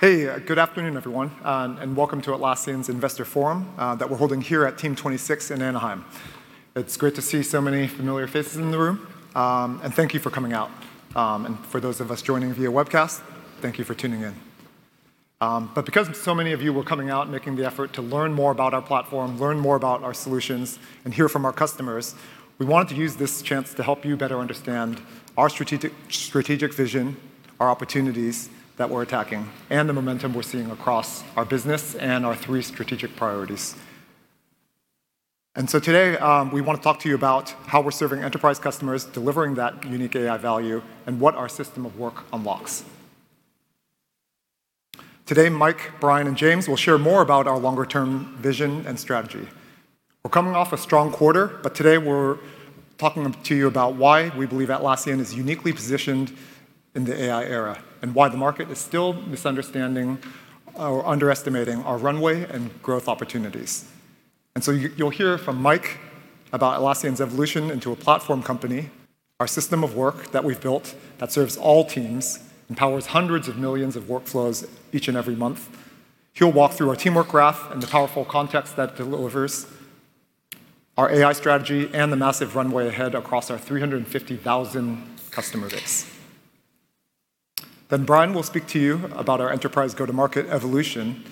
Hey, good afternoon everyone, welcome to Atlassian's Investor Forum that we're holding here at Team 2026 in Anaheim. It's great to see so many familiar faces in the room, thank you for coming out. For those of us joining via webcast, thank you for tuning in. Because so many of you were coming out and making the effort to learn more about our platform, learn more about our solutions, and hear from our customers, we wanted to use this chance to help you better understand our strategic vision, our opportunities that we're attacking, and the momentum we're seeing across our business and our three strategic priorities. Today, we wanna talk to you about how we're serving enterprise customers, delivering that unique AI value, and what our system of work unlocks. Today, Mike, Brian, and James will share more about our longer term vision and strategy. We're coming off a strong quarter, but today we're talking to you about why we believe Atlassian is uniquely positioned in the AI era, and why the market is still misunderstanding or underestimating our runway and growth opportunities. You'll hear from Mike about Atlassian's evolution into a platform company, our system of work that we've built that serves all teams and powers hundreds of millions of workflows each and every month. He'll walk through our Teamwork Graph and the powerful context that delivers our AI strategy and the massive runway ahead across our 350,000 customer base. Brian will speak to you about our enterprise go-to-market evolution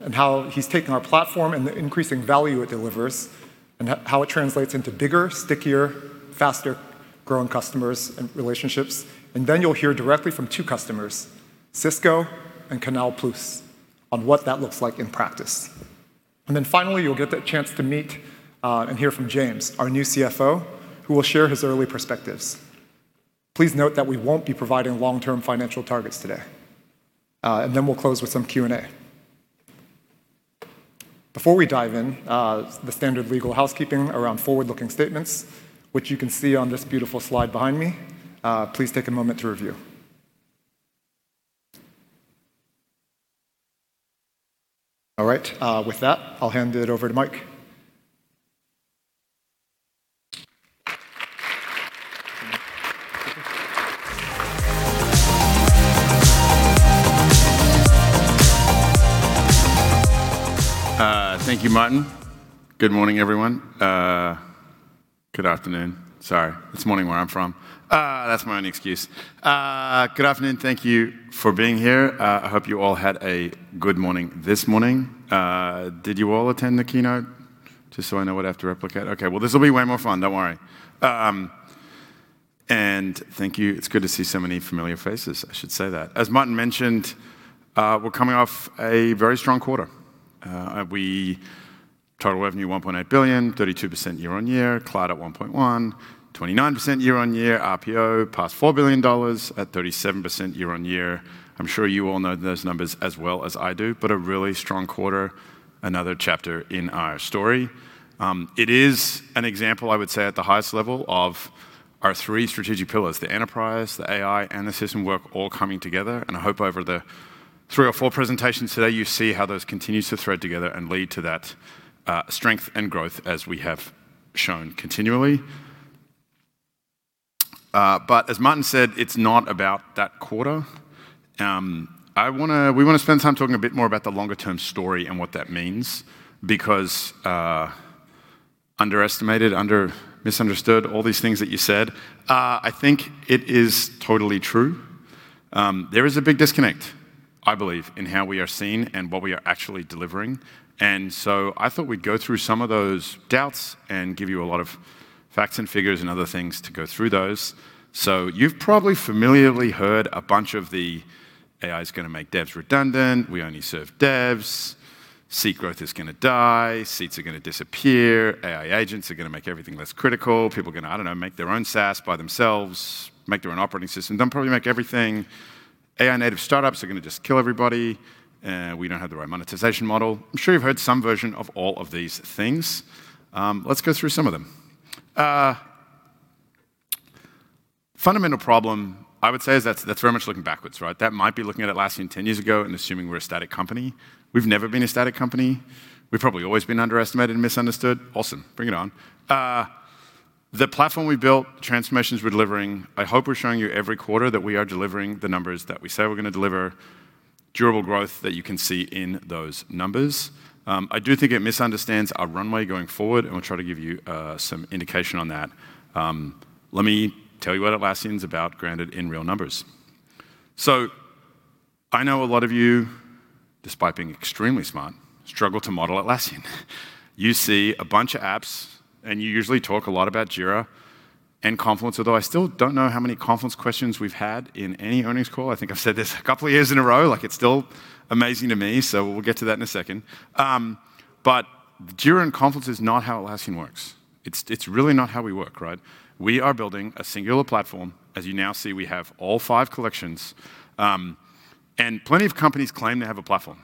and how he's taken our platform and the increasing value it delivers, and how it translates into bigger, stickier, faster growing customers and relationships. You'll hear directly from two customers, Cisco and CANAL+, on what that looks like in practice. Finally, you'll get the chance to meet and hear from James, our new CFO, who will share his early perspectives. Please note that we won't be providing long-term financial targets today. Then we'll close with some Q&A. Before we dive in, the standard legal housekeeping around forward-looking statements, which you can see on this beautiful slide behind me, please take a moment to review. All right. With that, I'll hand it over to Mike. Thank you, Martin. Good morning, everyone. Good afternoon. It's morning where I'm from. That's my only excuse. Good afternoon. Thank you for being here. I hope you all had a good morning this morning. Did you all attend the keynote? Just so I know what I have to replicate. Okay. Well, this will be way more fun. Don't worry. Thank you. It's good to see so many familiar faces, I should say that. As Martin mentioned, we're coming off a very strong quarter. Total revenue $1.8 billion, 32% year-on-year, cloud at $1.1 billion, 29% year-on-year, RPO past $4 billion at 37% year-on-year. I'm sure you all know those numbers as well as I do. A really strong quarter, another chapter in our story. It is an example, I would say, at the highest level of our three strategic pillars, the enterprise, the AI, and the system work all coming together. I hope over the three or four presentations today, you see how those continues to thread together and lead to that strength and growth as we have shown continually. As Martin said, it's not about that quarter. We wanna spend time talking a bit more about the longer term story and what that means because underestimated, misunderstood, all these things that you said, I think it is totally true. There is a big disconnect, I believe, in how we are seen and what we are actually delivering. I thought we'd go through some of those doubts and give you a lot of facts and figures and other things to go through those. You've probably familiarly heard a bunch of the AI's gonna make devs redundant, we only serve devs, seat growth is gonna die, seats are gonna disappear, AI agents are gonna make everything less critical, people are gonna, I don't know, make their own SaaS by themselves, make their own operating system, then probably make everything. AI native startups are gonna just kill everybody, we don't have the right monetization model. I'm sure you've heard some version of all of these things. Let's go through some of them. Fundamental problem, I would say, is that's very much looking backwards, right? That might be looking at Atlassian 10 years ago and assuming we're a static company. We've never been a static company. We've probably always been underestimated and misunderstood. Awesome. Bring it on. The platform we built, transformations we're delivering, I hope we're showing you every quarter that we are delivering the numbers that we say we're gonna deliver, durable growth that you can see in those numbers. I do think it misunderstands our runway going forward, and we'll try to give you some indication on that. Let me tell you what Atlassian's about, granted in real numbers. I know a lot of you, despite being extremely smart, struggle to model Atlassian. You see a bunch of apps, and you usually talk a lot about Jira and Confluence, although I still don't know how many Confluence questions we've had in any earnings call. I think I've said this a couple of years in a row, it's still amazing to me, we'll get to that in a second. Jira and Confluence is not how Atlassian works. It's really not how we work, right? We are building a singular platform. As you now see, we have all five collections, plenty of companies claim to have a platform.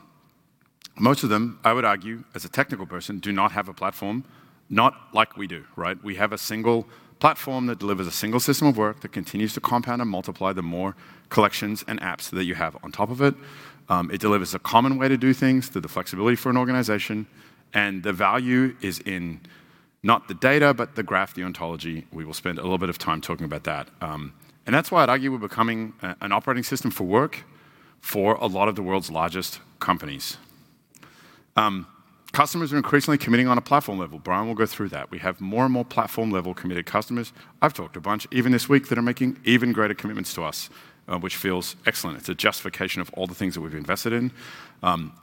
Most of them, I would argue, as a technical person, do not have a platform, not like we do, right? We have a single platform that delivers a single system of work that continues to compound and multiply the more collections and apps that you have on top of it. It delivers a common way to do things through the flexibility for an organization, the value is in not the data, but the graph, the ontology. We will spend a little bit of time talking about that. That's why I'd argue we're becoming an operating system for work for a lot of the world's largest companies. Customers are increasingly committing on a platform level. Brian will go through that. We have more and more platform-level committed customers, I've talked to a bunch even this week, that are making even greater commitments to us, which feels excellent. It's a justification of all the things that we've invested in.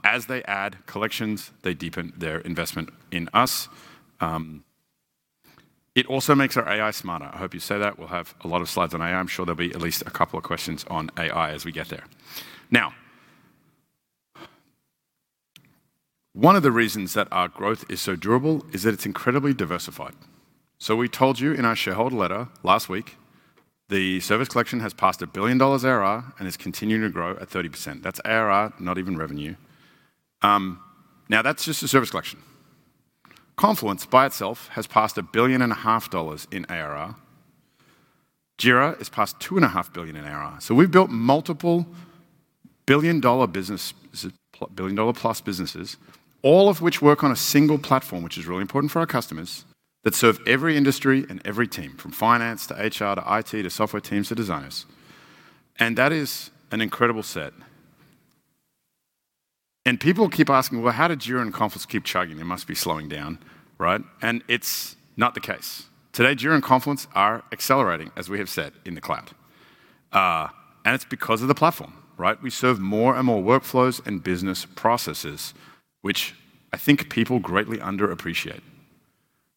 As they add collections, they deepen their investment in us. It also makes our AI smarter. I hope you saw that. We'll have a lot of slides on AI. I'm sure there'll be at least a couple of questions on AI as we get there. One of the reasons that our growth is so durable is that it's incredibly diversified. We told you in our shareholder letter last week, the Service Collection has passed $1 billion ARR and is continuing to grow at 30%. That's ARR, not even revenue. Now, that's just the Service Collection. Confluence by itself has passed $1.5 billion in ARR. Jira has passed $2.5 billion in ARR. We've built multiple billion-dollar-plus businesses, all of which work on a single platform, which is really important for our customers, that serve every industry and every team, from finance to HR to IT to software teams to designers. That is an incredible set. People keep asking, "Well, how did Jira and Confluence keep chugging? They must be slowing down," right? It's not the case. Today, Jira and Confluence are accelerating, as we have said, in the cloud. It's because of the platform, right? We serve more and more workflows and business processes, which I think people greatly underappreciate,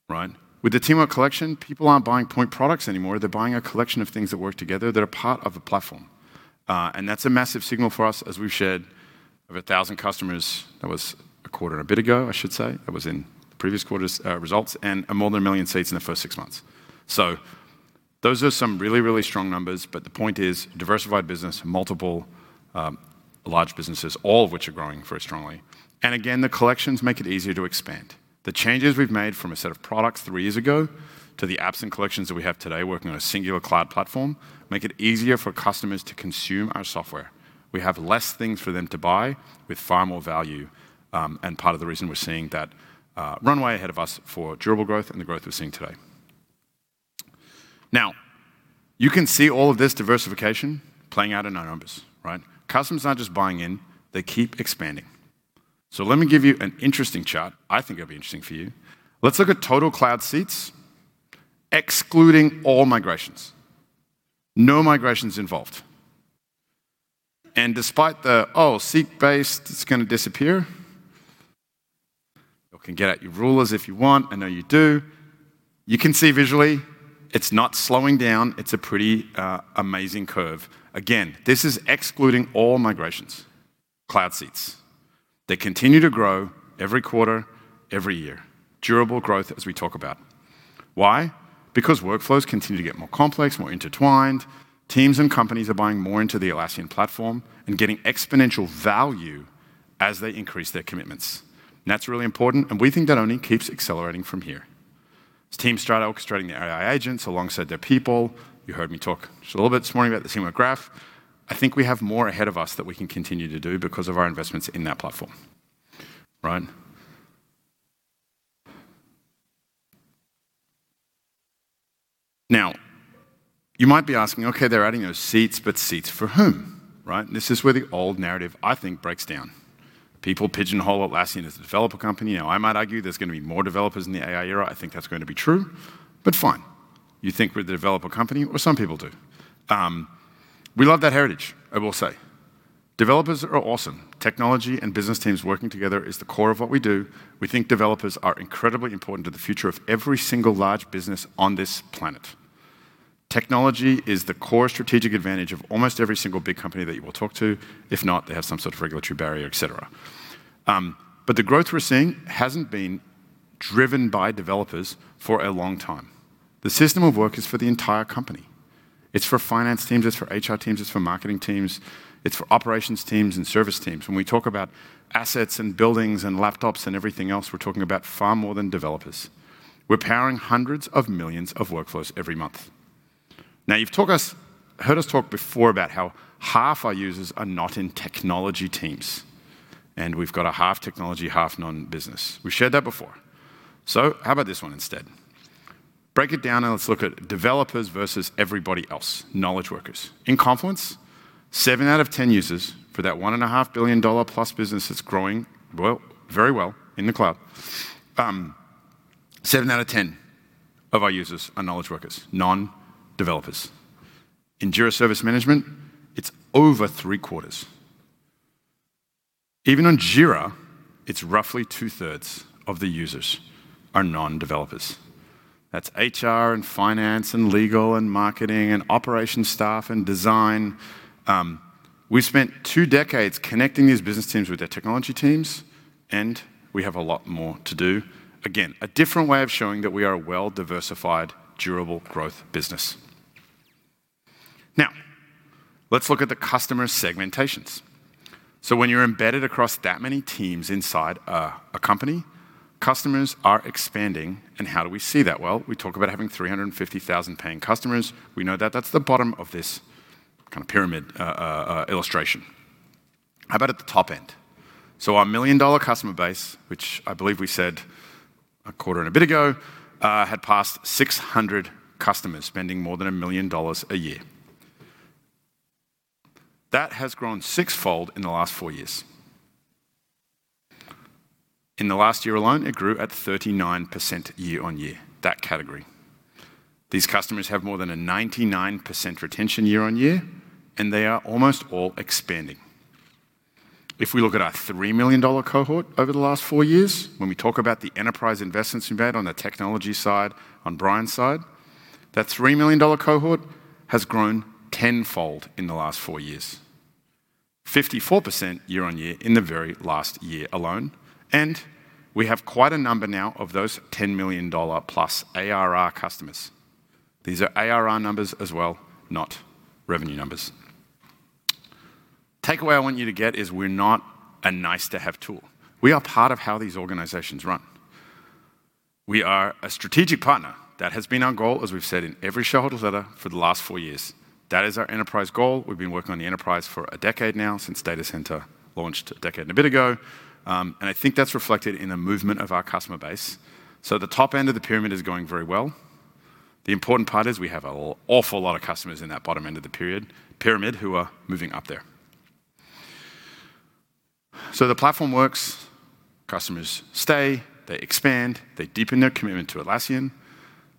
right? With the Teamwork Collection, people aren't buying point products anymore. They're buying a collection of things that work together that are part of a platform. That's a massive signal for us, as we've shared, of 1,000 customers, that was a quarter and a bit ago, I should say. That was in the previous quarter's results, more than 1 million seats in the first 6 months. Those are some really strong numbers, but the point is diversified business, multiple large businesses, all of which are growing very strongly. Again, the collections make it easier to expand. The changes we've made from a set of products three years ago to the apps and collections that we have today working on a singular cloud platform make it easier for customers to consume our software. We have less things for them to buy with far more value, and part of the reason we're seeing that runway ahead of us for durable growth and the growth we're seeing today. You can see all of this diversification playing out in our numbers, right? Customers aren't just buying in, they keep expanding. Let me give you an interesting chart I think it'll be interesting for you. Let's look at total cloud seats, excluding all migrations. No migrations involved. Despite the seat-based, it's gonna disappear. You can get out your rulers if you want. I know you do. You can see visually it's not slowing down. It's a pretty amazing curve. Again, this is excluding all migrations. Cloud seats. They continue to grow every quarter, every year. Durable growth as we talk about. Why? Because workflows continue to get more complex, more intertwined. Teams and companies are buying more into the Atlassian platform and getting exponential value as they increase their commitments. That's really important, and we think that only keeps accelerating from here. As teams start orchestrating their AI agents alongside their people, you heard me talk just a little bit this morning about the single Teamwork Graph, I think we have more ahead of us that we can continue to do because of our investments in that platform, right? You might be asking, okay, they're adding those seats, but seats for whom, right? This is where the old narrative, I think, breaks down. People pigeonhole Atlassian as a developer company. I might argue there's going to be more developers in the AI era. I think that's going to be true. Fine, you think we are the developer company or some people do. We love that heritage, I will say. Developers are awesome. Technology and business teams working together is the core of what we do. We think developers are incredibly important to the future of every single large business on this planet. Technology is the core strategic advantage of almost every single big company that you will talk to. If not, they have some sort of regulatory barrier, et cetera. The growth we are seeing has not been driven by developers for a long time. The system of work is for the entire company. It is for finance teams, it is for HR teams, it is for marketing teams, it is for operations teams and service teams. When we talk about assets and buildings and laptops and everything else, we're talking about far more than developers. We're powering hundreds of millions of workflows every month. You've heard us talk before about how half our users are not in technology teams, and we've got a half technology, half non-business. We've shared that before. How about this one instead? Break it down and let's look at developers versus everybody else, knowledge workers. In Confluence, seven out of 10 users for that one and a $500 million+ business that's growing well, very well in the cloud, seven out of 10 of our users are knowledge workers, non-developers. In Jira Service Management, it's over three-quarters. Even on Jira, it's roughly 2/3 of the users are non-developers. That's HR and finance and legal and marketing and operations staff and design. We spent two decades connecting these business teams with their technology teams, and we have a lot more to do. Again, a different way of showing that we are a well-diversified, durable growth business. Let's look at the customer segmentations. When you're embedded across that many teams inside a company, customers are expanding. How do we see that? Well, we talk about having 350,000 paying customers. We know that that's the bottom of this kind of pyramid illustration. How about at the top end? Our $1 million customer base, which I believe we said a quarter and a bit ago, had passed 600 customers spending more than $1 million a year. That has grown six-fold in the last four years. In the last year alone, it grew at 39% year-on-year, that category. These customers have more than a 99% retention year-on-year, they are almost all expanding. If we look at our $3 million cohort over the last four years, when we talk about the enterprise investments we made on the technology side, on Brian's side, that $3 million cohort has grown 10-fold in the last four years. 54% year-on-year in the very last year alone, we have quite a number now of those $10 million+ ARR customers. These are ARR numbers as well, not revenue numbers. Takeaway I want you to get is we're not a nice-to-have tool. We are part of how these organizations run. We are a strategic partner. That has been our goal, as we've said in every shareholder letter for the last four years. That is our enterprise goal. We've been working on the enterprise for a decade now, since Data Center launched a decade and a bit ago. I think that's reflected in the movement of our customer base. The top end of the pyramid is going very well. The important part is we have an awful lot of customers in that bottom end of the pyramid who are moving up there. The platform works, customers stay, they expand, they deepen their commitment to Atlassian.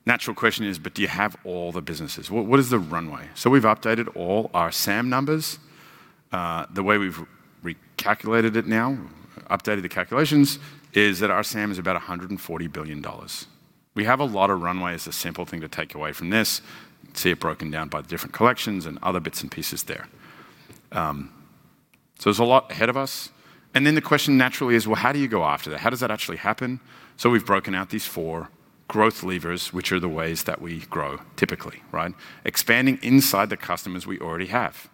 Natural question is, do you have all the businesses? What is the runway? We've updated all our SAM numbers. The way we've recalculated it now, updated the calculations, is that our SAM is about $140 billion. We have a lot of runway is the simple thing to take away from this. See it broken down by different collections and other bits and pieces there. There's a lot ahead of us. The question naturally is, how do you go after that? How does that actually happen? We've broken out these four growth levers, which are the ways that we grow typically, right. Expanding inside the customers we already have.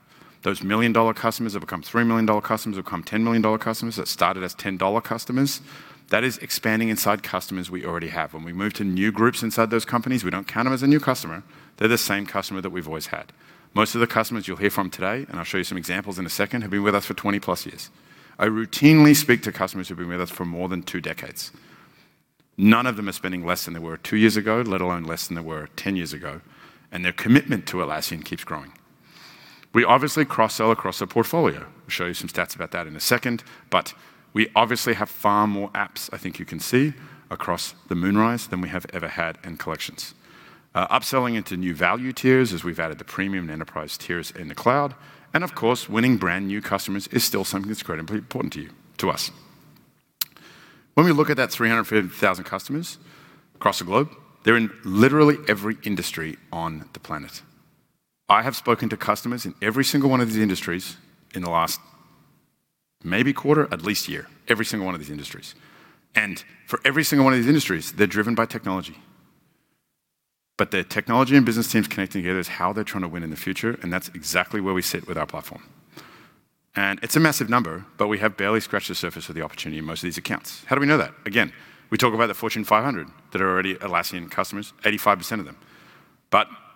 Those $1 million customers have become $3 million customers, have become $10 million customers that started as $10 customers. That is expanding inside customers we already have. When we move to new groups inside those companies, we don't count them as a new customer. They're the same customer that we've always had. Most of the customers you'll hear from today, and I'll show you some examples in a second, have been with us for 20+ years. I routinely speak to customers who've been with us for more than two decades. None of them are spending less than they were two years ago, let alone less than they were 10 years ago, and their commitment to Atlassian keeps growing. We obviously cross-sell across the portfolio. Show you some stats about that in a second. We obviously have far more apps, I think you can see, across the Moonrise than we have ever had in collections. Upselling into new value tiers as we've added the premium and enterprise tiers in the cloud, of course, winning brand-new customers is still something that's critically important to us. When we look at that 350,000 customers across the globe, they're in literally every industry on the planet. I have spoken to customers in every single one of these industries in the last maybe quarter, at least year, every single one of these industries. For every single one of these industries, they're driven by technology. Their technology and business teams connecting together is how they're trying to win in the future, and that's exactly where we sit with our platform. It's a massive number, but we have barely scratched the surface of the opportunity in most of these accounts. How do we know that? Again, we talk about the Fortune 500 that are already Atlassian customers, 85% of them.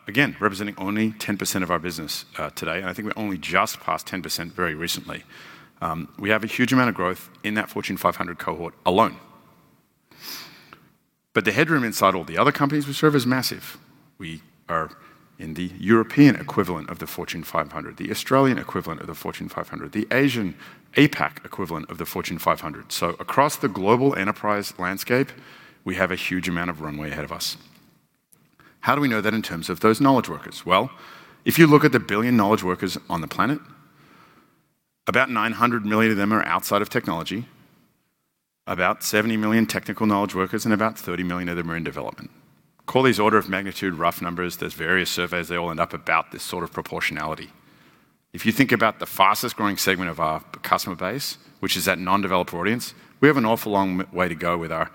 Again, representing only 10% of our business today, and I think we only just passed 10% very recently. We have a huge amount of growth in that Fortune 500 cohort alone. The headroom inside all the other companies we serve is massive. We are in the European equivalent of the Fortune 500, the Australian equivalent of the Fortune 500, the Asian APAC equivalent of the Fortune 500. Across the global enterprise landscape, we have a huge amount of runway ahead of us. How do we know that in terms of those knowledge workers? If you look at the 1 billion knowledge workers on the planet, about 900 million of them are outside of technology, about 70 million technical knowledge workers, and about 30 million of them are in development. Call these order of magnitude rough numbers. There's various surveys. They all end up about this sort of proportionality. If you think about the fastest-growing segment of our customer base, which is that non-developer audience, we have an awful long way to go with our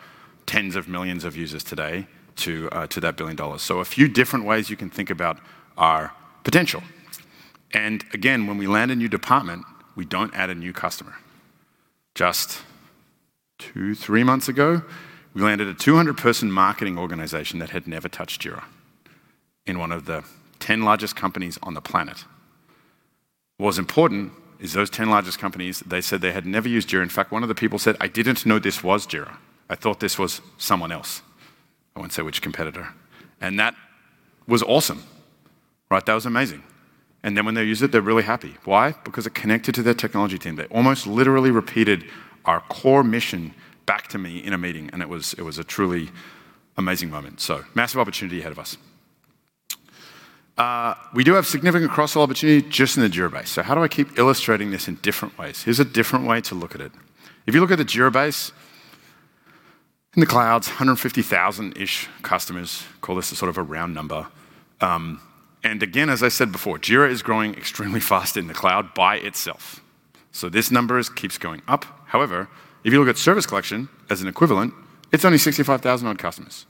10s of millions of users today to that $1 billion. A few different ways you can think about our potential. Again, when we land a new department, we don't add a new customer. Just two-three months ago, we landed a 200-person marketing organization that had never touched Jira in one of the 10 largest companies on the planet. What's important is those 10 largest companies, they said they had never used Jira. In fact, one of the people said, "I didn't know this was Jira. I thought this was someone else." I won't say which competitor. That was awesome, right. That was amazing. When they use it, they're really happy. Why? It connected to their technology team. They almost literally repeated our core mission back to me in a meeting, and it was a truly amazing moment. Massive opportunity ahead of us. We do have significant cross-sell opportunity just in the Jira base. How do I keep illustrating this in different ways? Here's a different way to look at it. If you look at the Jira base in the clouds, 150,000-ish customers, call this a sort of a round number. Again, as I said before, Jira is growing extremely fast in the cloud by itself. This number keeps going up. If you look at Service Collection as an equivalent, it's only 65,000 odd customers.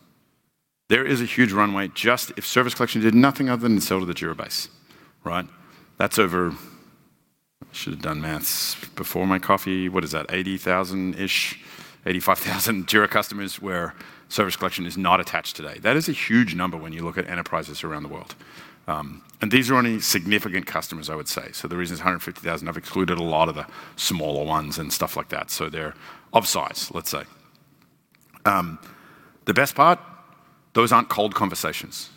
There is a huge runway just if Service Collection did nothing other than sell to the Jira base, right? That's over, should have done math before my coffee. What is that? 85,000 Jira customers where Service Collection is not attached today. That is a huge number when you look at enterprises around the world. These are only significant customers, I would say. The reason it's 150,000, I've excluded a lot of the smaller ones and stuff like that. They're of size, let's say. The best part, those aren't cold conversations.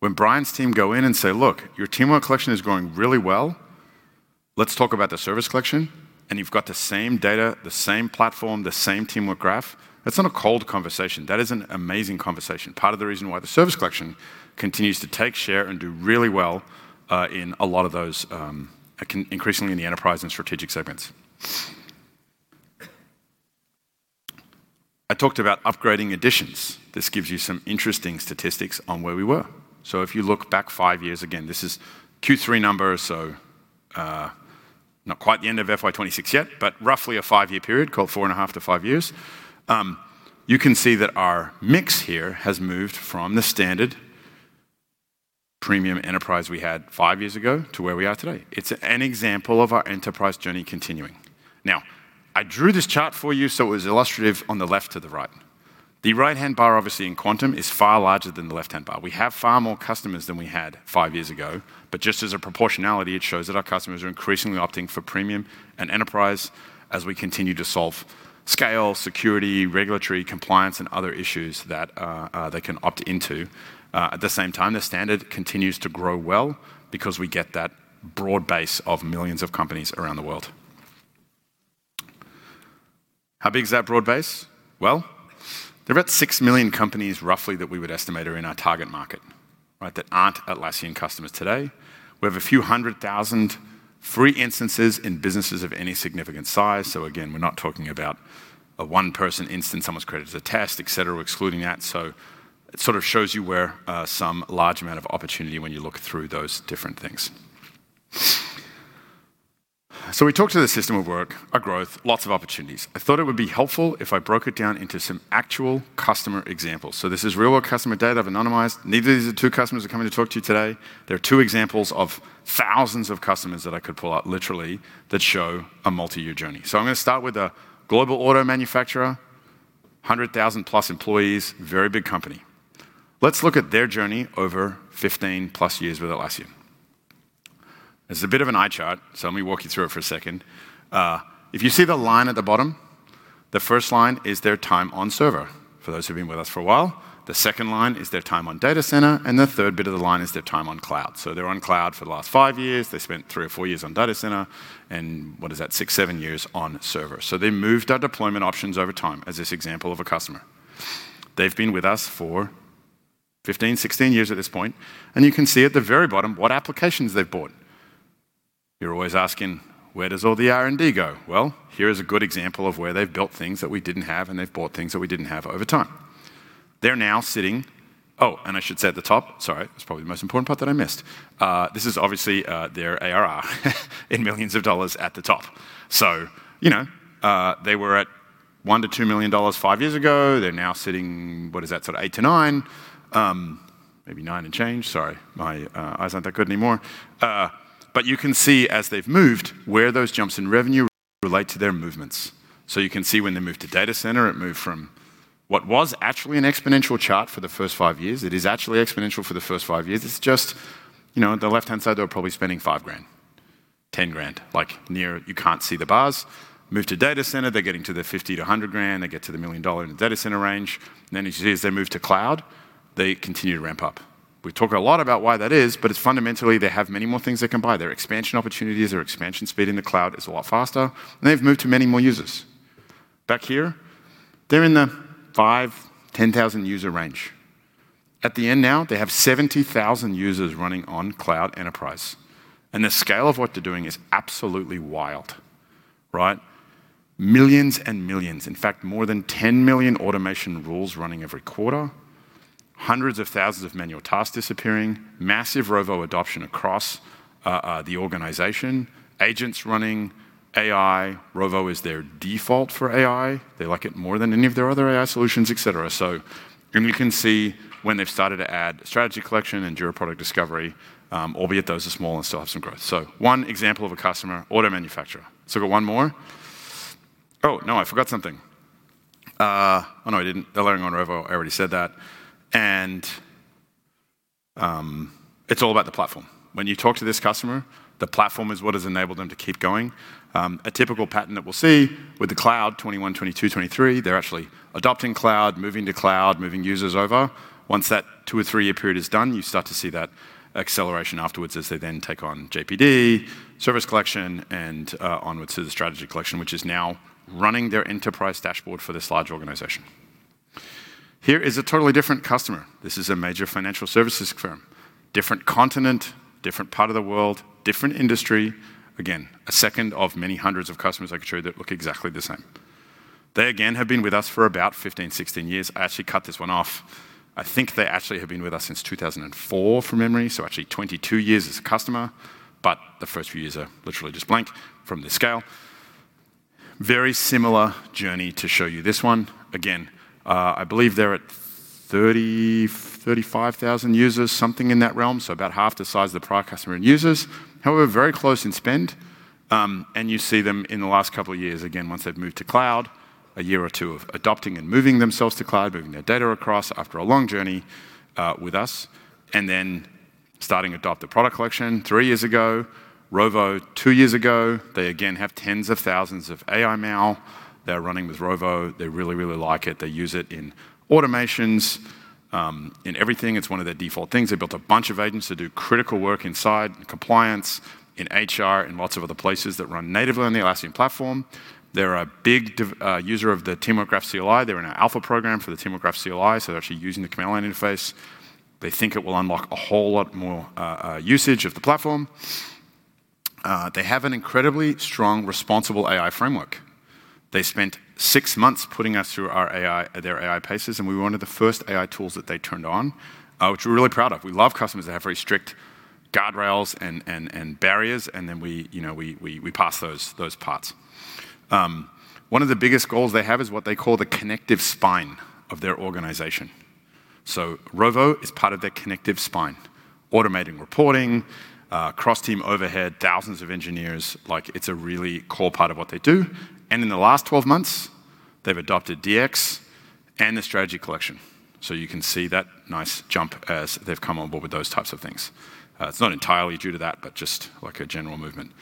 When Brian's team go in and say, "Look, your Teamwork Collection is going really well. Let's talk about the Service Collection," and you've got the same data, the same platform, the same Teamwork Graph, that's not a cold conversation. That is an amazing conversation. Part of the reason why the Service Collection continues to take share and do really well, in a lot of those, increasingly in the enterprise and strategic segments. I talked about upgrading editions. This gives you some interesting statistics on where we were. If you look back five years, again, this is Q3 numbers, not quite the end of FY 2026 yet, but roughly a five-year period, call it four and a half to five years. You can see that our mix here has moved from the standard premium enterprise we had five years ago to where we are today. It's an example of our enterprise journey continuing. I drew this chart for you, so it was illustrative on the left to the right. The right-hand bar, obviously, in Quantum is far larger than the left-hand bar. We have far more customers than we had five years ago, but just as a proportionality, it shows that our customers are increasingly opting for premium and enterprise as we continue to solve scale, security, regulatory compliance, and other issues that they can opt into. At the same time, the standard continues to grow well because we get that broad base of millions of companies around the world. How big is that broad base? There are about six million companies roughly that we would estimate are in our target market, right, that aren't Atlassian customers today. We have a few hundred thousand free instances in businesses of any significant size. So again, we're not talking about a one-person instance, someone's created as a test, et cetera, excluding that. It sort of shows you where some large amount of opportunity when you look through those different things. We talked to the system of work, our growth, lots of opportunities. I thought it would be helpful if I broke it down into some actual customer examples. This is real-world customer data I've anonymized. Neither of these are two customers coming to talk to you today. They are two examples of thousands of customers that I could pull out literally that show a multi-year journey. I'm gonna start with a global auto manufacturer, 100,000+ employees, very big company. Let's look at their journey over 15+ years with Atlassian. It's a bit of an eye chart, let me walk you through it for a second. If you see the line at the bottom, the first line is their time on server for those who've been with us for a while. The Second line is their time on Data Center, and the third bit of the line is their time on cloud. They're on cloud for the last five years. They spent three or four years on Data Center and what is that? Six, seven years on server. They moved our deployment options over time as this example of a customer. They've been with us for 15, 16 years at this point, and you can see at the very bottom what applications they've bought. You're always asking, where does all the R&D go? Here is a good example of where they've built things that we didn't have and they've bought things that we didn't have over time. They're now sitting. I should say at the top, it's probably the most important part that I missed. This is obviously their ARR in millions of dollars at the top. You know, they were at $1 million-$2 million five years ago. They're now sitting, what is that? Sort of $8 million-$9 million, maybe $9 million and change. Sorry, my eyes aren't that good anymore. You can see as they've moved where those jumps in revenue relate to their movements. You can see when they moved to Data Center, it moved from what was actually an exponential chart for the first five years. It is actually exponential for the first five years. It's just, you know, the left-hand side, they were probably spending $5,000, $10,000, like near, you can't see the bars. Move to Data Center, they're getting to the $50,000-$100,000. They get to the $1 million in the Data Center range. As you see, as they move to cloud, they continue to ramp up. We talk a lot about why that is, it's fundamentally they have many more things they can buy. Their expansion opportunities or expansion speed in the cloud is a lot faster, they've moved to many more users. Back here, they're in the 5,000-10,000 user range. At the end now, they have 70,000 users running on cloud enterprise, the scale of what they're doing is absolutely wild, right? Millions and millions. In fact, more than 10 million automation rules running every quarter, hundreds of thousands of manual tasks disappearing, massive Rovo adoption across the organization, agents running AI. Rovo is their default for AI. They like it more than any of their other AI solutions, et cetera. You can see when they've started to add Strategy Collection and Jira Product Discovery, albeit those are small and still have some growth. One example of a customer, auto manufacturer. I got one more. Oh, no, I forgot something. Oh, no, I didn't. They're learning on Rovo. I already said that. It's all about the platform. When you talk to this customer, the platform is what has enabled them to keep going. A typical pattern that we'll see with the cloud 2021, 2022, 2023, they're actually adopting cloud, moving to cloud, moving users over. Once that two- or three-year period is done, you start to see that acceleration afterwards as they then take on JPD, Service Collection, and onwards to the Strategy Collection, which is now running their enterprise dashboard for this large organization. Here is a totally different customer. This is a major financial services firm. Different continent, different part of the world, different industry. Again, a second of many hundreds of customers I could show you that look exactly the same. They again have been with us for about 15, 16 years. I actually cut this one off. I think they actually have been with us since 2004 from memory, so actually 22 years as a customer, but the first few years are literally just blank from this scale. Very similar journey to show you this one. Again, I believe they're at 30,000, 35,000 users, something in that realm, so about half the size of the Product Collection in users. However, very close in spend, and you see them in the last couple of years again, once they've moved to cloud, a year or two of adopting and moving themselves to cloud, moving their data across after a long journey with us, and then starting to adopt the Product Collection three years ago, Rovo two years ago. They again have tens of thousands of AI models they're running with Rovo. They really, really like it. They use it in automations, in everything. It's one of their default things. They built a bunch of agents to do critical work inside compliance, in HR, in lots of other places that run natively on the Atlassian platform. They're a big user of the Teamwork Graph CLI. They're in an alpha program for the Teamwork Graph CLI, so they're actually using the command line interface. They think it will unlock a whole lot more usage of the platform. They have an incredibly strong responsible AI framework. They spent six months putting us through their AI paces, and we were one of the first AI tools that they turned on, which we're really proud of. We love customers that have very strict guardrails and barriers, and then we, you know, we pass those parts. One of the biggest goals they have is what they call the connective spine of their organization. Rovo is part of their connective spine, automating reporting, cross-team overhead, thousands of engineers. Like it's a really core part of what they do. In the last 12 months, they've adopted DX and the Strategy Collection. You can see that nice jump as they've come on board with those types of things. It's not entirely due to that, but just like a general movement.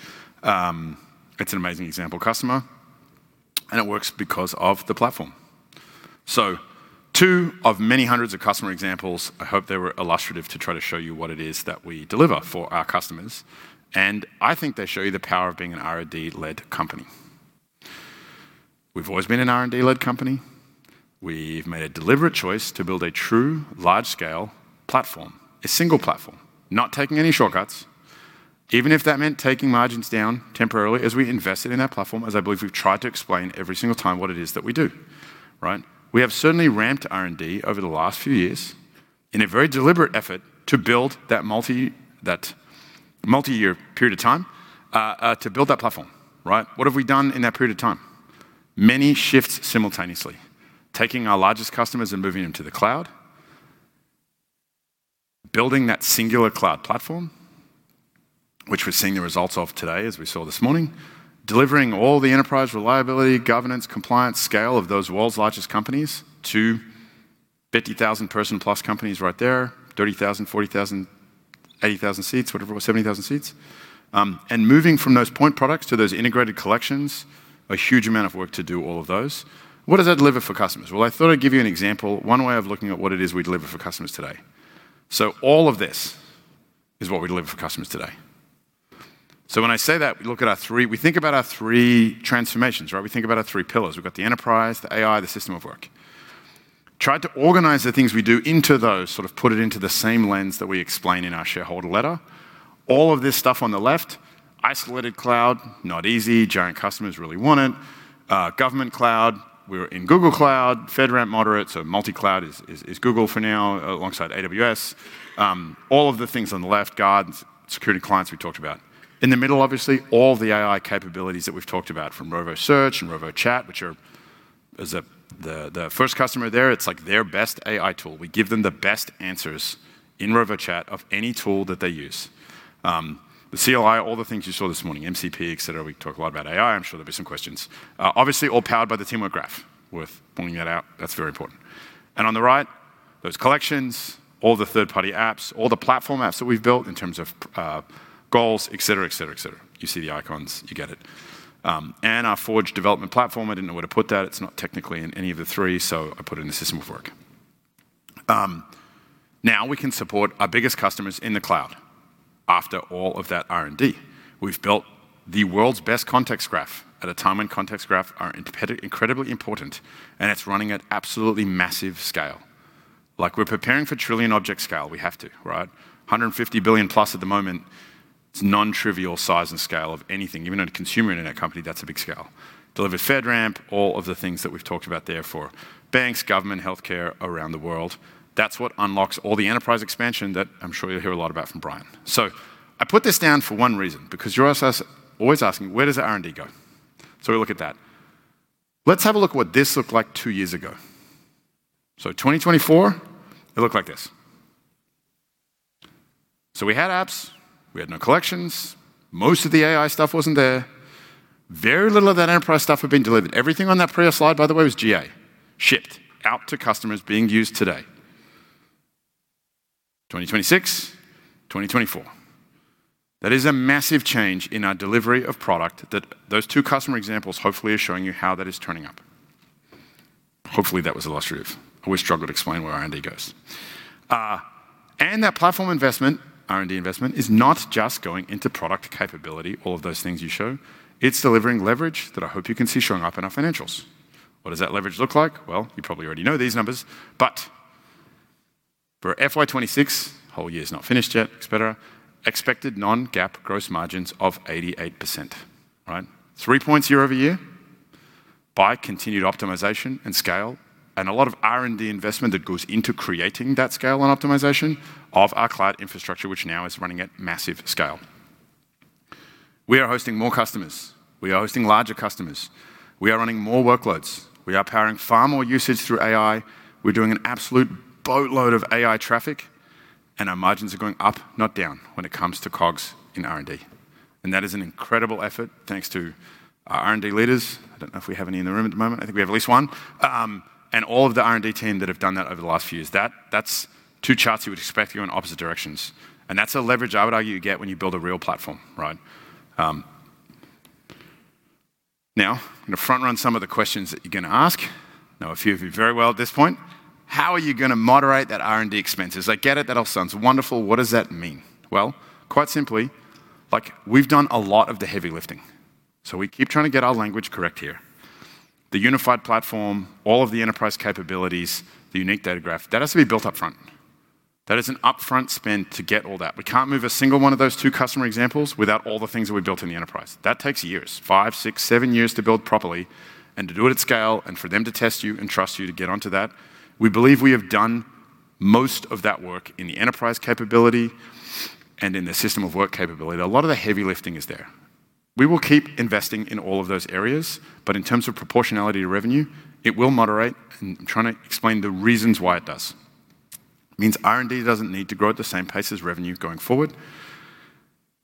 It's an amazing example customer, and it works because of the platform. Two of many hundreds of customer examples, I hope they were illustrative to try to show you what it is that we deliver for our customers, and I think they show you the power of being an R&D-led company. We've always been an R&D-led company. We've made a deliberate choice to build a true large-scale platform, a single platform, not taking any shortcuts, even if that meant taking margins down temporarily as we invested in that platform, as I believe we've tried to explain every single time what it is that we do, right? We have certainly ramped R&D over the last few years in a very deliberate effort to build that multi-year period of time to build that platform, right? What have we done in that period of time? Many shifts simultaneously, taking our largest customers and moving them to the cloud, building that singular cloud platform, which we're seeing the results of today as we saw this morning, delivering all the enterprise reliability, governance, compliance, scale of those world's largest companies to 50,000-person-plus companies right there, 30,000, 40,000, 80,000 seats, whatever it was, 70,000 seats, and moving from those point products to those integrated collections, a huge amount of work to do all of those. What does that deliver for customers? Well, I thought I'd give you an example, one way of looking at what it is we deliver for customers today. All of this is what we deliver for customers today. When I say that, we look at our three transformations, right? We think about our three pillars. We've got the enterprise, the AI, the system of work. Tried to organize the things we do into those, put it into the same lens that we explain in our shareholder letter. All of this stuff on the left, Atlassian Isolated Cloud, not easy, giant customers really want it, Atlassian Government Cloud. We're in Google Cloud, FedRAMP moderate, multi-cloud is Google for now alongside AWS. All of the things on the left, Atlassian Guard Premium, security clients we talked about. In the middle, obviously, all the AI capabilities that we've talked about from Rovo Search and Rovo Chat, which are the first customer there, it's like their best AI tool. We give them the best answers in Rovo Chat of any tool that they use. The CLI, all the things you saw this morning, MCP, et cetera. We talk a lot about AI. I'm sure there'll be some questions. Obviously all powered by the Teamwork Graph worth pointing that out. That's very important. On the right, those collections, all the third-party apps, all the platform apps that we've built in terms of goals, et cetera, et cetera, et cetera. You see the icons, you get it. Our Forge development platform, I didn't know where to put that. It's not technically in any of the three, so I put it in the system of work. Now we can support our biggest customers in the cloud after all of that R&D. We've built the world's best context graph at a time when context graph are incredibly important, and it's running at absolutely massive scale. Like we're preparing for trillion object scale. We have to, right? 150 billion+ at the moment. It's non-trivial size and scale of anything. Even at a consumer internet company, that's a big scale. Delivered FedRAMP, all of the things that we've talked about there for banks, government, healthcare around the world. That's what unlocks all the enterprise expansion that I'm sure you'll hear a lot about from Brian. I put this down for one reason, because you're always asking, where does the R&D go? We look at that. Let's have a look at what this looked like two years ago. 2024, it looked like this. We had apps, we had no collections, most of the AI stuff wasn't there, very little of that enterprise stuff had been delivered. Everything on that previous slide, by the way, was GA, shipped out to customers being used today. 2026, 2024. That is a massive change in our delivery of product that those two customer examples hopefully are showing you how that is turning up. Hopefully, that was illustrative. Always struggle to explain where R&D goes. That platform investment, R&D investment, is not just going into product capability, all of those things you show. It's delivering leverage that I hope you can see showing up in our financials. What does that leverage look like? Well, you probably already know these numbers, for FY 2026, whole year's not finished yet, et cetera, expected non-GAAP gross margins of 88%, right? 3 points year-over-year by continued optimization and scale and a lot of R&D investment that goes into creating that scale and optimization of our cloud infrastructure, which now is running at massive scale. We are hosting more customers, we are hosting larger customers, we are running more workloads, we are powering far more usage through AI, we're doing an absolute boatload of AI traffic, and our margins are going up, not down when it comes to COGS in R&D. That is an incredible effort thanks to our R&D leaders. I don't know if we have any in the room at the moment. I think we have at least one. All of the R&D team that have done that over the last few years. That's two charts you would expect to go in opposite directions, and that's a leverage I would argue you get when you build a real platform, right? Now I'm going to front run some of the questions that you're going to ask. Know a few of you very well at this point. How are you going to moderate that R&D expenses? I get it. That all sounds wonderful. What does that mean? Well, quite simply, like we've done a lot of the heavy lifting. We keep trying to get our language correct here. The unified platform, all of the enterprise capabilities, the unique data graph, that has to be built upfront. That is an upfront spend to get all that. We can't move a single one of those two customer examples without all the things that we've built in the enterprise. That takes years, five, six, seven years to build properly and to do it at scale and for them to test you and trust you to get onto that. We believe we have done most of that work in the enterprise capability and in the system of work capability. A lot of the heavy lifting is there. We will keep investing in all of those areas, but in terms of proportionality to revenue, it will moderate. I'm trying to explain the reasons why it does. It means R&D doesn't need to grow at the same pace as revenue going forward.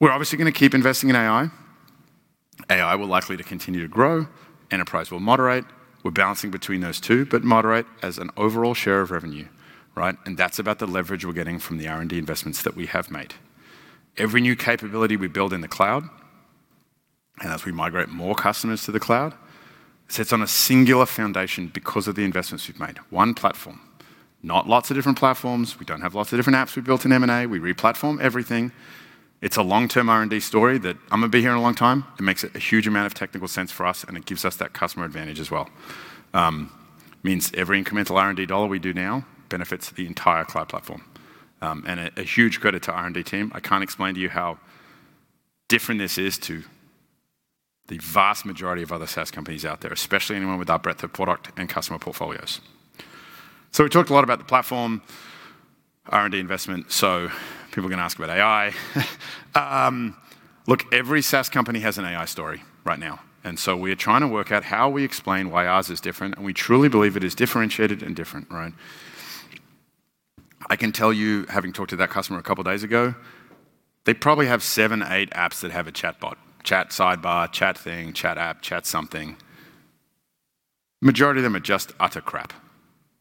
We're obviously going to keep investing in AI. AI will likely to continue to grow. Enterprise will moderate. We're balancing between those two, but moderate as an overall share of revenue, right? That's about the leverage we're getting from the R&D investments that we have made. Every new capability we build in the cloud, and as we migrate more customers to the cloud, sits on a singular foundation because of the investments we've made. One platform, not lots of different platforms. We don't have lots of different apps we've built in M&A. We re-platform everything. It's a long-term R&D story that I'm going to be here in a long time. It makes a huge amount of technical sense for us, and it gives us that customer advantage as well. It means every incremental R&D dollar we do now benefits the entire cloud platform. A huge credit to R&D team. I can't explain to you how different this is to the vast majority of other SaaS companies out there, especially anyone with our breadth of product and customer portfolios. We talked a lot about the platform R&D investment, so people are gonna ask about AI. Look, every SaaS company has an AI story right now. We are trying to work out how we explain why ours is different, and we truly believe it is differentiated and different, right? I can tell you, having talked to that customer a couple days ago, they probably have seven, eight apps that have a chatbot, chat sidebar, chat thing, chat app, chat something. Majority of them are just utter crap,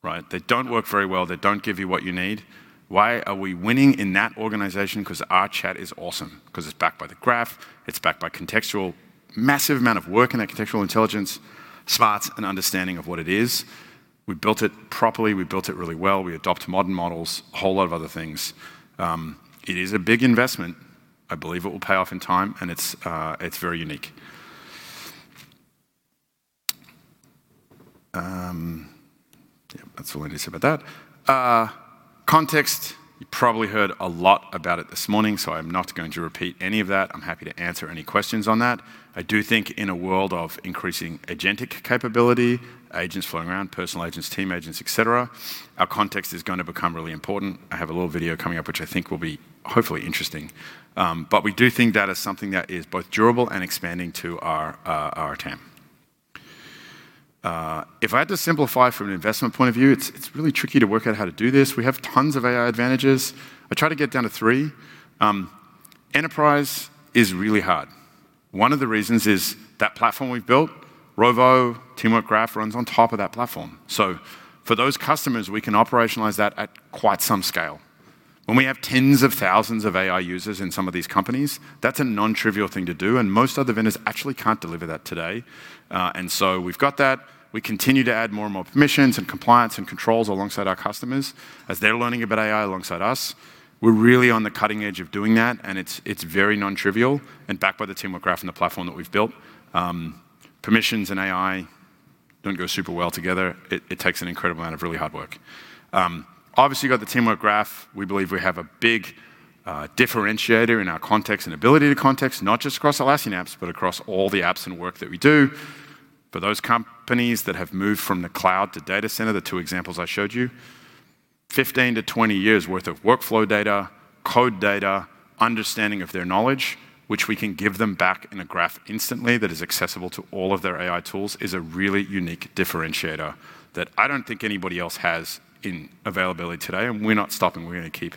right? They don't work very well. They don't give you what you need. Why are we winning in that organization? 'Cause our chat is awesome. 'Cause it's backed by the graph, it's backed by contextual, massive amount of work in that contextual intelligence, smarts, and understanding of what it is. We built it properly. We built it really well. We adopt modern models, a whole lot of other things. It is a big investment. I believe it will pay off in time, and it's very unique. That's all I need to say about that. Context, you probably heard a lot about it this morning. I'm not going to repeat any of that. I'm happy to answer any questions on that. I do think in a world of increasing agentic capability, agents flowing around, personal agents, team agents, et cetera, our context is gonna become really important. I have a little video coming up, which I think will be hopefully interesting. We do think that is something that is both durable and expanding to our TAM. If I had to simplify from an investment point of view, it's really tricky to work out how to do this. We have tons of AI advantages. I try to get down to three. Enterprise is really hard. One of the reasons is that platform we've built, Rovo, Teamwork Graph runs on top of that platform. For those customers, we can operationalize that at quite some scale. When we have tens of thousands of AI users in some of these companies, that's a non-trivial thing to do, and most other vendors actually can't deliver that today. We've got that. We continue to add more and more permissions and compliance and controls alongside our customers as they're learning about AI alongside us. We're really on the cutting edge of doing that, and it's very non-trivial and backed by the Teamwork Graph and the platform that we've built. Permissions and AI don't go super well together. It takes an incredible amount of really hard work. Obviously you got the Teamwork Graph. We believe we have a big differentiator in our context and ability to context, not just across Atlassian apps, but across all the apps and work that we do. For those companies that have moved from the cloud to Data Center, the two examples I showed you, 15-20 years worth of workflow data, code data, understanding of their knowledge, which we can give them back in a graph instantly that is accessible to all of their AI tools, is a really unique differentiator that I don't think anybody else has in availability today. We're not stopping. We're gonna keep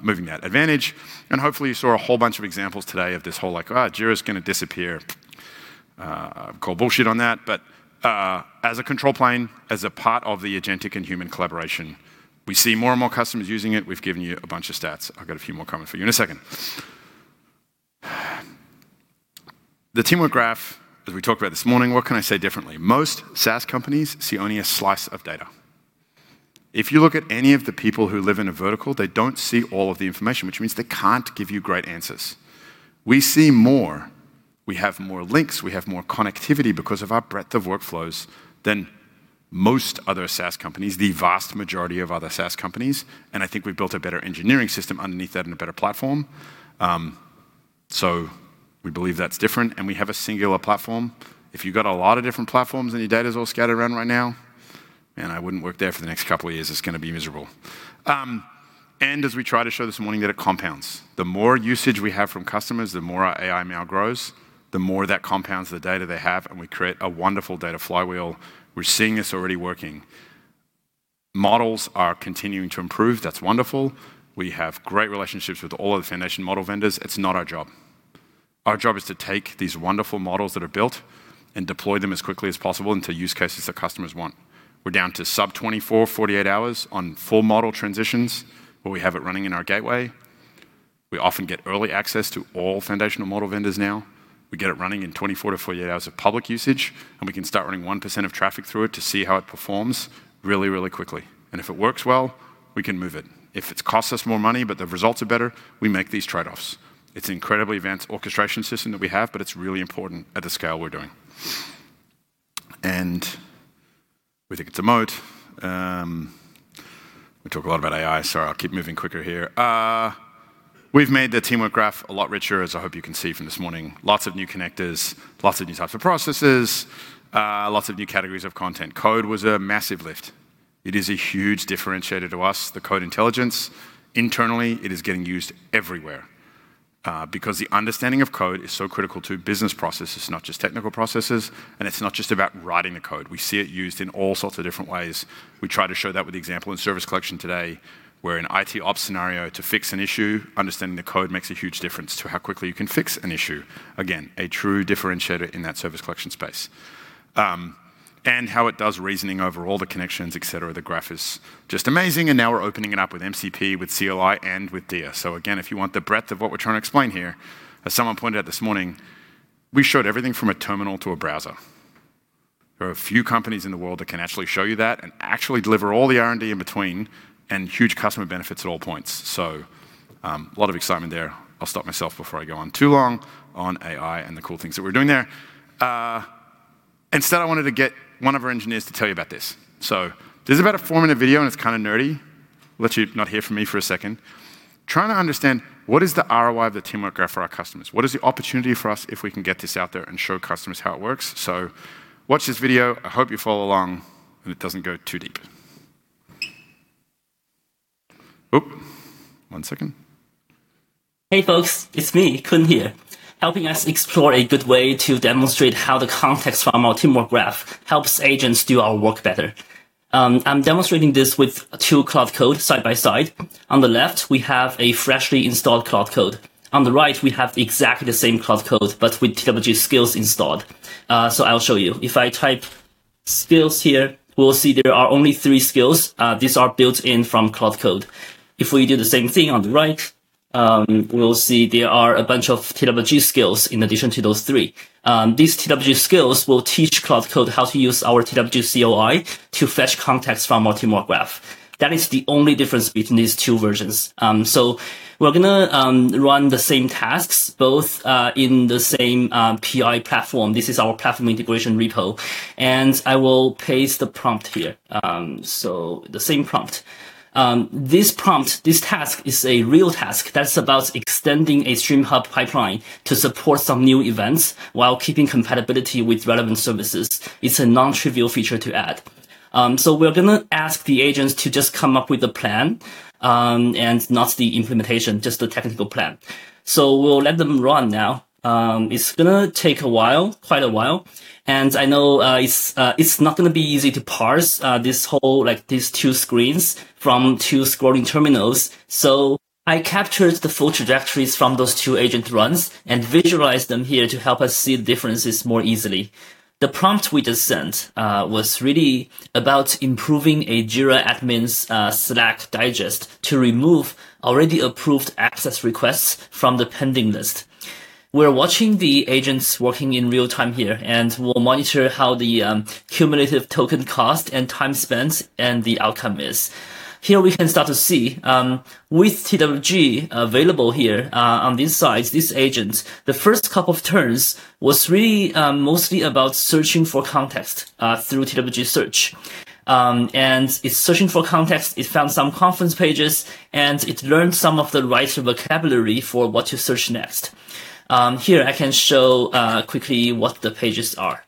moving that advantage. Hopefully you saw a whole bunch of examples today of this whole like, oh, Jira's gonna disappear. Call bullshit on that. As a control plane, as a part of the agentic and human collaboration, we see more and more customers using it. We've given you a bunch of stats. I've got a few more coming for you in a second. The Teamwork Graph, as we talked about this morning, what can I say differently? Most SaaS companies see only a slice of data. If you look at any of the people who live in a vertical, they don't see all of the information, which means they can't give you great answers. We see more, we have more links, we have more connectivity because of our breadth of workflows than most other SaaS companies, the vast majority of other SaaS companies, and I think we've built a better engineering system underneath that and a better platform. We believe that's different, and we have a singular platform. If you've got a lot of different platforms and your data's all scattered around right now, man, I wouldn't work there for the next couple of years. It's gonna be miserable. As we try to show this morning that it compounds. The more usage we have from customers, the more our AI model grows, the more that compounds the data they have, and we create a wonderful data flywheel. We're seeing this already working. Models are continuing to improve. That's wonderful. We have great relationships with all of the foundation model vendors. It's not our job. Our job is to take these wonderful models that are built and deploy them as quickly as possible into use cases that customers want. We're down to sub 24, 48 hours on full model transitions where we have it running in our gateway. We often get early access to all foundational model vendors now. We get it running in 24 to 48 hours of public usage, and we can start running 1% of traffic through it to see how it performs really, really quickly. If it works well, we can move it. If it costs us more money, but the results are better, we make these trade-offs. It's an incredibly advanced orchestration system that we have, but it's really important at the scale we're doing. We think it's a moat. We talk a lot about AI, so I'll keep moving quicker here. We've made the Teamwork Graph a lot richer, as I hope you can see from this morning. Lots of new connectors, lots of new types of processes, lots of new categories of content. Code was a massive lift. It is a huge differentiator to us, the code intelligence. Internally, it is getting used everywhere because the understanding of code is so critical to business processes, not just technical processes, and it's not just about writing the code. We see it used in all sorts of different ways. We try to show that with the example in Service Collection today, where in IT ops scenario to fix an issue, understanding the code makes a huge difference to how quickly you can fix an issue. Again, a true differentiator in that Service Collection space. How it does reasoning over all the connections, et cetera. The graph is just amazing, and now we're opening it up with MCP, with CLI, and with Dia. Again, if you want the breadth of what we're trying to explain here, as someone pointed out this morning, we showed everything from a terminal to a browser. There are a few companies in the world that can actually show you that and actually deliver all the R&D in between and huge customer benefits at all points. A lot of excitement there. I'll stop myself before I go on too long on AI and the cool things that we're doing there. Instead, I wanted to get one of our engineers to tell you about this. This is about a four-minute video, and it's kind of nerdy. Let you not hear from me for a second. Trying to understand what is the ROI of the Teamwork Graph for our customers? What is the opportunity for us if we can get this out there and show customers how it works? Watch this video. I hope you follow along and it doesn't go too deep. One second. Hey, folks. It's me, Kun here, helping us explore a good way to demonstrate how the context from our Teamwork Graph helps agents do our work better. I'm demonstrating this with two Claude Code side by side. On the left, we have a freshly installed Claude Code. On the right, we have exactly the same Claude Code, but with TWG skills installed. I'll show you. If I type skills here, we'll see there are only three skills. These are built in from Claude Code. If we do the same thing on the right, we'll see there are a bunch of TWG skills in addition to those three. These TWG skills will teach Claude Code how to use our TWG CLI to fetch context from our Teamwork Graph. That is the only difference between these two versions. We're gonna run the same tasks, both in the same PI platform. This is our platform integration repo, and I will paste the prompt here. The same prompt. This prompt, this task is a real task that's about extending a StreamHub pipeline to support some new events while keeping compatibility with relevant services. It's a non-trivial feature to add. We're gonna ask the agents to just come up with a plan, and not the implementation, just the technical plan. We'll let them run now. It's gonna take a while, quite a while, and I know it's not gonna be easy to parse like these two screens from two scrolling terminals. I captured the full trajectories from those two agent runs and visualized them here to help us see the differences more easily. The prompt we just sent was really about improving a Jira admin's Slack digest to remove already approved access requests from the pending list. We're watching the agents working in real-time here, and we'll monitor how the cumulative token cost and time spent and the outcome is. Here we can start to see, with TWG available here, on these sides, these agents, the first couple of turns was really mostly about searching for context through TWG search. It's searching for context. It found some Confluence pages, and it learned some of the right vocabulary for what to search next. Here I can show quickly what the pages are.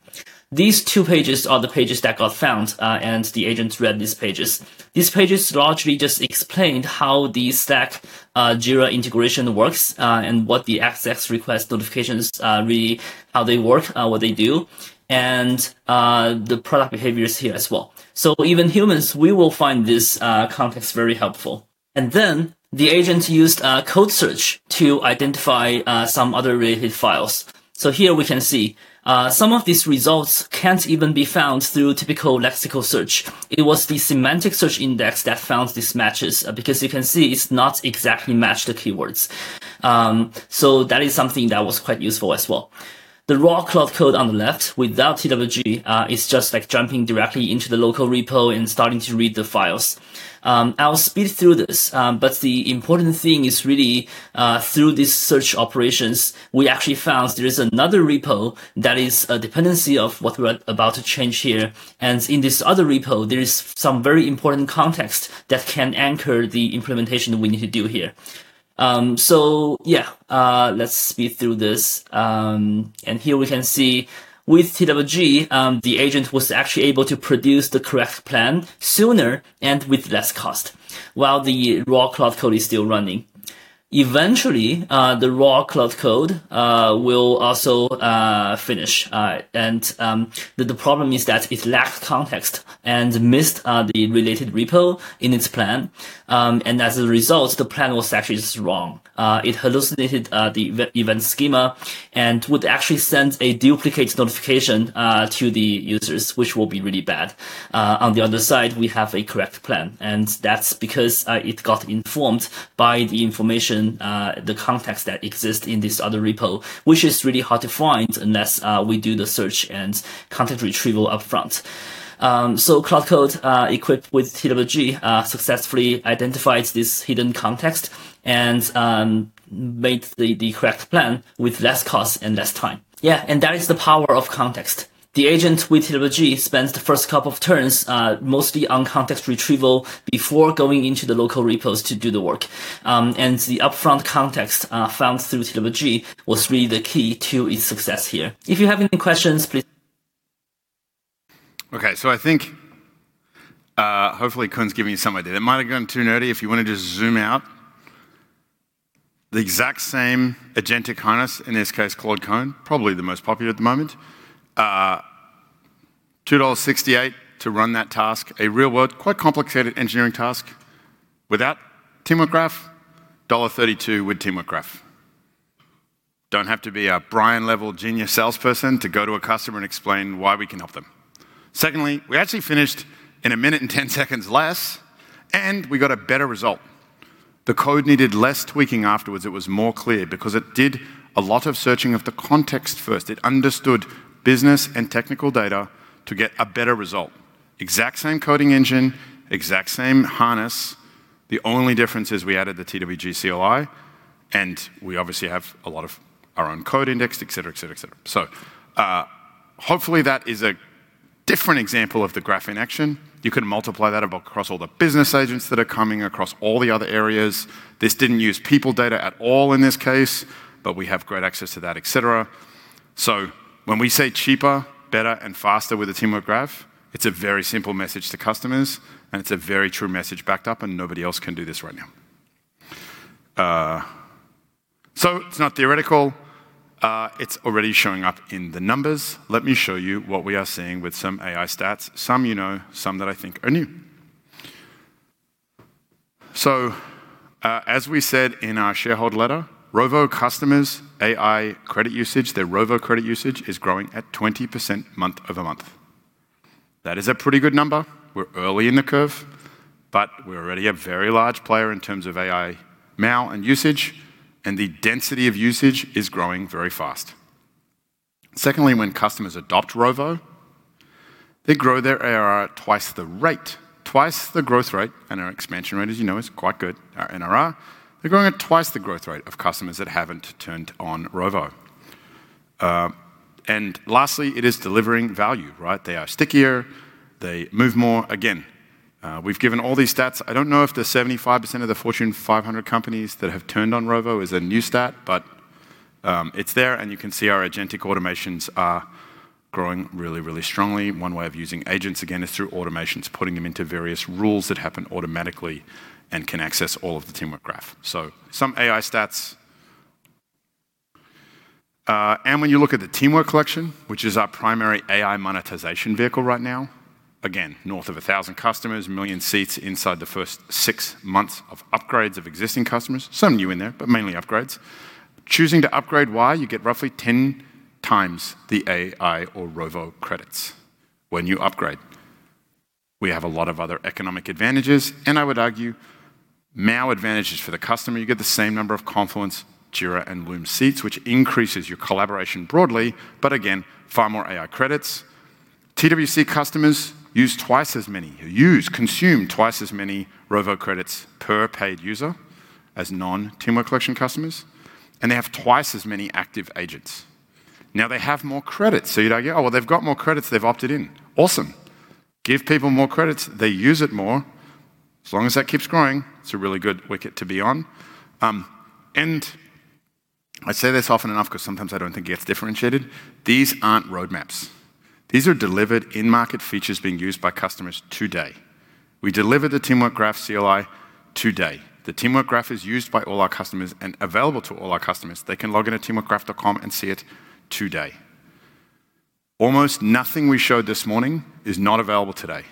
These two pages are the pages that got found, and the agents read these pages. These pages largely just explained how the Slack, Jira integration works, and what the access request notifications, really how they work, what they do, and the product behaviors here as well. Even humans, we will find this context very helpful. And then the agent used code search to identify some other related files. Here we can see, some of these results can't even be found through typical lexical search. It was the semantic search index that found these matches, because you can see it's not exactly matched the keywords. That is something that was quite useful as well. The raw Claude Code on the left without TWG is just like jumping directly into the local repo and starting to read the files. I'll speed through this, the important thing is really, through these search operations, we actually found there is another repo that is a dependency of what we're about to change here. In this other repo, there is some very important context that can anchor the implementation we need to do here. Yeah, let's speed through this. Here we can see with TWG, the agent was actually able to produce the correct plan sooner and with less cost while the raw Claude Code is still running. Eventually, the raw Claude Code will also finish. The problem is that it lacked context and missed the related repo in its plan. As a result, the plan was actually just wrong. It hallucinated the eve-event schema and would actually send a duplicate notification to the users, which will be really bad. On the other side, we have a correct plan, that's because it got informed by the information, the context that exists in this other repo, which is really hard to find unless we do the search and content retrieval upfront. Claude Code equipped with TWG successfully identifies this hidden context and made the correct plan with less cost and less time. That is the power of context. The agent with TWG spends the first couple of turns, mostly on context retrieval before going into the local repos to do the work. The upfront context, found through TWG was really the key to its success here. If you have any questions, please. I think, hopefully Kun's given you some idea. That might have gone too nerdy. If you wanna just zoom out. The exact same agentic harness, in this case, Claude Code, probably the most popular at the moment. $2.68 to run that task, a real-world, quite complicated engineering task. Without Teamwork Graph, $1.32 with Teamwork Graph. Don't have to be a Brian-level genius salesperson to go to a customer and explain why we can help them. Secondly, we actually finished in a minute and 10 seconds less, and we got a better result. The code needed less tweaking afterwards. It was more clear because it did a lot of searching of the context first. It understood business and technical data to get a better result. Exact same coding engine, exact same harness. The only difference is we added the TWG CLI, and we obviously have a lot of our own code indexed, et cetera, et cetera, et cetera. Hopefully, that is a different example of the graph in action. You can multiply that across all the business agents that are coming across all the other areas. This didn't use people data at all in this case, but we have great access to that, et cetera. When we say cheaper, better, and faster with the Teamwork Graph, it's a very simple message to customers, and it's a very true message backed up, and nobody else can do this right now. It's not theoretical. It's already showing up in the numbers. Let me show you what we are seeing with some AI stats, some you know, some that I think are new. As we said in our shareholder letter, Rovo customers' AI credit usage, their Rovo credit usage is growing at 20% month-over-month. That is a pretty good number. We're early in the curve, but we're already a very large player in terms of AI model and usage, and the density of usage is growing very fast. Secondly, when customers adopt Rovo, they grow their ARR at twice the growth rate, and our expansion rate, as you know, is quite good, our NRR. They're growing at twice the growth rate of customers that haven't turned on Rovo. Lastly, it is delivering value, right? They are stickier. They move more. Again, we've given all these stats. I don't know if the 75% of the Fortune 500 companies that have turned on Rovo is a new stat, but it's there, and you can see our agentic automations are growing really, really strongly. One way of using agents, again, is through automations, putting them into various rules that happen automatically and can access all of the Teamwork Graph. Some AI stats. When you look at the Teamwork Collection, which is our primary AI monetization vehicle right now, again, north of 1,000 customers, 1 million seats inside the first six months of upgrades of existing customers. Some new in there, but mainly upgrades. Choosing to upgrade, why? You get roughly 10x the AI or Rovo credits when you upgrade. We have a lot of other economic advantages, and I would argue main advantages for the customer. You get the same number of Confluence, Jira, and Loom seats, which increases your collaboration broadly, but again, far more AI credits. TWC customers use twice as many. You consume twice as many Rovo credits per paid user as non-Teamwork Collection customers, and they have twice as many active agents. They have more credits, so you'd argue, "Oh, well, they've got more credits." They've opted in. Awesome. Give people more credits. They use it more. As long as that keeps growing, it's a really good wicket to be on. I say this often enough because sometimes I don't think it gets differentiated. These aren't roadmaps. These are delivered in-market features being used by customers today. We deliver the Teamwork Graph CLI today. The Teamwork Graph is used by all our customers and available to all our customers. They can log in at teamworkgraph.com and see it today. Almost nothing we showed this morning is not available today.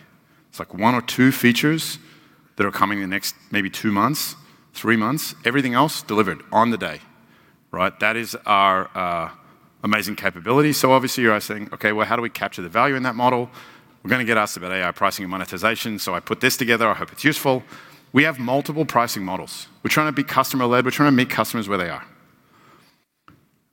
It's like one or two features that are coming in the next maybe two months, three months. Everything else delivered on the day, right? That is our amazing capability. Obviously, you're saying, "Okay, well, how do we capture the value in that model?" We're gonna get asked about AI pricing and monetization, I put this together. I hope it's useful. We have multiple pricing models. We're trying to be customer-led. We're trying to meet customers where they are.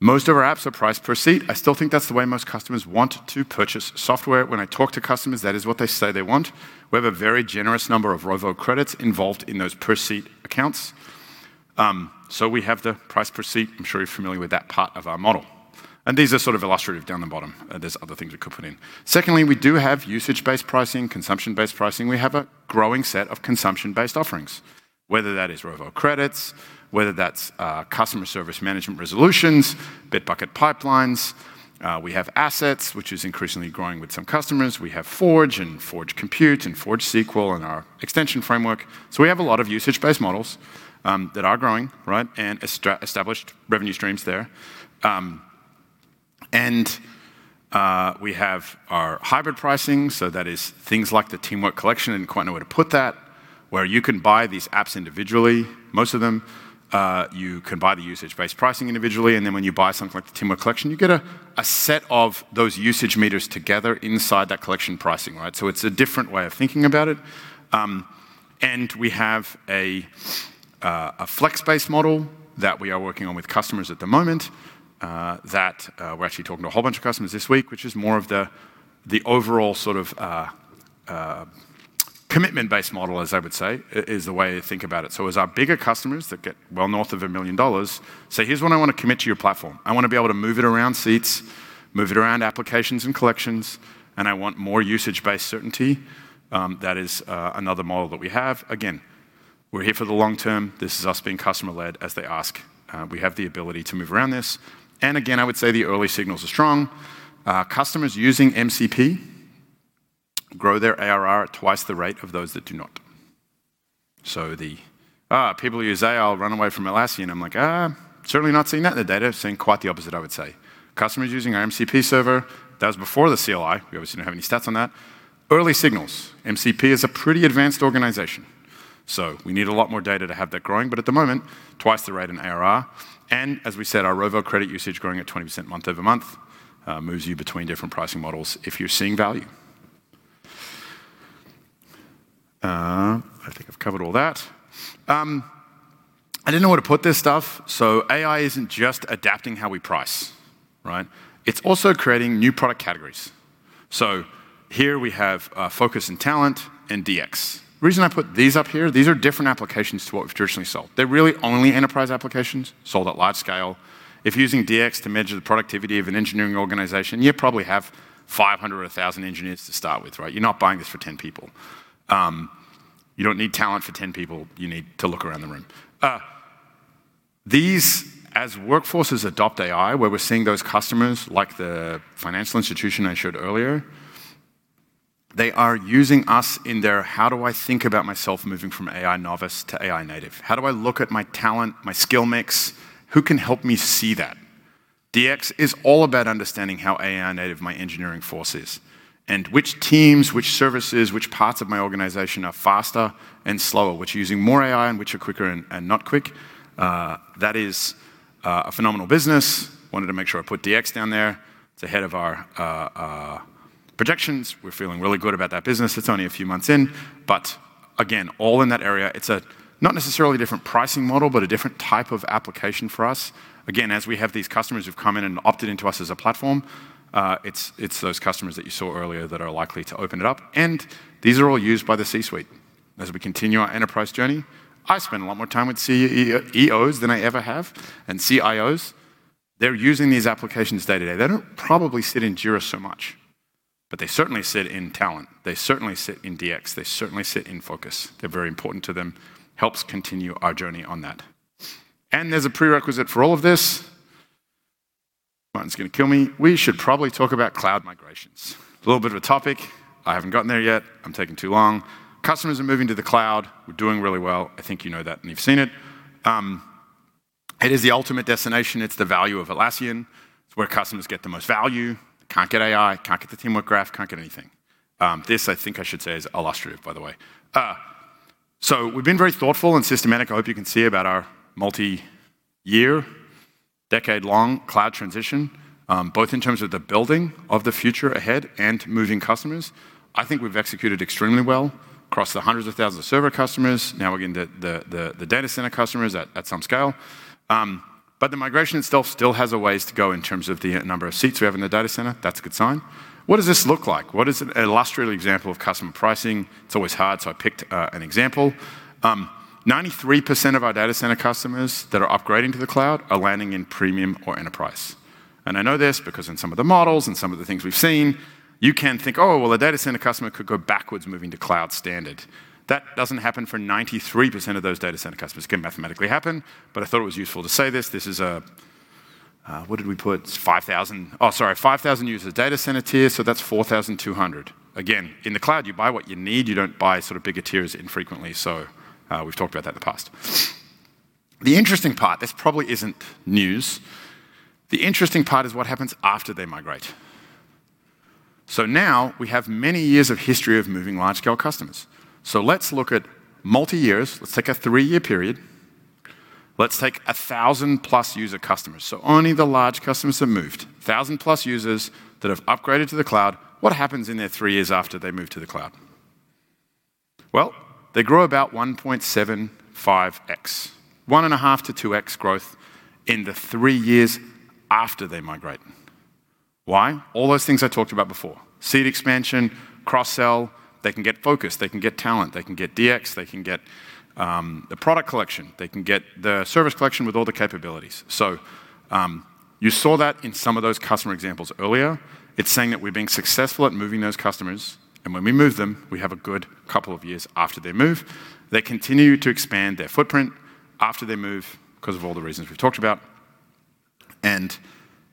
Most of our apps are priced per seat. I still think that's the way most customers want to purchase software. When I talk to customers, that is what they say they want. We have a very generous number of Rovo credits involved in those per seat accounts. We have the price per seat. I'm sure you're familiar with that part of our model. These are sort of illustrative down the bottom. There's other things we could put in. Secondly, we do have usage-based pricing, consumption-based pricing. We have a growing set of consumption-based offerings, whether that is Rovo credits, whether that's Customer Service Management resolutions, Bitbucket Pipelines. We have assets, which is increasingly growing with some customers. We have Forge and Forge Compute and Forge SQL and our extension framework. We have a lot of usage-based models that are growing, right, and established revenue streams there. We have our hybrid pricing, so that is things like the Teamwork Collection. Didn't quite know where to put that, where you can buy these apps individually, most of them. You can buy the usage-based pricing individually, and then when you buy something like the Teamwork Collection, you get a set of those usage meters together inside that collection pricing, right? It's a different way of thinking about it. We have a flex-based model that we are working on with customers at the moment that we're actually talking to a whole bunch of customers this week, which is more of the overall sort of commitment-based model, as I would say, is a way to think about it. As our bigger customers that get well north of $1 million say, "Here's what I wanna commit to your platform. I wanna be able to move it around seats, move it around applications and collections, and I want more usage-based certainty," that is another model that we have. Again, we're here for the long term. This is us being customer-led as they ask. We have the ability to move around this. Again, I would say the early signals are strong. Customers using MCP grow their ARR at twice the rate of those that do not. The, "People who use AI will run away from Atlassian," I'm like, "Certainly not seeing that in the data." Seeing quite the opposite, I would say. Customers using our MCP server, that was before the CLI. We obviously don't have any stats on that. Early signals, MCP is a pretty advanced organization, so we need a lot more data to have that growing, but at the moment, twice the rate in ARR. As we said, our Rovo credit usage growing at 20% month-over-month, moves you between different pricing models if you're seeing value. I think I've covered all that. I didn't know where to put this stuff. AI isn't just adapting how we price, right? It's also creating new product categories. Here we have Focus and Talent and DX. The reason I put these up here, these are different applications to what we've traditionally sold. They're really only enterprise applications sold at large scale. If you're using DX to measure the productivity of an engineering organization, you probably have 500 or 1,000 engineers to start with, right? You're not buying this for 10 people. You don't need Talent for 10 people. You need to look around the room. As workforces adopt AI, we're seeing those customers, like the financial institution I showed earlier, they are using us in their, "How do I think about myself moving from AI novice to AI native? How do I look at my Talent, my skill mix? Who can help me see that?" DX is all about understanding how AI native my engineering force is and which teams, which services, which parts of my organization are faster and slower, which are using more AI and which are quicker and not quick. That is a phenomenal business. Wanted to make sure I put DX down there. It's ahead of our projections. We're feeling really good about that business. It's only a few months in, but again, all in that area, it's a not necessarily different pricing model, but a different type of application for us. Again, as we have these customers who've come in and opted into us as a platform, it's those customers that you saw earlier that are likely to open it up, and these are all used by the C-suite. As we continue our enterprise journey, I spend a lot more time with CEOs than I ever have, and CIOs. They're using these applications day-to-day. They don't probably sit in Jira so much, but they certainly sit in Talent. They certainly sit in DX. They certainly sit in Focus. They're very important to them. It helps continue our journey on that. There's a prerequisite for all of this. Martin's gonna kill me. We should probably talk about cloud migrations. A little bit of a topic. I haven't gotten there yet. I'm taking too long. Customers are moving to the cloud. We're doing really well. I think you know that, and you've seen it. It is the ultimate destination. It's the value of Atlassian. It's where customers get the most value. Can't get AI, can't get the Teamwork Graph, can't get anything. This, I think I should say, is illustrative, by the way. We've been very thoughtful and systematic, I hope you can see, about our multi-year, decade-long cloud transition, both in terms of the building of the future ahead and moving customers. I think we've executed extremely well across the hundreds of thousands of server customers. Now we're getting to the Data Center customers at some scale. The migration itself still has a ways to go in terms of the number of seats we have in the Data Center. That's a good sign. What does this look like? What is an illustrative example of customer pricing? It's always hard, I picked an example. 93% of our Data Center customers that are upgrading to the cloud are landing in Premium or Enterprise. I know this because in some of the models and some of the things we've seen, you can think, "Oh, well, the Data Center customer could go backwards moving to Cloud Standard." That doesn't happen for 93% of those Data Center customers. It can mathematically happen, I thought it was useful to say this. This is a, what did we put? 5,000. Oh, sorry, 5,000 user Data Center tier, that's 4,200. Again, in the cloud, you buy what you need. You don't buy sort of bigger tiers infrequently, we've talked about that in the past. The interesting part, this probably isn't news, the interesting part is what happens after they migrate. Now we have many years of history of moving large-scale customers. Let's look at multi-years. Let's take a three-year period. Let's take 1,000+ user customers, only the large customers have moved. 1,000+ users that have upgraded to the cloud. What happens in their three years after they move to the cloud? Well, they grow about 1.75x, 1.5x-2x growth in the three years after they migrate. Why? All those things I talked about before. Seat expansion, cross-sell. They can get Focus, they can get Talent, they can get DX, they can get the Product Collection, they can get the Service Collection with all the capabilities. You saw that in some of those customer examples earlier. It's saying that we're being successful at moving those customers, and when we move them, we have a good couple of years after they move. They continue to expand their footprint after they move 'cause of all the reasons we've talked about, and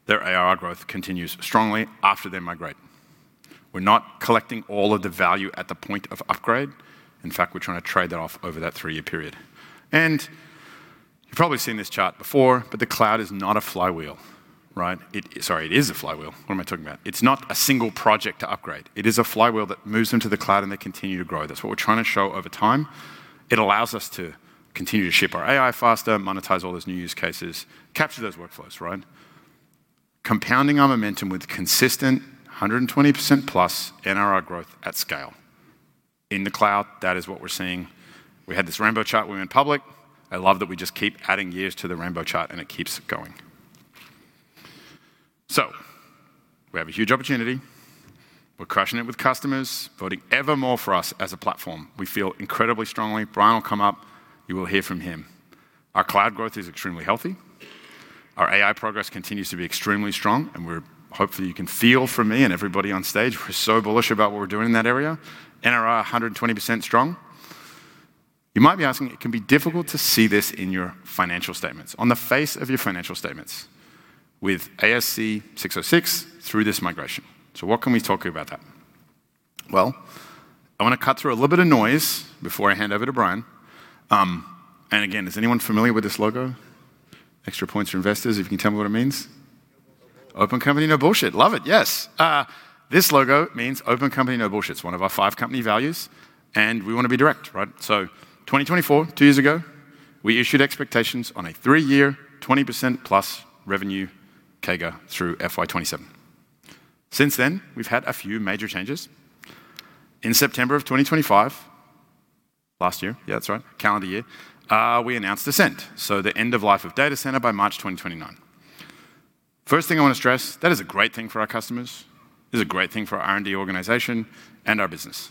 their ARR growth continues strongly after they migrate. We're not collecting all of the value at the point of upgrade. In fact, we're trying to trade that off over that three-year period. You've probably seen this chart before, but the cloud is not a flywheel, right? Sorry, it is a flywheel. What am I talking about? It's not a single project to upgrade. It is a flywheel that moves into the cloud, and they continue to grow. That's what we're trying to show over time. It allows us to continue to ship our AI faster, monetize all those new use cases, capture those workflows, right? Compounding our momentum with consistent 120%+ NRR growth at scale. In the cloud, that is what we're seeing. We had this rainbow chart when we went public. I love that we just keep adding years to the rainbow chart, and it keeps going. We have a huge opportunity. We're crushing it with customers, voting ever more for us as a platform. We feel incredibly strongly. Brian will come up. You will hear from him. Our cloud growth is extremely healthy. Our AI progress continues to be extremely strong, hopefully you can feel from me and everybody on stage, we're so bullish about what we're doing in that area. NRR, 120% strong. You might be asking, it can be difficult to see this in your financial statements, on the face of your financial statements with ASC 606 through this migration. What can we talk about that? Well, I wanna cut through a little bit of noise before I hand over to Brian. Again, is anyone familiar with this logo? Extra points for investors if you can tell me what it means. Open Company, No Bullshit. Open Company, No Bullshit. Love it. Yes. This logo means "Open Company, No Bullshit." It's one of our five company values, we wanna be direct, right? 2024, two years ago, we issued expectations on a three-year, 20%+ revenue CAGR through FY 2027. Since then, we've had a few major changes. In September of 2025, last year, yeah, that's right, calendar year, we announced Ascend, so the end of life of Data Center by March 2029. First thing I wanna stress, that is a great thing for our customers. It's a great thing for our R&D organization and our business.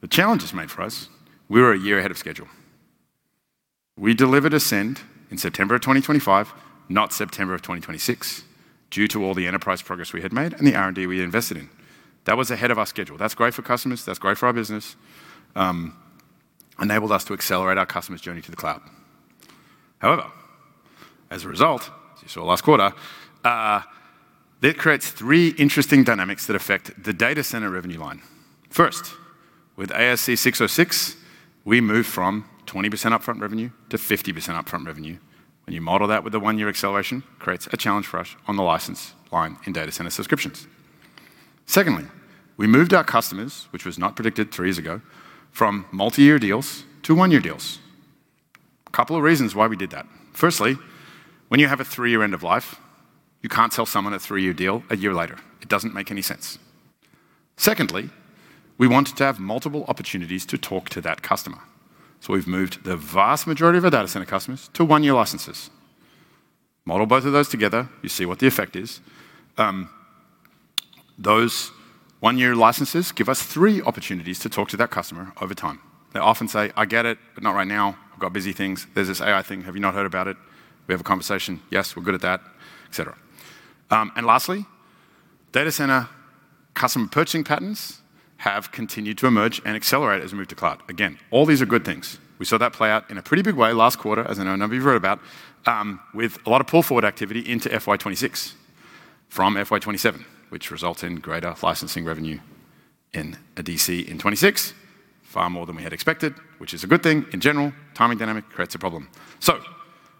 The challenge it's made for us, we were a year ahead of schedule. We delivered Ascend in September of 2025, not September of 2026, due to all the enterprise progress we had made and the R&D we invested in. That was ahead of our schedule. That's great for customers. That's great for our business. Enabled us to accelerate our customers' journey to the cloud. However, as a result, as you saw last quarter, that creates three interesting dynamics that affect the Data Center revenue line. First, with ASC 606, we moved from 20% upfront revenue to 50% upfront revenue. When you model that with the one-year acceleration, creates a challenge for us on the license line in Data Center subscriptions. Secondly, we moved our customers, which was not predicted three years ago, from multi-year deals to one-year deals. Couple of reasons why we did that. Firstly, when you have a three-year end of life, you can't sell someone a three-year deal a year later. It doesn't make any sense. Secondly, we wanted to have multiple opportunities to talk to that customer. We've moved the vast majority of our Data Center customers to one-year licenses. Model both of those together, you see what the effect is. Those one-year licenses give us three opportunities to talk to that customer over time. They often say, "I get it, but not right now. I've got busy things. There's this AI thing. Have you not heard about it?" We have a conversation. Yes, we're good at that, et cetera. Lastly, Data Center customer purchasing patterns have continued to emerge and accelerate as we move to cloud. Again, all these are good things. We saw that play out in a pretty big way last quarter, as I know a number of you've read about, with a lot of pull-forward activity into FY 2026 from FY 2027, which results in greater licensing revenue in a Data Center in 2026, far more than we had expected, which is a good thing. In general, timing dynamic creates a problem.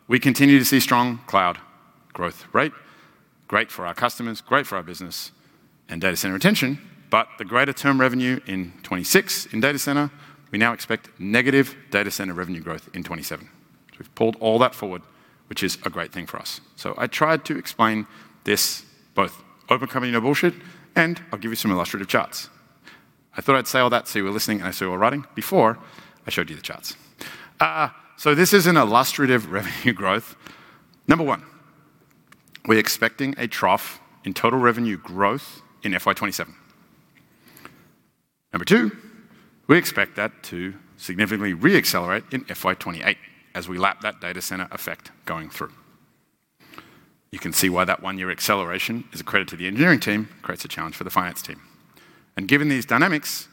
We continue to see strong cloud growth rate, great for our customers, great for our business and Data Center retention. The greater term revenue in 2026 in Data Center, we now expect negative Data Center revenue growth in 2027. We've pulled all that forward, which is a great thing for us. I tried to explain this both Open Company, No Bullshit, and I'll give you some illustrative charts. I thought I'd say all that so you were listening and I saw you were writing before I showed you the charts. This is an illustrative revenue growth. Number one, we're expecting a trough in total revenue growth in FY 2027. Number two, we expect that to significantly re-accelerate in FY 2028 as we lap that Data Center effect going through. You can see why that one-year acceleration is a credit to the engineering team, creates a challenge for the finance team. Given these dynamics,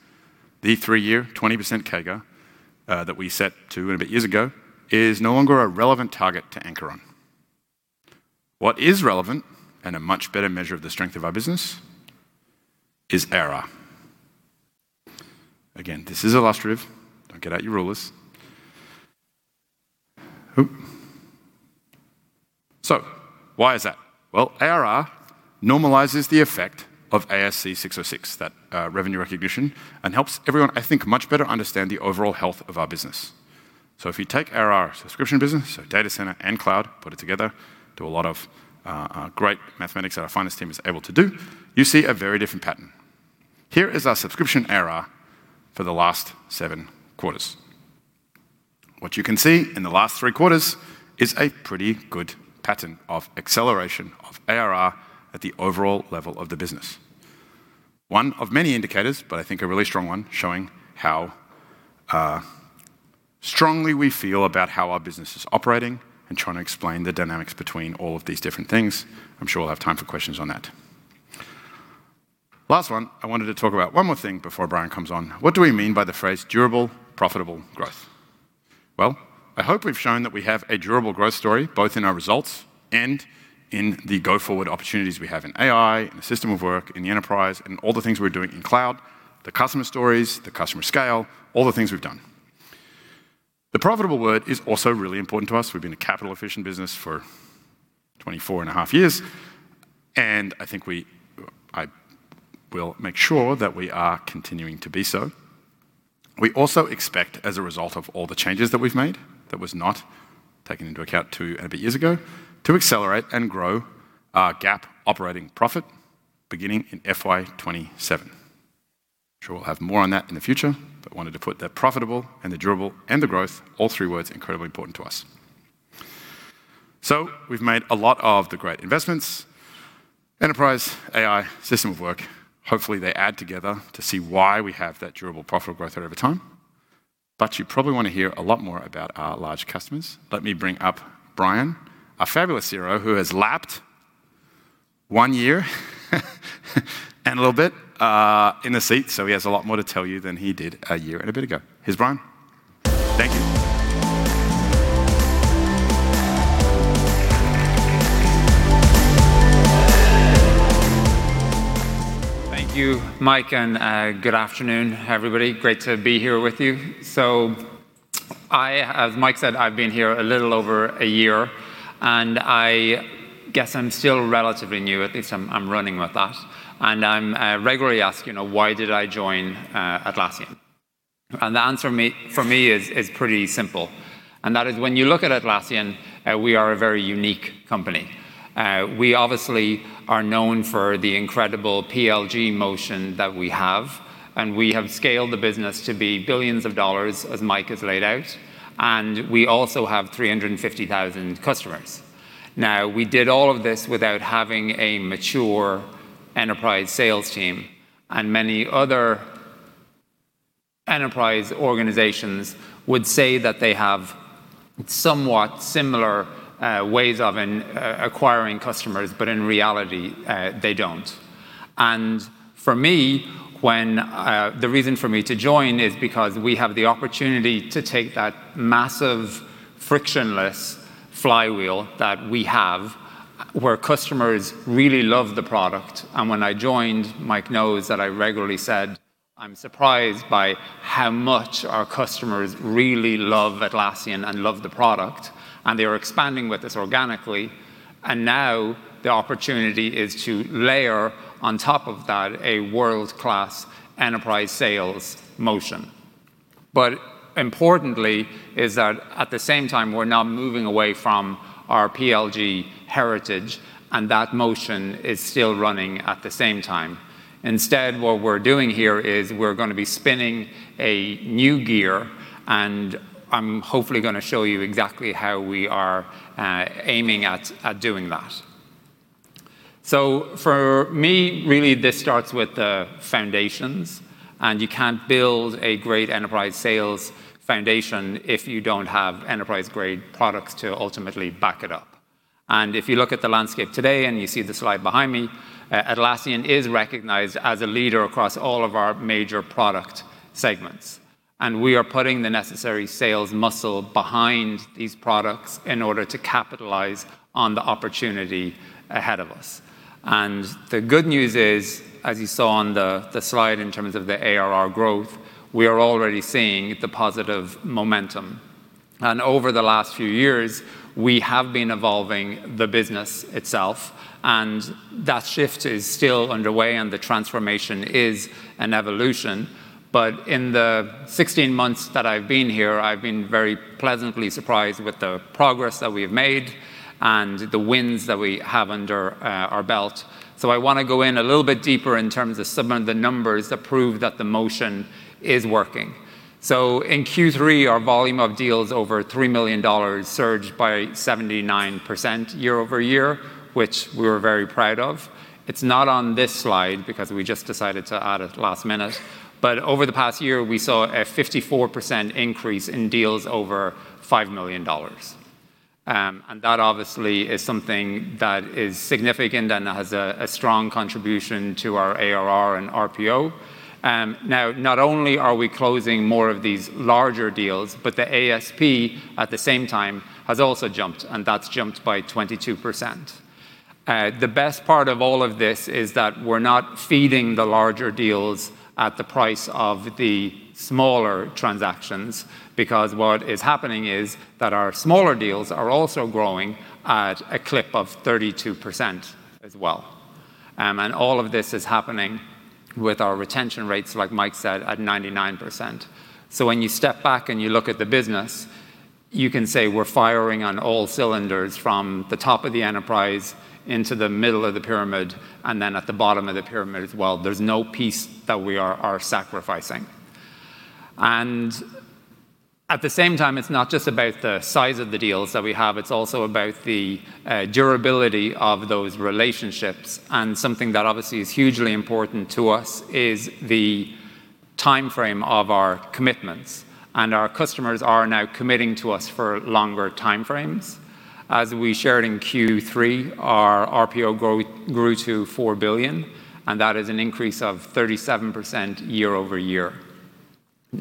the three-year 20% CAGR that we set two and a bit years ago is no longer a relevant target to anchor on. What is relevant and a much better measure of the strength of our business is ARR. Again, this is illustrative. Don't get out your rulers. Why is that? Well, ARR normalizes the effect of ASC 606, that revenue recognition, and helps everyone, I think, much better understand the overall health of our business. If you take ARR subscription business, so Data Center and cloud, put it together, do a lot of great mathematics that our finance team is able to do, you see a very different pattern. Here is our subscription ARR for the last seven quarters. What you can see in the last three quarters is a pretty good pattern of acceleration of ARR at the overall level of the business. One of many indicators, but I think a really strong one, showing how strongly we feel about how our business is operating and trying to explain the dynamics between all of these different things. I'm sure we'll have time for questions on that. Last one, I wanted to talk about one more thing before Brian comes on. What do we mean by the phrase durable profitable growth? Well, I hope we've shown that we have a durable growth story, both in our results and in the go-forward opportunities we have in AI, in the system of work, in the enterprise, and all the things we're doing in cloud, the customer stories, the customer scale, all the things we've done. The profitable word is also really important to us. We've been a capital-efficient business for 24 and a half years, and I think I will make sure that we are continuing to be so. We also expect, as a result of all the changes that we've made, that was not taken into account two and a bit years ago, to accelerate and grow our GAAP operating profit beginning in FY 2027. I'm sure we'll have more on that in the future. Wanted to put the profitable and the durable and the growth, all three words incredibly important to us. We've made a lot of the great investments, enterprise, AI, system of work. Hopefully, they add together to see why we have that durable profitable growth rate over time. You probably want to hear a lot more about our large customers. Let me bring up Brian, our fabulous hero, who has lapped one year and a little bit in the seat, so he has a lot more to tell you than he did a year and a bit ago. Here's Brian. Thank you. Thank you, Mike, and good afternoon, everybody. Great to be here with you. I, as Mike said, I've been here a little over a year, and I guess I'm still relatively new. At least I'm running with that. I'm regularly asked, you know, why did I join Atlassian? The answer for me is pretty simple. That is when you look at Atlassian, we are a very unique company. We obviously are known for the incredible PLG motion that we have, and we have scaled the business to be billions of dollars, as Mike has laid out, and we also have 350,000 customers. We did all of this without having a mature enterprise sales team, and many other enterprise organizations would say that they have somewhat similar ways of an acquiring customers, but in reality, they don't. For me, when the reason for me to join is because we have the opportunity to take that massive frictionless flywheel that we have, where customers really love the product. When I joined, Mike knows that I regularly said, "I'm surprised by how much our customers really love Atlassian and love the product," and they were expanding with us organically. Now the opportunity is to layer on top of that a world-class enterprise sales motion. Importantly is that at the same time, we're not moving away from our PLG heritage, and that motion is still running at the same time. Instead, what we're doing here is we're going to be spinning a new gear, and I'm hopefully going to show you exactly how we are aiming at doing that. For me, really this starts with the foundations, and you cannot build a great enterprise sales foundation if you don't have enterprise-grade products to ultimately back it up. If you look at the landscape today, and you see the slide behind me, Atlassian is recognized as a leader across all of our major product segments. We are putting the necessary sales muscle behind these products in order to capitalize on the opportunity ahead of us. The good news is, as you saw on the slide in terms of the ARR growth, we are already seeing the positive momentum. Over the last few years, we have been evolving the business itself, and that shift is still underway, and the transformation is an evolution. In the 16 months that I've been here, I've been very pleasantly surprised with the progress that we've made and the wins that we have under our belt. I wanna go in a little bit deeper in terms of some of the numbers that prove that the motion is working. In Q3, our volume of deals over $3 million surged by 79% year-over-year, which we're very proud of. It's not on this slide because we just decided to add it last minute, but over the past year, we saw a 54% increase in deals over $5 million. That obviously is something that is significant and has a strong contribution to our ARR and RPO. Now, not only are we closing more of these larger deals, but the ASP at the same time has also jumped, and that's jumped by 22%. The best part of all of this is that we're not feeding the larger deals at the price of the smaller transactions because what is happening is that our smaller deals are also growing at a clip of 32% as well. All of this is happening with our retention rates, like Mike said, at 99%. When you step back and you look at the business. You can say we're firing on all cylinders from the top of the enterprise into the middle of the pyramid, and then at the bottom of the pyramid as well. There's no piece that we are sacrificing. At the same time, it's not just about the size of the deals that we have, it's also about the durability of those relationships. Something that obviously is hugely important to us is the timeframe of our commitments, and our customers are now committing to us for longer timeframes. As we shared in Q3, our RPO grew to $4 billion, and that is an increase of 37% year-over-year.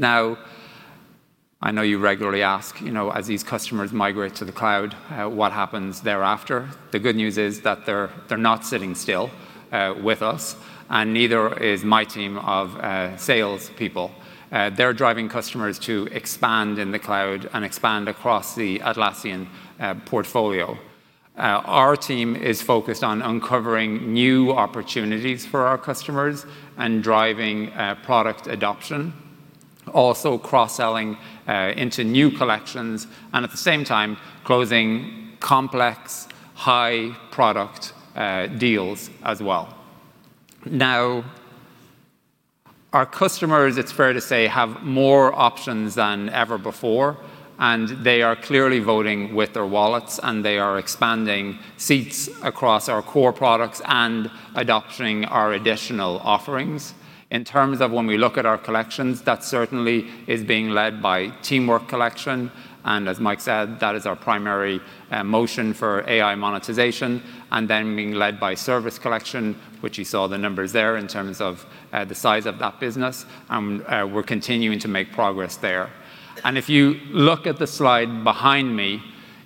I know you regularly ask, you know, as these customers migrate to the cloud, what happens thereafter? The good news is that they're not sitting still with us, and neither is my team of sales people. They're driving customers to expand in the cloud and expand across the Atlassian portfolio. Our team is focused on uncovering new opportunities for our customers and driving product adoption. Also cross-selling into new collections and at the same time closing complex high product deals as well. Our customers, it's fair to say, have more options than ever before, and they are clearly voting with their wallets, and they are expanding seats across our core products and adopting our additional offerings. In terms of when we look at our collections, that certainly is being led by Teamwork Collection, and as Mike said, that is our primary motion for AI monetization, and then being led by Service Collection, which you saw the numbers there in terms of the size of that business. We're continuing to make progress there. If you look at the slide behind me,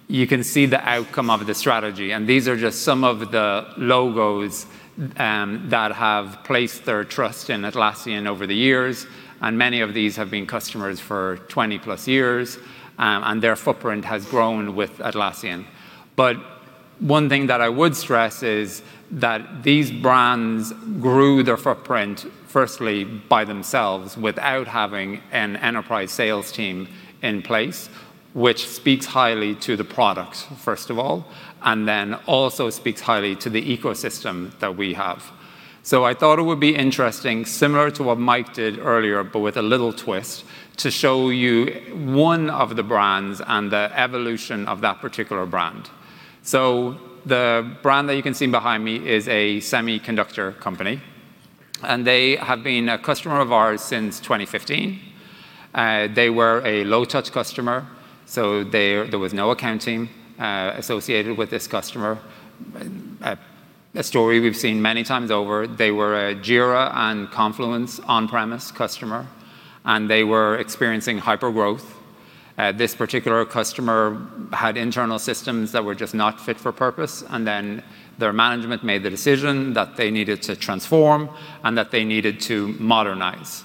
you can see the outcome of the strategy, these are just some of the logos that have placed their trust in Atlassian over the years. Many of these have been customers for 20+ years, their footprint has grown with Atlassian. One thing that I would stress is that these brands grew their footprint firstly by themselves without having an enterprise sales team in place, which speaks highly to the product, first of all, and then also speaks highly to the ecosystem that we have. I thought it would be interesting, similar to what Mike did earlier but with a little twist, to show you one of the brands and the evolution of that particular brand. The brand that you can see behind me is a semiconductor company, and they have been a customer of ours since 2015. They were a low-touch customer, so there was no account team associated with this customer. A story we've seen many times over. They were a Jira and Confluence on-premise customer, and they were experiencing hypergrowth. This particular customer had internal systems that were just not fit for purpose, their management made the decision that they needed to transform and that they needed to modernize.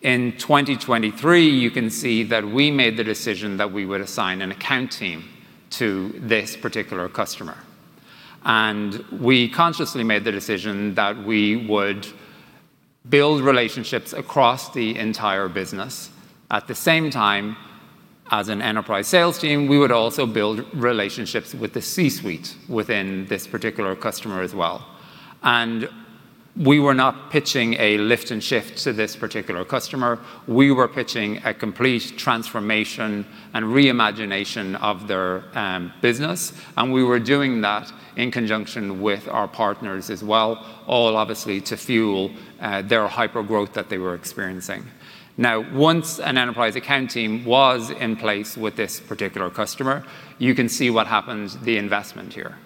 In 2023, you can see that we made the decision that we would assign an account team to this particular customer. We consciously made the decision that we would build relationships across the entire business. At the same time, as an enterprise sales team, we would also build relationships with the C-suite within this particular customer as well. We were not pitching a lift and shift to this particular customer. We were pitching a complete transformation and reimagination of their business, and we were doing that in conjunction with our partners as well, all obviously to fuel their hypergrowth that they were experiencing. Now, once an enterprise account team was in place with this particular customer, you can see what happened to the investment here.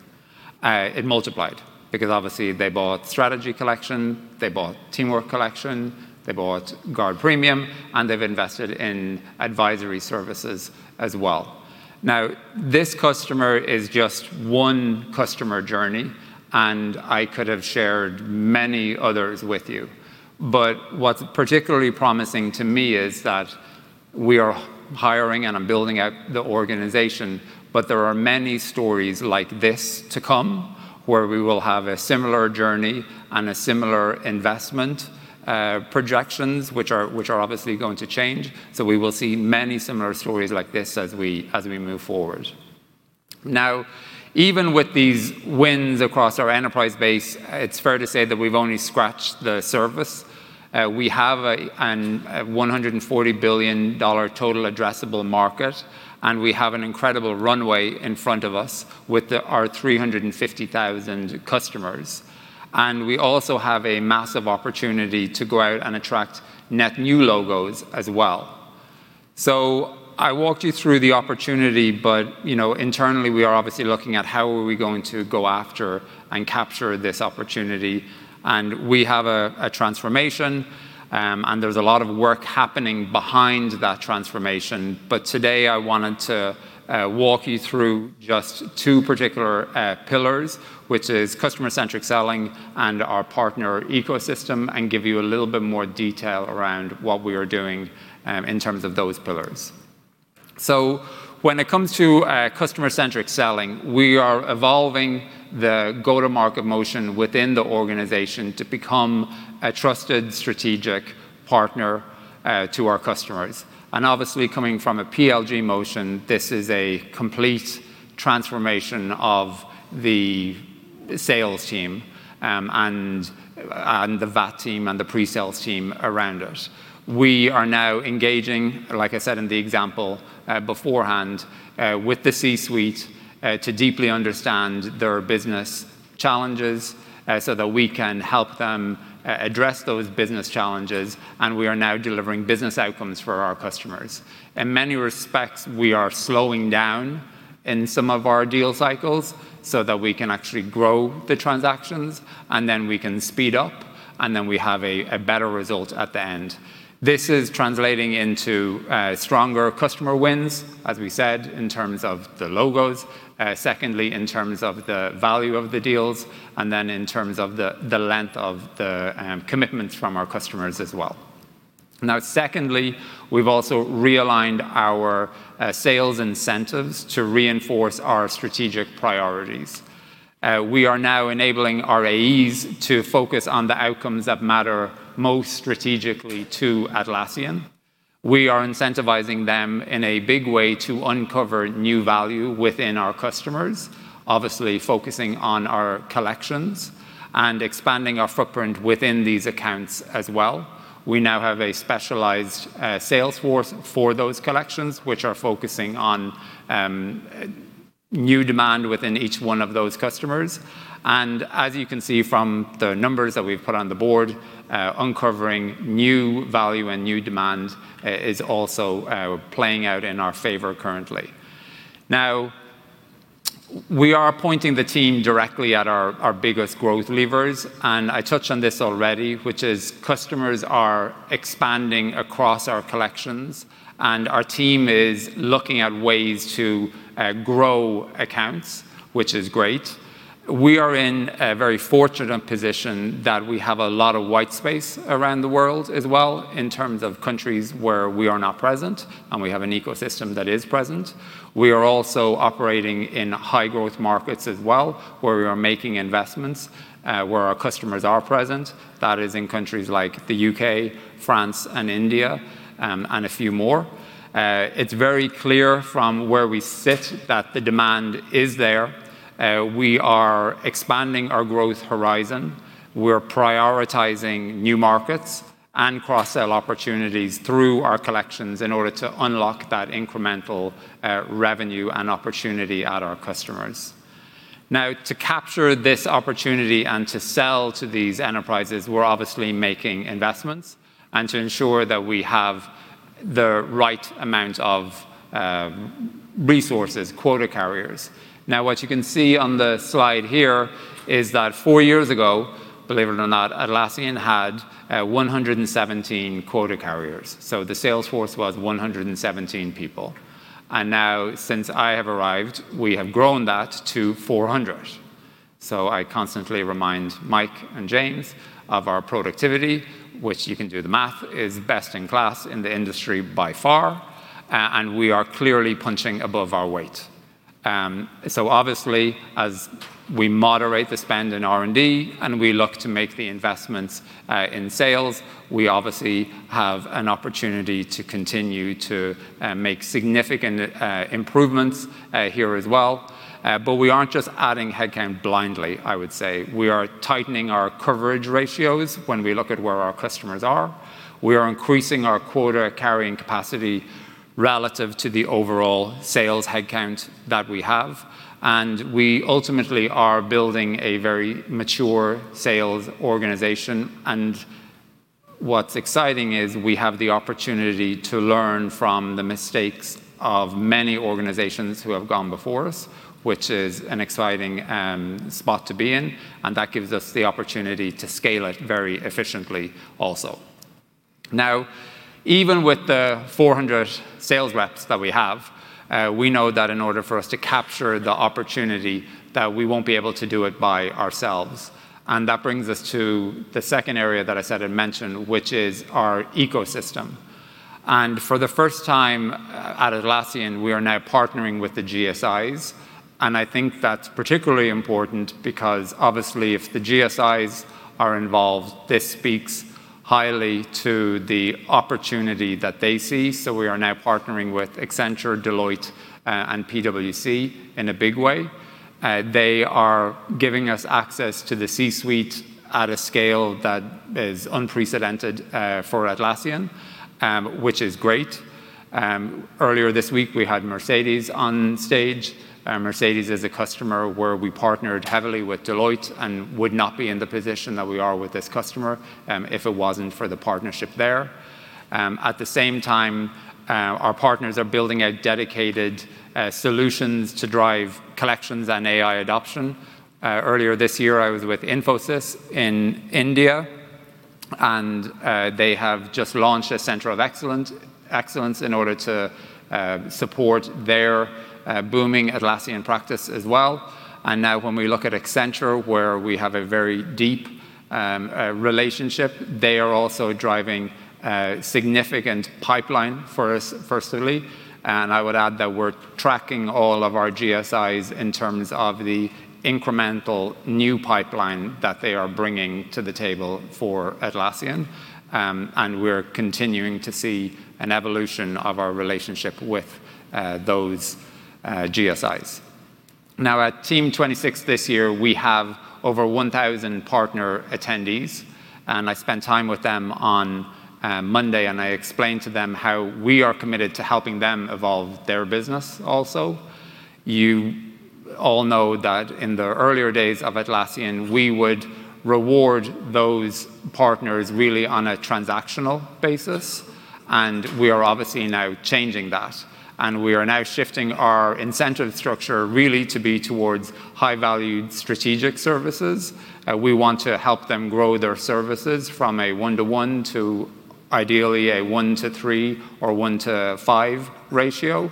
It multiplied because obviously they bought Strategy Collection, they bought Teamwork Collection, they bought Guard Premium, and they've invested in advisory services as well. Now, this customer is just one customer journey, and I could have shared many others with you. What's particularly promising to me is that we are hiring and are building out the organization, but there are many stories like this to come where we will have a similar journey and a similar investment projections, which are obviously going to change. We will see many similar stories like this as we move forward. Now, even with these wins across our enterprise base, it's fair to say that we've only scratched the surface. We have a $140 billion total addressable market, and we have an incredible runway in front of us with our 350,000 customers. We also have a massive opportunity to go out and attract net new logos as well. I walked you through the opportunity, but you know, internally we are obviously looking at how are we going to go after and capture this opportunity. We have a transformation, and there's a lot of work happening behind that transformation. Today I wanted to walk you through just two particular pillars, which is customer-centric selling and our partner ecosystem, and give you a little bit more detail around what we are doing in terms of those pillars. When it comes to customer-centric selling, we are evolving the go-to-market motion within the organization to become a trusted strategic partner to our customers. Obviously coming from a PLG motion, this is a complete transformation of the Sales team and the VAT team and the pre-sales team around it. We are now engaging, like I said in the example beforehand, with the C-suite to deeply understand their business challenges so that we can help them address those business challenges. We are now delivering business outcomes for our customers. In many respects, we are slowing down in some of our deal cycles so that we can actually grow the transactions, and then we can speed up, and then we have a better result at the end. This is translating into stronger customer wins, as we said, in terms of the logos, secondly, in terms of the value of the deals, and then in terms of the length of the commitments from our customers as well. Secondly, we've also realigned our sales incentives to reinforce our strategic priorities. We are now enabling our AEs to focus on the outcomes that matter most strategically to Atlassian. We are incentivizing them in a big way to uncover new value within our customers, obviously focusing on our collections and expanding our footprint within these accounts as well. We now have a specialized sales force for those collections, which are focusing on new demand within each one of those customers. As you can see from the numbers that we've put on the board, uncovering new value and new demand is also playing out in our favor currently. We are pointing the team directly at our biggest growth levers, and I touched on this already, which is customers are expanding across our collections, and our team is looking at ways to grow accounts, which is great. We are in a very fortunate position that we have a lot of white space around the world as well in terms of countries where we are not present and we have an ecosystem that is present. We are also operating in high-growth markets as well, where we are making investments, where our customers are present. That is in countries like the U.K., France, and India, and a few more. It's very clear from where we sit that the demand is there. We are expanding our growth horizon. We're prioritizing new markets and cross-sell opportunities through our collections in order to unlock that incremental revenue and opportunity at our customers. Now, to capture this opportunity and to sell to these enterprises, we're obviously making investments and to ensure that we have the right amount of resources, quota carriers. What you can see on the slide here is that four years ago, believe it or not, Atlassian had 117 quota carriers. The sales force was 117 people. Since I have arrived, we have grown that to 400. I constantly remind Mike and James of our productivity, which you can do the math, is best in class in the industry by far, and we are clearly punching above our weight. Obviously, as we moderate the spend in R&D and we look to make the investments in sales, we obviously have an opportunity to continue to make significant improvements here as well. We aren't just adding headcount blindly, I would say. We are tightening our coverage ratios when we look at where our customers are. We are increasing our quota carrying capacity relative to the overall sales headcount that we have, and we ultimately are building a very mature sales organization. What's exciting is we have the opportunity to learn from the mistakes of many organizations who have gone before us, which is an exciting spot to be in, and that gives us the opportunity to scale it very efficiently also. Now, even with the 400 sales reps that we have, we know that in order for us to capture the opportunity that we won't be able to do it by ourselves. That brings us to the second area that I said I'd mention, which is our ecosystem. For the first time at Atlassian, we are now partnering with the GSIs. I think that's particularly important because obviously, if the GSIs are involved, this speaks highly to the opportunity that they see. We are now partnering with Accenture, Deloitte, and PwC in a big way. They are giving us access to the C-suite at a scale that is unprecedented for Atlassian, which is great. Earlier this week, we had Mercedes on stage. Mercedes is a customer where we partnered heavily with Deloitte and would not be in the position that we are with this customer, if it wasn't for the partnership there. At the same time, our partners are building out dedicated solutions to drive collections and AI adoption. Earlier this year, I was with Infosys in India, and they have just launched a center of excellence in order to support their booming Atlassian practice as well. Now when we look at Accenture, where we have a very deep relationship, they are also driving significant pipeline for us personally. I would add that we're tracking all of our GSIs in terms of the incremental new pipeline that they are bringing to the table for Atlassian. We're continuing to see an evolution of our relationship with those GSIs. Now at Team 2026 this year, we have over 1,000 partner attendees, and I spent time with them on Monday, and I explained to them how we are committed to helping them evolve their business also. You all know that in the earlier days of Atlassian, we would reward those partners really on a transactional basis. We are obviously now changing that. We are now shifting our incentive structure really to be towards high-valued strategic services. We want to help them grow their services from a 1-to-1 to ideally a 1-to-3 or 1-to-5 ratio.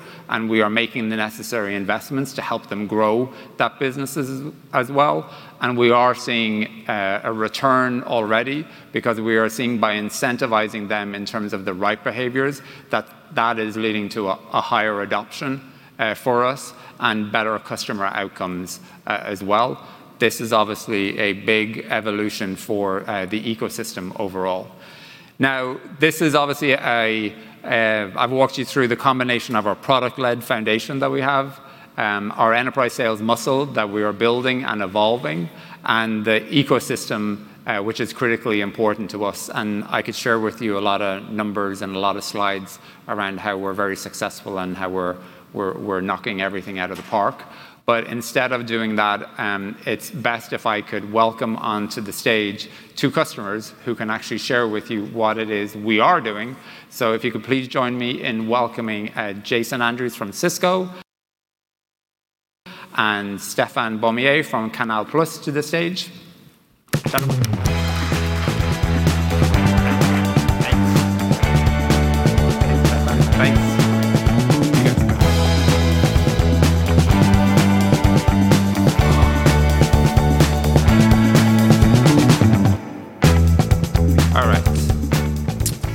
We are making the necessary investments to help them grow that businesses as well. We are seeing a return already because we are seeing by incentivizing them in terms of the right behaviors, that that is leading to a higher adoption for us and better customer outcomes as well. This is obviously a big evolution for the ecosystem overall. Now, this is obviously a I've walked you through the combination of our product-led foundation that we have, our enterprise sales muscle that we are building and evolving, and the ecosystem, which is critically important to us. I could share with you a lot of numbers and a lot of slides around how we're very successful and how we're knocking everything out of the park. Instead of doing that, it's best if I could welcome onto the stage two customers who can actually share with you what it is we are doing. If you could please join me in welcoming Jason Andrews from Cisco and Stéphane Baumier from CANAL+ to the stage. Gentlemen.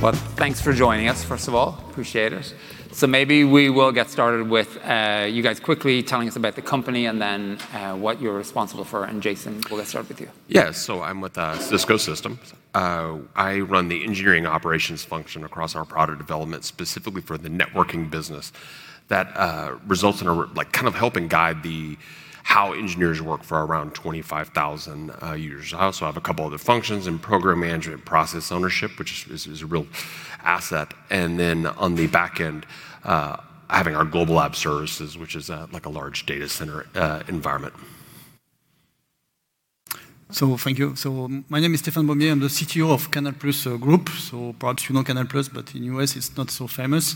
Thanks. Thanks. All right. Well, thanks for joining us, first of all. Appreciate it. Maybe we will get started with you guys quickly telling us about the company and then what you're responsible for. Jason, we'll let's start with you. I'm with Cisco Systems. I run the engineering operations function across our product development, specifically for the networking business. That results in a like kind of helping guide the how engineers work for around 25,000 users. I also have a couple other functions in program management process ownership, which is a real asset. On the back end, having our global app services, which is like a large Data Center environment. Thank you. My name is Stéphane Baumier. I'm the CTO of CANAL+ Group. Perhaps you know CANAL+, but in the U.S. it's not so famous.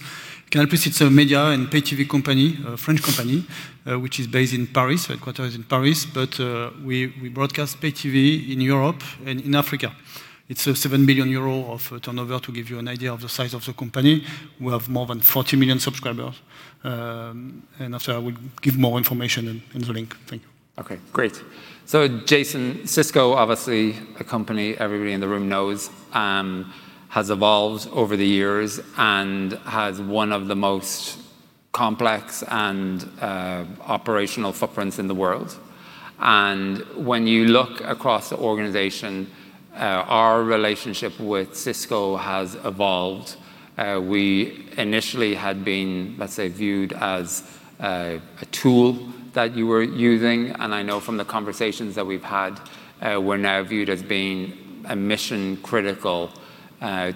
CANAL+, it's a media and pay TV company, a French company, which is based in Paris, headquarters in Paris. We broadcast pay TV in Europe and in Africa. It's a 7 billion euro of turnover, to give you an idea of the size of the company. We have more than 40 million subscribers. After, I will give more information in the link. Thank you. Okay. Great. Jason, Cisco, obviously a company everybody in the room knows, has evolved over the years and has one of the most complex and operational footprints in the world. When you look across the organization, our relationship with Cisco has evolved. We initially had been, let's say, viewed as a tool that you were using, and I know from the conversations that we've had, we're now viewed as being a mission critical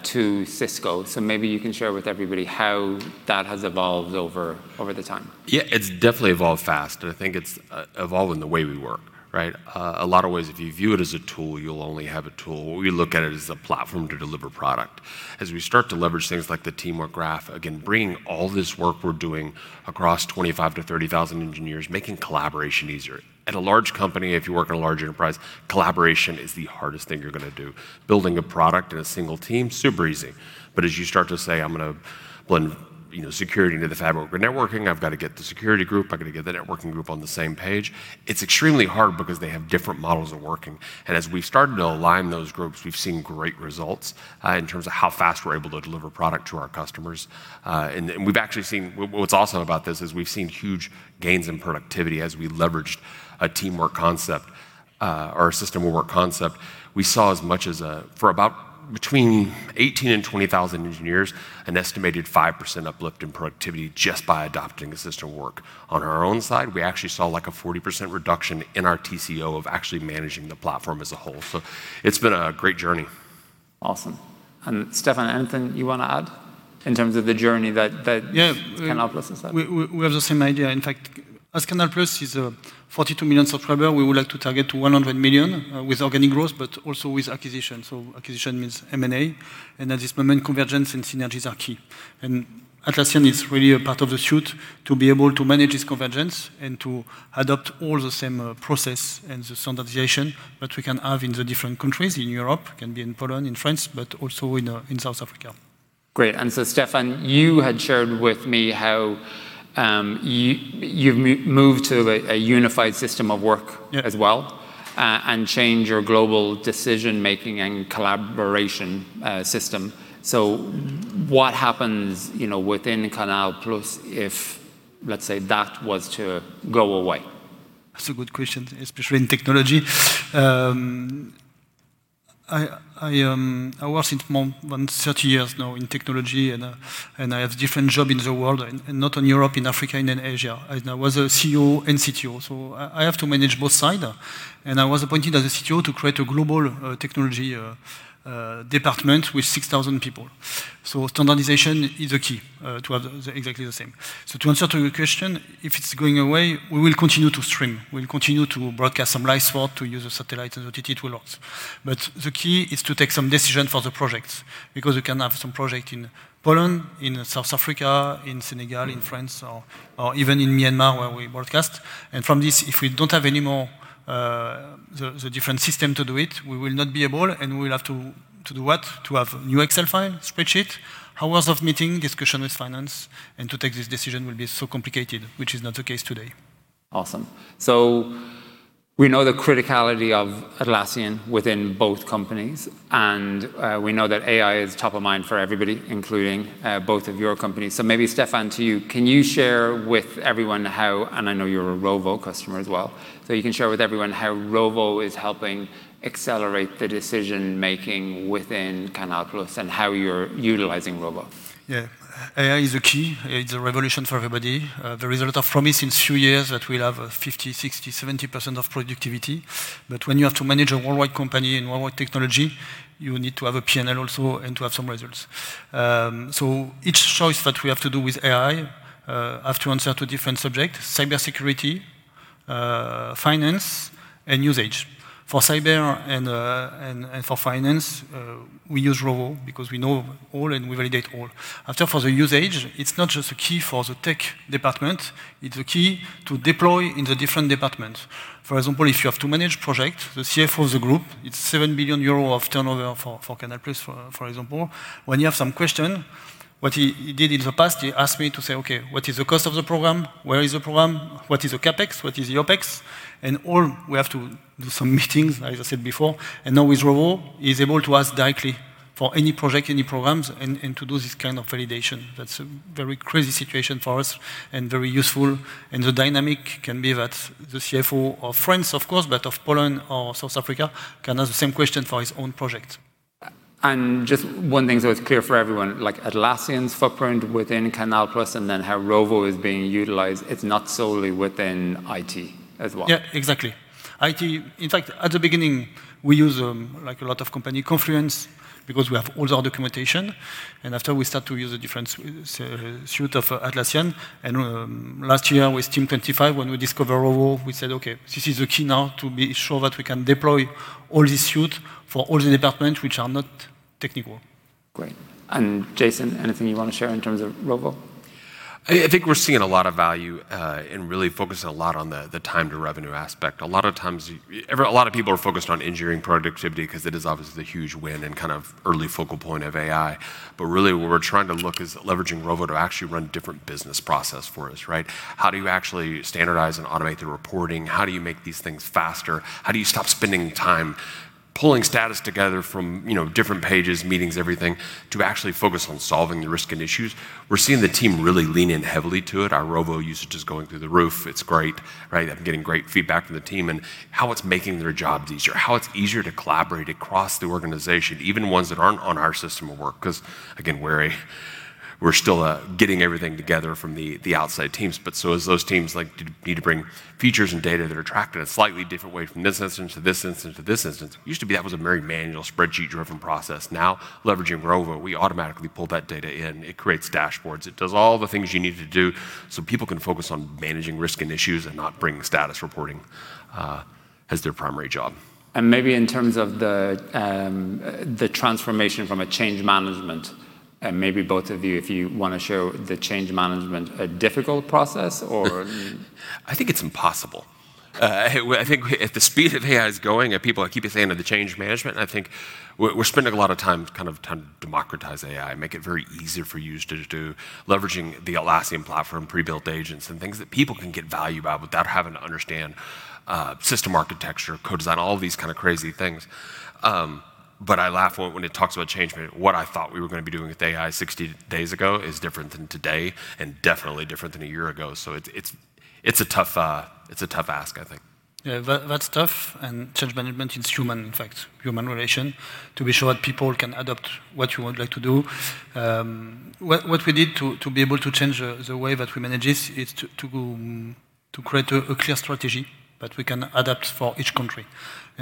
to Cisco. Maybe you can share with everybody how that has evolved over the time. Yeah, it's definitely evolved fast, and I think it's evolved in the way we work, right? A lot of ways, if you view it as a tool, you'll only have a tool. We look at it as a platform to deliver product. As we start to leverage things like the Teamwork Graph, again, bringing all this work we're doing across 25,000-30,000 engineers, making collaboration easier. At a large company, if you work in a large enterprise, collaboration is the hardest thing you're gonna do. Building a product in a single team, super easy. As you start to say, "I'm gonna blend, you know, security into the fabric of networking, I've got to get the security group, I've got to get the networking group on the same page," it's extremely hard because they have different models of working. As we started to align those groups, we've seen great results in terms of how fast we're able to deliver product to our customers. What's awesome about this is we've actually seen huge gains in productivity as we leveraged a teamwork concept or a system of work concept. We saw as much as for about between 18,000 and 20,000 engineers, an estimated 5% uplift in productivity just by adopting a system work. On our own side, we actually saw like a 40% reduction in our TCO of actually managing the platform as a whole. It's been a great journey. Awesome. Stéphane, anything you wanna add in terms of the journey that. Yeah. CANAL+ has had? We have the same idea. In fact, as CANAL+ is a 42 million subscriber, we would like to target to 100 million with organic growth, also with acquisition. Acquisition means M&A, at this moment convergence and synergies are key. Atlassian is really a part of the suite to be able to manage this convergence and to adopt all the same process and the standardization that we can have in the different countries in Europe, can be in Poland, in France, also in South Africa. Great. Stéphane, you had shared with me how you've moved to a unified system of work- Yeah. ...as well, and change your global decision-making and collaboration, system. What happens, you know, within CANAL+ if, let's say, that was to go away? That's a good question, especially in technology. I worked since more than 30 years now in technology, and I have different job in the world and not in Europe, in Africa and in Asia. I was a CEO and CTO, so I have to manage both side. I was appointed as a CTO to create a global technology department with 6,000 people. Standardization is a key to have the exactly the same. To answer to your question, if it's going away, we will continue to stream. We'll continue to broadcast some live sport to use a satellite and OTT tools. The key is to take some decision for the projects because we can have some project in Poland, in South Africa, in Senegal, in France or even in Myanmar where we broadcast. From this, if we don't have any more, the different system to do it, we will not be able, and we will have to do what? To have new Excel file spreadsheet, hours of meeting, discussion with finance, and to take this decision will be so complicated, which is not the case today. Awesome. We know the criticality of Atlassian within both companies, and we know that AI is top of mind for everybody, including both of your companies. Maybe Stéphane to you, can you share with everyone how And I know you're a Rovo customer as well, so you can share with everyone how Rovo is helping accelerate the decision-making within CANAL+ and how you're utilizing Rovo? Yeah. AI is a key. It's a revolution for everybody. There is a lot of promise in two years that we'll have 50%, 60%, 70% of productivity. When you have to manage a worldwide company and worldwide technology, you need to have a P&L also and to have some results. Each choice that we have to do with AI have to answer to different subject: cybersecurity, finance and usage. For cyber and for finance, we use Rovo because we know all and we validate all. After for the usage, it's not just a key for the tech department, it's a key to deploy in the different department. For example, if you have to manage project, the CFO of the group, it's 7 billion euros of turnover for CANAL+, for example. When you have some question, what he did in the past, he asked me to say, "Okay, what is the cost of the program? Where is the program? What is the CapEx? What is the OpEx?" All we have to do some meetings, as I said before. Now with Rovo, he's able to ask directly for any project, any programs and to do this kind of validation. That's a very crazy situation for us and very useful. The dynamic can be that the CFO of France, of course, but of Poland or South Africa can ask the same question for his own project. Just one thing so it's clear for everyone, like Atlassian's footprint within CANAL+ and then how Rovo is being utilized, it's not solely within IT as well. Yeah, exactly. In fact, at the beginning, we use like a lot of company Confluence because we have all our documentation, after we start to use a different suite of Atlassian. Last year with Team 2025, when we discover Rovo, we said, "Okay, this is the key now to be sure that we can deploy all this suite for all the departments which are not technical. Great. Jason, anything you want to share in terms of Rovo? I think we're seeing a lot of value and really focusing a lot on the time to revenue aspect. A lot of times A lot of people are focused on engineering productivity 'cause it is obviously the huge win and kind of early focal point of AI. Really what we're trying to look is leveraging Rovo to actually run different business process for us, right? How do you actually standardize and automate the reporting? How do you make these things faster? How do you stop spending time pulling status together from, you know, different pages, meetings, everything, to actually focus on solving the risk and issues? We're seeing the team really lean in heavily to it. Our Rovo usage is going through the roof. It's great, right? I'm getting great feedback from the team and how it's making their jobs easier, how it's easier to collaborate across the organization, even ones that aren't on our system of work. Again, we're still getting everything together from the outside teams. As those teams need to bring features and data that are tracked in a slightly different way from this instance to this instance to this instance, it used to be that was a very manual spreadsheet-driven process. Now leveraging Rovo, we automatically pull that data in. It creates dashboards. It does all the things you need to do, so people can focus on managing risk and issues and not bring status reporting as their primary job. Maybe in terms of the transformation from a change management, and maybe both of you, if you wanna show the change management a difficult process? I think it's impossible. I think at the speed that AI is going and people keep saying that the change management, and I think we're spending a lot of time kind of trying to democratize AI, make it very easier for users to leveraging the Atlassian platform, pre-built agents, and things that people can get value by without having to understand system architecture, code design, all these kinda crazy things. I laugh when it talks about change management. What I thought we were gonna be doing with AI 60 days ago is different than today and definitely different than a year ago. It's a tough ask, I think. Yeah. That's tough. Change management, it's human, in fact, human relation to be sure that people can adapt what you would like to do. What we need to be able to change the way that we manage this is to go to create a clear strategy that we can adapt for each country.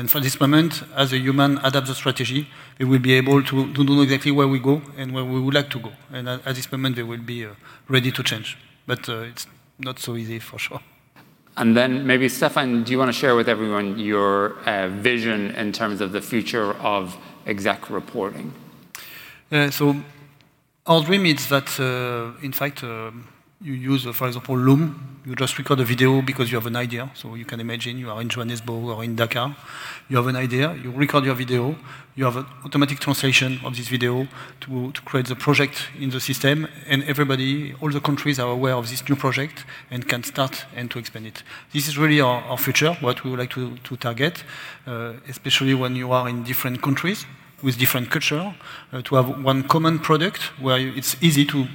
For this moment, as a human adapt the strategy, we will be able to know exactly where we go and where we would like to go. At this moment, they will be ready to change. It's not so easy for sure. Maybe Stéphane, do you wanna share with everyone your vision in terms of the future of exec reporting? Our dream is that, in fact, you use, for example, Loom. You just record a video because you have an idea. You can imagine you are in Johannesburg or in Dakar. You have an idea. You record your video. You have an automatic translation of this video to create the project in the system. Everybody, all the countries are aware of this new project and can start and to expand it. This is really our future, what we would like to target, especially when you are in different countries with different culture, to have one common product where it's easy to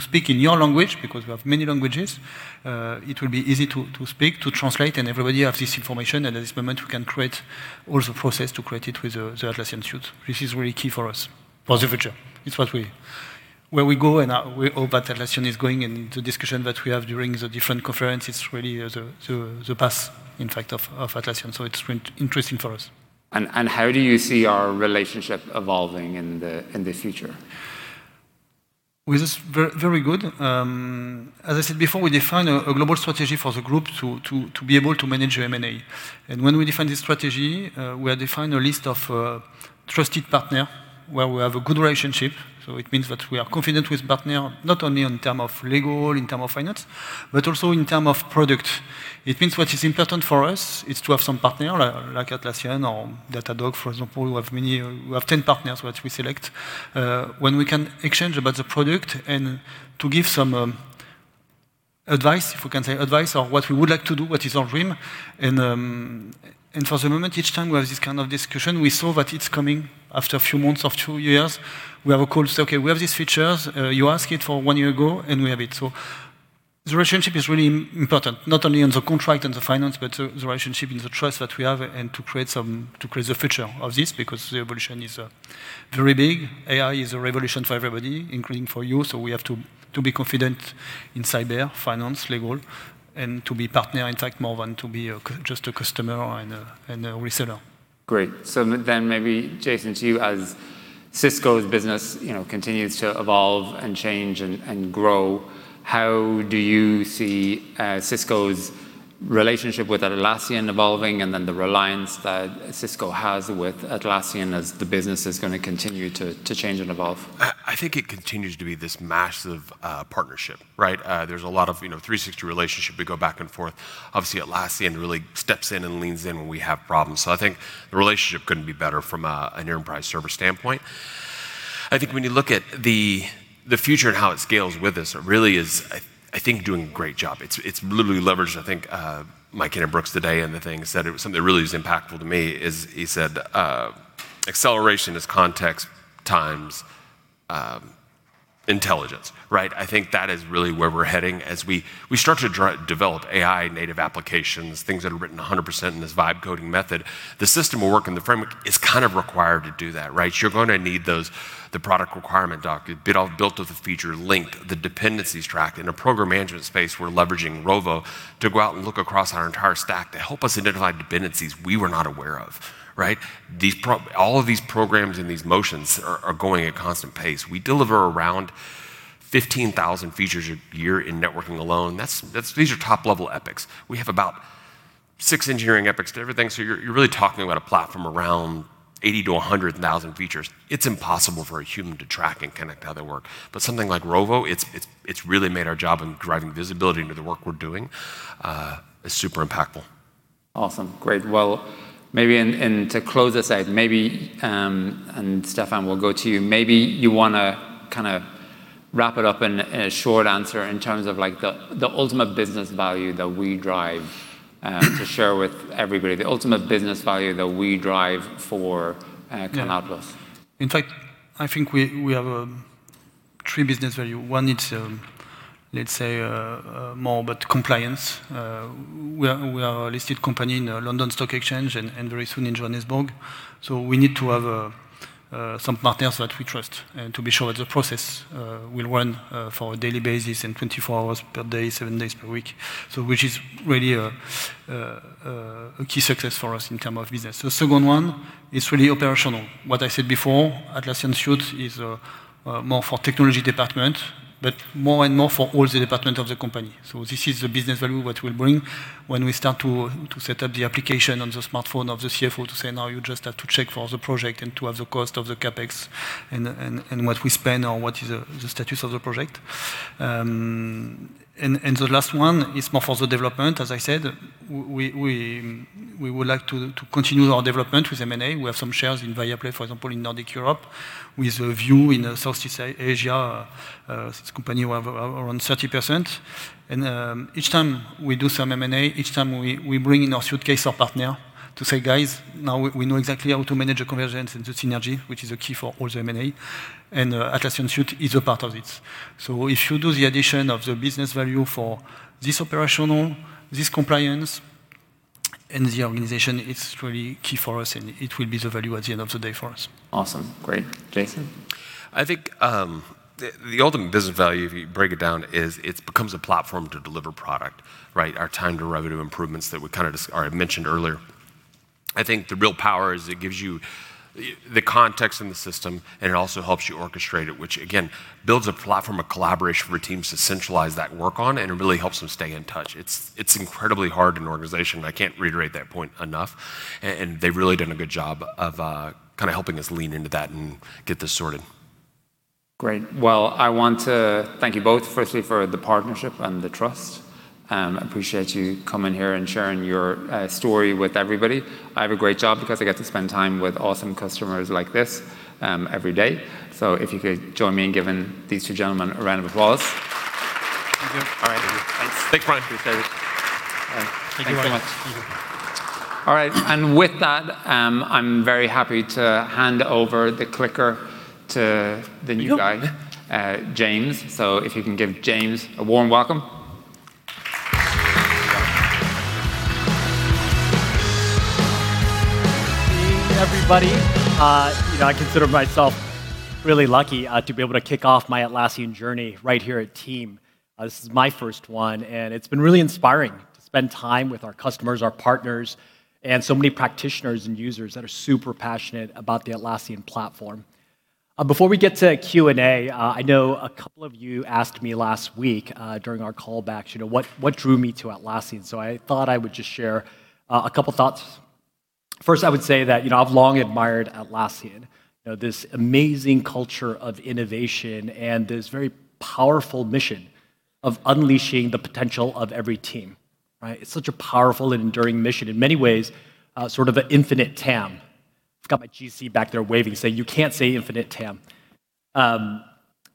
speak in your language because we have many languages. It will be easy to speak, to translate, and everybody have this information. At this moment, we can create all the process to create it with the Atlassian suite. This is really key for us for the future. It's where we go, and we hope Atlassian is going in the discussion that we have during the different conferences really is the path in fact of Atlassian, so it's been interesting for us. How do you see our relationship evolving in the future? With this very good, as I said before, we define a global strategy for the group to be able to manage M&A. When we define the strategy, we define a list of trusted partner where we have a good relationship. It means that we are confident with partner not only in term of legal, in term of finance, but also in term of product. It means what is important for us is to have some partner like Atlassian or Datadog, for example. We have 10 partners which we select, when we can exchange about the product and to give some advice, if we can say advice, or what we would like to do, what is our dream. For the moment, each time we have this kind of discussion, we saw that it's coming after a few months of two years. We have a call, say, "Okay, we have these features. You ask it for one year ago, and we have it." The relationship is really important, not only on the contract and the finance, but the relationship and the trust that we have and to create the future of this because the evolution is very big. AI is a revolution for everybody, including for you, so we have to be confident in cyber, finance, legal, and to be partner in fact more than to be just a customer and a reseller. Great. Then maybe Jason to you, as Cisco's business, you know, continues to evolve and change and grow, how do you see Cisco's relationship with Atlassian evolving and then the reliance that Cisco has with Atlassian as the business is gonna continue to change and evolve? I think it continues to be this massive partnership, right? There's a lot of, you know, 360 relationship. We go back and forth. Obviously Atlassian really steps in and leans in when we have problems, so I think the relationship couldn't be better from an enterprise server standpoint. I think when you look at the future and how it scales with us, it really is doing a great job. It's literally leveraged, I think, Mike Cannon-Brookes today in the thing said it was something that really is impactful to me is he said, "Acceleration is context times intelligence," right? I think that is really where we're heading as we start to develop AI native applications, things that are written 100% in this Vibe coding method. The system will work, and the framework is kind of required to do that, right? You're gonna need those, the product requirement doc, built with the feature linked, the dependencies tracked. In a program management space, we're leveraging Rovo to go out and look across our entire stack to help us identify dependencies we were not aware of, right? All of these programs and these motions are going at constant pace. We deliver around 15,000 features a year in networking alone. That's These are top-level epics. We have about six engineering epics to everything, so you're really talking about a platform around 80,000-100,000 features. It's impossible for a human to track and connect how they work. Something like Rovo, it's really made our job in driving visibility into the work we're doing, is super impactful. Awesome. Great. Maybe and to close this out, maybe, and Stéphane we'll go to you, maybe you want to kind of wrap it up in a short answer in terms of like the ultimate business value that we drive to share with everybody, the ultimate business value that we drive for. Yeah. CANAL+ In fact, I think we have three business value. One is, let's say, more about compliance. We are a listed company in London Stock Exchange and very soon in Johannesburg, so we need to have some partners that we trust, and to be sure that the process will run for a daily basis and 24 hours per day, seven days per week. Which is really a key success for us in term of business. The second one is really operational. What I said before, Atlassian suite is more for technology department, but more and more for all the department of the company. This is the business value what we'll bring when we start to set up the application on the smartphone of the CFO to say, "Now you just have to check for the project and to have the cost of the CapEx and what we spend or what is the status of the project." The last one is more for the development. As I said, we would like to continue our development with M&A. We have some shares in Viaplay, for example, in Nordic Europe, with Viu in Southeast Asia, it's a company we have around 30%. Each time we do some M&A, each time we bring in our suitcase our partner to say, "Guys, now we know exactly how to manage the convergence and the synergy," which is a key for all the M&A. Atlassian suite is a part of it. If you do the addition of the business value for this operational, this compliance, and the organization, it's really key for us, and it will be the value at the end of the day for us. Awesome. Great. Jason? I think the ultimate business value if you break it down is it becomes a platform to deliver product, right. Our time to revenue improvements that we kind of or I mentioned earlier. I think the real power is it gives you the context in the system, and it also helps you orchestrate it, which again builds a platform of collaboration for teams to centralize that work on, and it really helps them stay in touch. It's incredibly hard in an organization. I can't reiterate that point enough, and they've really done a good job of kinda helping us lean into that and get this sorted. Great. Well, I want to thank you both firstly for the partnership and the trust. Appreciate you coming here and sharing your story with everybody. I have a great job because I get to spend time with awesome customers like this every day. If you could join me in giving these two gentlemen a round of applause. Thank you. All right. Thanks. Thanks for running through, Stéph. Thank you very much. All right. With that, I'm very happy to hand over the clicker to the new guy- Here we go. James. If you can give James a warm welcome. Good evening, everybody. You know, I consider myself really lucky to be able to kick off my Atlassian journey right here at Team. This is my first one, and it's been really inspiring to spend time with our customers, our partners, and so many practitioners and users that are super passionate about the Atlassian platform. Before we get to Q&A, I know a couple of you asked me last week during our call backs, you know, what drew me to Atlassian, so I thought I would just share a couple thoughts. First, I would say that, you know, I've long admired Atlassian, you know, this amazing culture of innovation and this very powerful mission of unleashing the potential of every team, right? It's such a powerful and enduring mission in many ways, sort of an infinite TAM. I've got my GC back there waving, saying, "You can't say infinite TAM."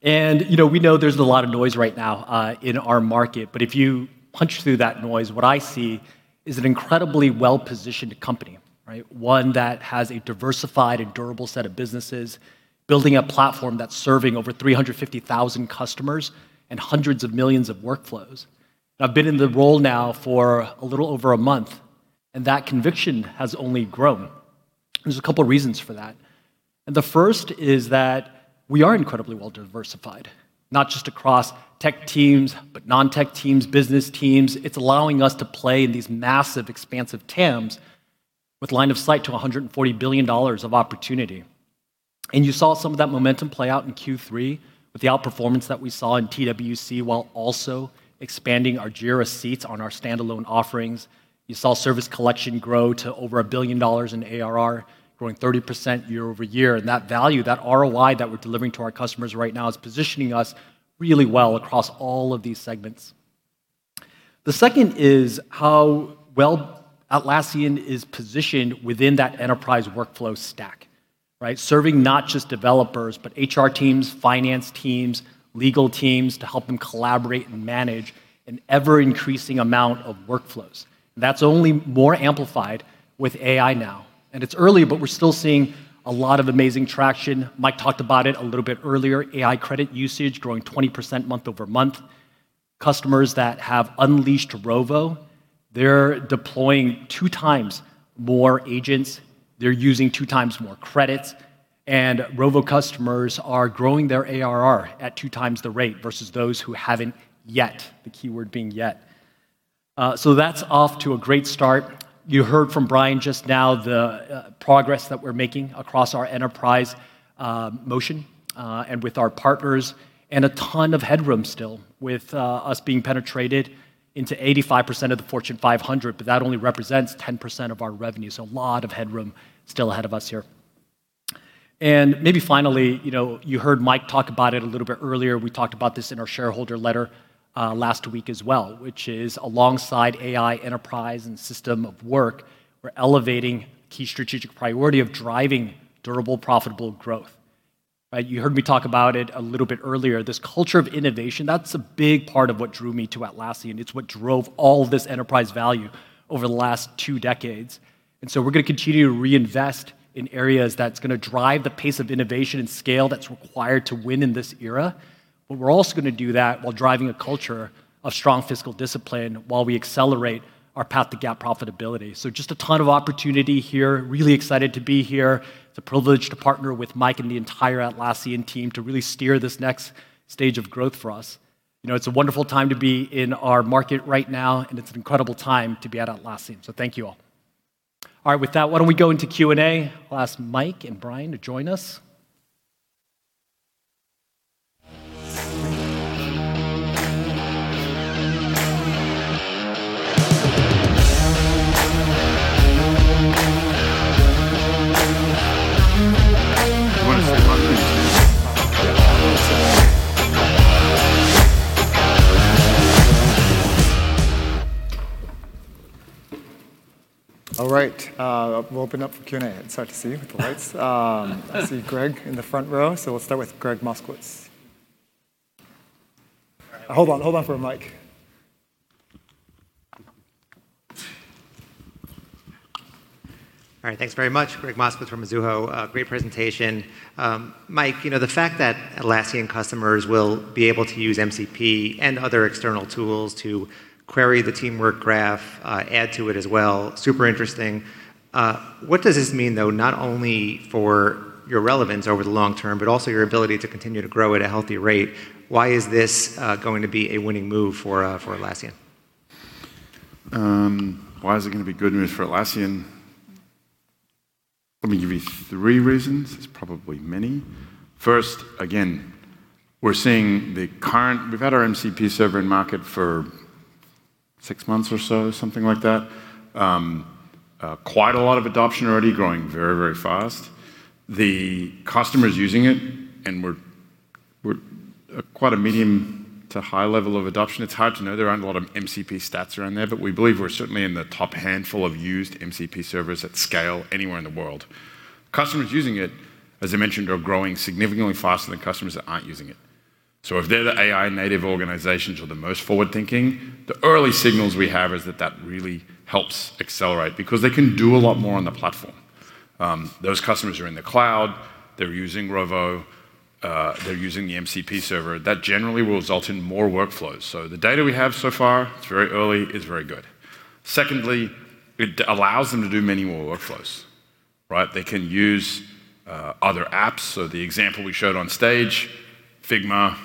You know, we know there's a lot of noise right now in our market. If you punch through that noise, what I see is an incredibly well-positioned company, right? One that has a diversified and durable set of businesses building a platform that's serving over 350,000 customers and hundreds of millions of workflows. I've been in the role now for a little over a month, and that conviction has only grown. There's a couple of reasons for that. The first is that we are incredibly well-diversified, not just across tech teams, but non-tech teams, business teams. It's allowing us to play in these massive expansive TAMs with line of sight to $140 billion of opportunity. You saw some of that momentum play out in Q3 with the outperformance that we saw in TWC while also expanding our Jira seats on our standalone offerings. You saw Service Collection grow to over $1 billion in ARR, growing 30% year-over-year. That value, that ROI that we're delivering to our customers right now is positioning us really well across all of these segments. The second is how well Atlassian is positioned within that enterprise workflow stack, right? Serving not just developers, but HR teams, finance teams, legal teams to help them collaborate and manage an ever-increasing amount of workflows. That's only more amplified with AI now. It's early, but we're still seeing a lot of amazing traction. Mike talked about it a little bit earlier. AI credit usage growing 20% month-over-month. Customers that have unleashed Rovo, they're deploying 2x more agents. They're using 2x more credits. Rovo customers are growing their ARR at 2x the rate versus those who haven't yet, the keyword being yet. That's off to a great start. You heard from Brian just now the progress that we're making across our enterprise motion and with our partners, and a ton of headroom still with us being penetrated into 85% of the Fortune 500, but that only represents 10% of our revenue. A lot of headroom still ahead of us here. Maybe finally, you know, you heard Mike talk about it a little bit earlier. We talked about this in our shareholder letter, last week as well, which is alongside AI enterprise and system of work, we're elevating key strategic priority of driving durable, profitable growth, right? You heard me talk about it a little bit earlier. This culture of innovation, that's a big part of what drew me to Atlassian. It's what drove all this enterprise value over the last two decades. We're gonna continue to reinvest in areas that's gonna drive the pace of innovation and scale that's required to win in this era. We're also gonna do that while driving a culture of strong fiscal discipline while we accelerate our path to GAAP profitability. Just a ton of opportunity here. Really excited to be here. It's a privilege to partner with Mike and the entire Atlassian team to really steer this next stage of growth for us. You know, it's a wonderful time to be in our market right now, and it's an incredible time to be at Atlassian. Thank you all. All right, with that, why don't we go into Q&A? I'll ask Mike and Brian to join us. All right. We'll open up for Q&A. It's hard to see with the lights. I see Gregg in the front row, so we'll start with Gregg Moskowitz. Hold on for a mic. All right. Thanks very much. Gregg Moskowitz from Mizuho. Great presentation. Mike, you know, the fact that Atlassian customers will be able to use MCP and other external tools to query the Teamwork Graph, add to it as well, super interesting. What does this mean, though, not only for your relevance over the long term, but also your ability to continue to grow at a healthy rate? Why is this going to be a winning move for Atlassian? Why is it gonna be good news for Atlassian? Let me give you three reasons. There's probably many. First, again, we're seeing the current We've had our MCP server in market for six months or so, something like that. Quite a lot of adoption already, growing very, very fast. The customers using it, and we're quite a medium to high level of adoption. It's hard to know. There aren't a lot of MCP stats around there, but we believe we're certainly in the top handful of used MCP servers at scale anywhere in the world. Customers using it, as I mentioned, are growing significantly faster than customers that aren't using it. If they're the AI native organizations or the most forward-thinking, the early signals we have is that that really helps accelerate because they can do a lot more on the platform. Those customers are in the cloud, they're using Rovo, they're using the MCP server. That generally will result in more workflows. The data we have so far, it's very early, is very good. Secondly, it allows them to do many more workflows, right? They can use other apps. The example we showed on stage, Figma,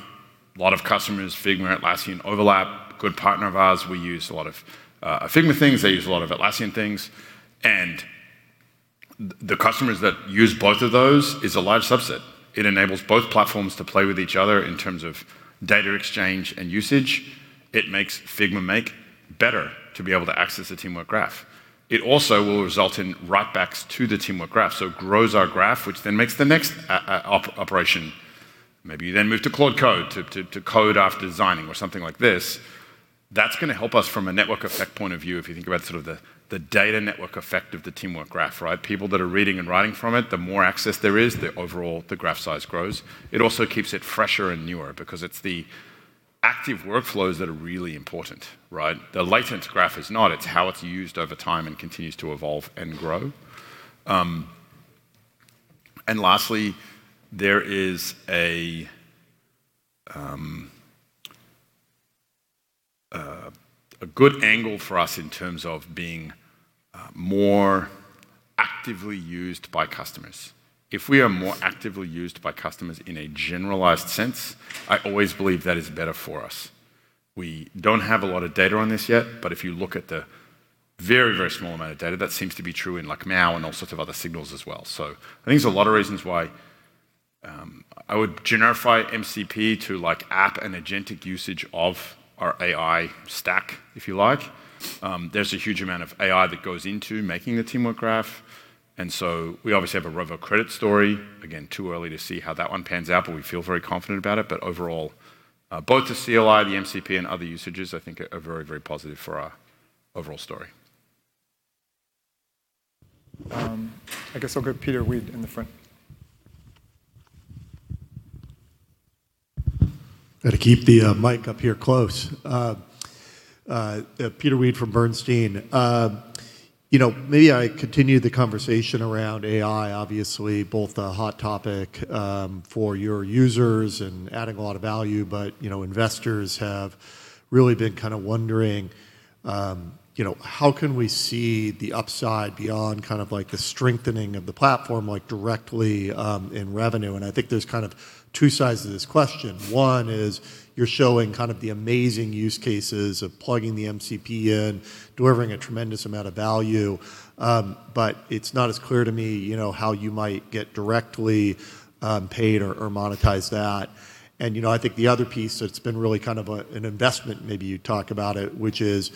a lot of customers, Figma, Atlassian overlap, good partner of ours. We use a lot of Figma things. They use a lot of Atlassian things. The customers that use both of those is a large subset. It enables both platforms to play with each other in terms of data exchange and usage. It makes Figma make better to be able to access the Teamwork Graph. It also will result in write backs to the Teamwork Graph. It grows our graph, which then makes the next operation. Maybe you then move to Claude Code to code after designing or something like this. That's gonna help us from a network effect point of view, if you think about sort of the data network effect of the Teamwork Graph, right. People that are reading and writing from it, the more access there is, the overall the graph size grows. It also keeps it fresher and newer because it's the active workflows that are really important, right. The latent graph is not. It's how it's used over time and continues to evolve and grow. Lastly, there is a good angle for us in terms of being more actively used by customers. If we are more actively used by customers in a generalized sense, I always believe that is better for us. We don't have a lot of data on this yet, but if you look at the very, very small amount of data, that seems to be true in like MAU and all sorts of other signals as well. I think there's a lot of reasons why I would generify MCP to like app and agentic usage of our AI stack, if you like. There's a huge amount of AI that goes into making the Teamwork Graph. We obviously have a Rovo credit story. Again, too early to see how that one pans out, but we feel very confident about it. Overall, both the CLI, the MCP, and other usages I think are very, very positive for our overall story. I guess I'll go Peter Weed in the front. Gotta keep the mic up here close. Peter Weed from Bernstein. You know, maybe I continue the conversation around AI, obviously both a hot topic for your users and adding a lot of value. You know, investors have really been kind of wondering, you know, how can we see the upside beyond kind of like the strengthening of the platform, like directly in revenue? I think there's kind of two sides to this question. One is you're showing kind of the amazing use cases of plugging the MCP in, delivering a tremendous amount of value. It's not as clear to me, you know, how you might get directly paid or monetize that. You know, I think the other piece that's been really kind of a, an investment, maybe you'd talk about it, which is,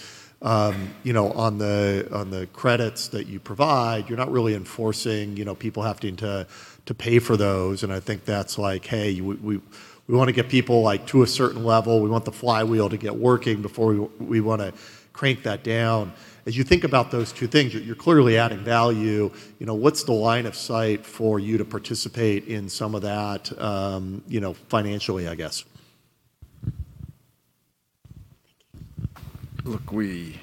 you know, on the, on the credits that you provide, you're not really enforcing, you know, people having to pay for those. I think that's like, "Hey, we wanna get people, like, to a certain level. We want the flywheel to get working before we wanna crank that down." As you think about those two things, you're clearly adding value. You know, what's the line of sight for you to participate in some of that, you know, financially, I guess? Look, we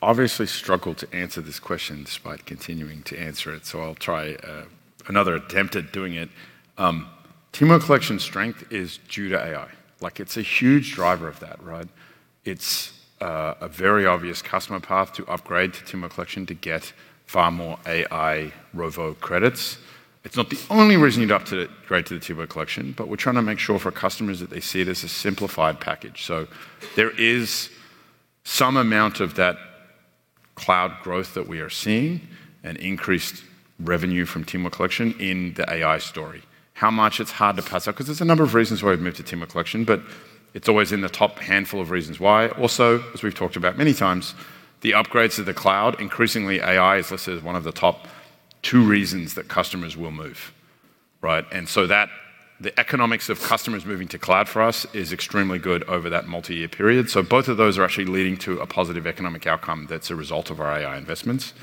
obviously struggle to answer this question despite continuing to answer it, so I'll try another attempt at doing it. Teamwork Collection strength is due to AI. Like, it's a huge driver of that, right? It's a very obvious customer path to upgrade to Teamwork Collection to get far more AI Rovo credits. It's not the only reason you'd upgrade to the Teamwork Collection, but we're trying to make sure for customers that they see it as a simplified package. There is some amount of that cloud growth that we are seeing and increased revenue from Teamwork Collection in the AI story. How much? It's hard to parse out 'cause there's a number of reasons why we've moved to Teamwork Collection, but it's always in the top handful of reasons why. Also, as we've talked about many times, the upgrades to the cloud, increasingly AI is listed as one of the top two reasons that customers will move, right? The economics of customers moving to cloud for us is extremely good over that multi-year period. Both of those are actually leading to a positive economic outcome that's a result of our AI investments.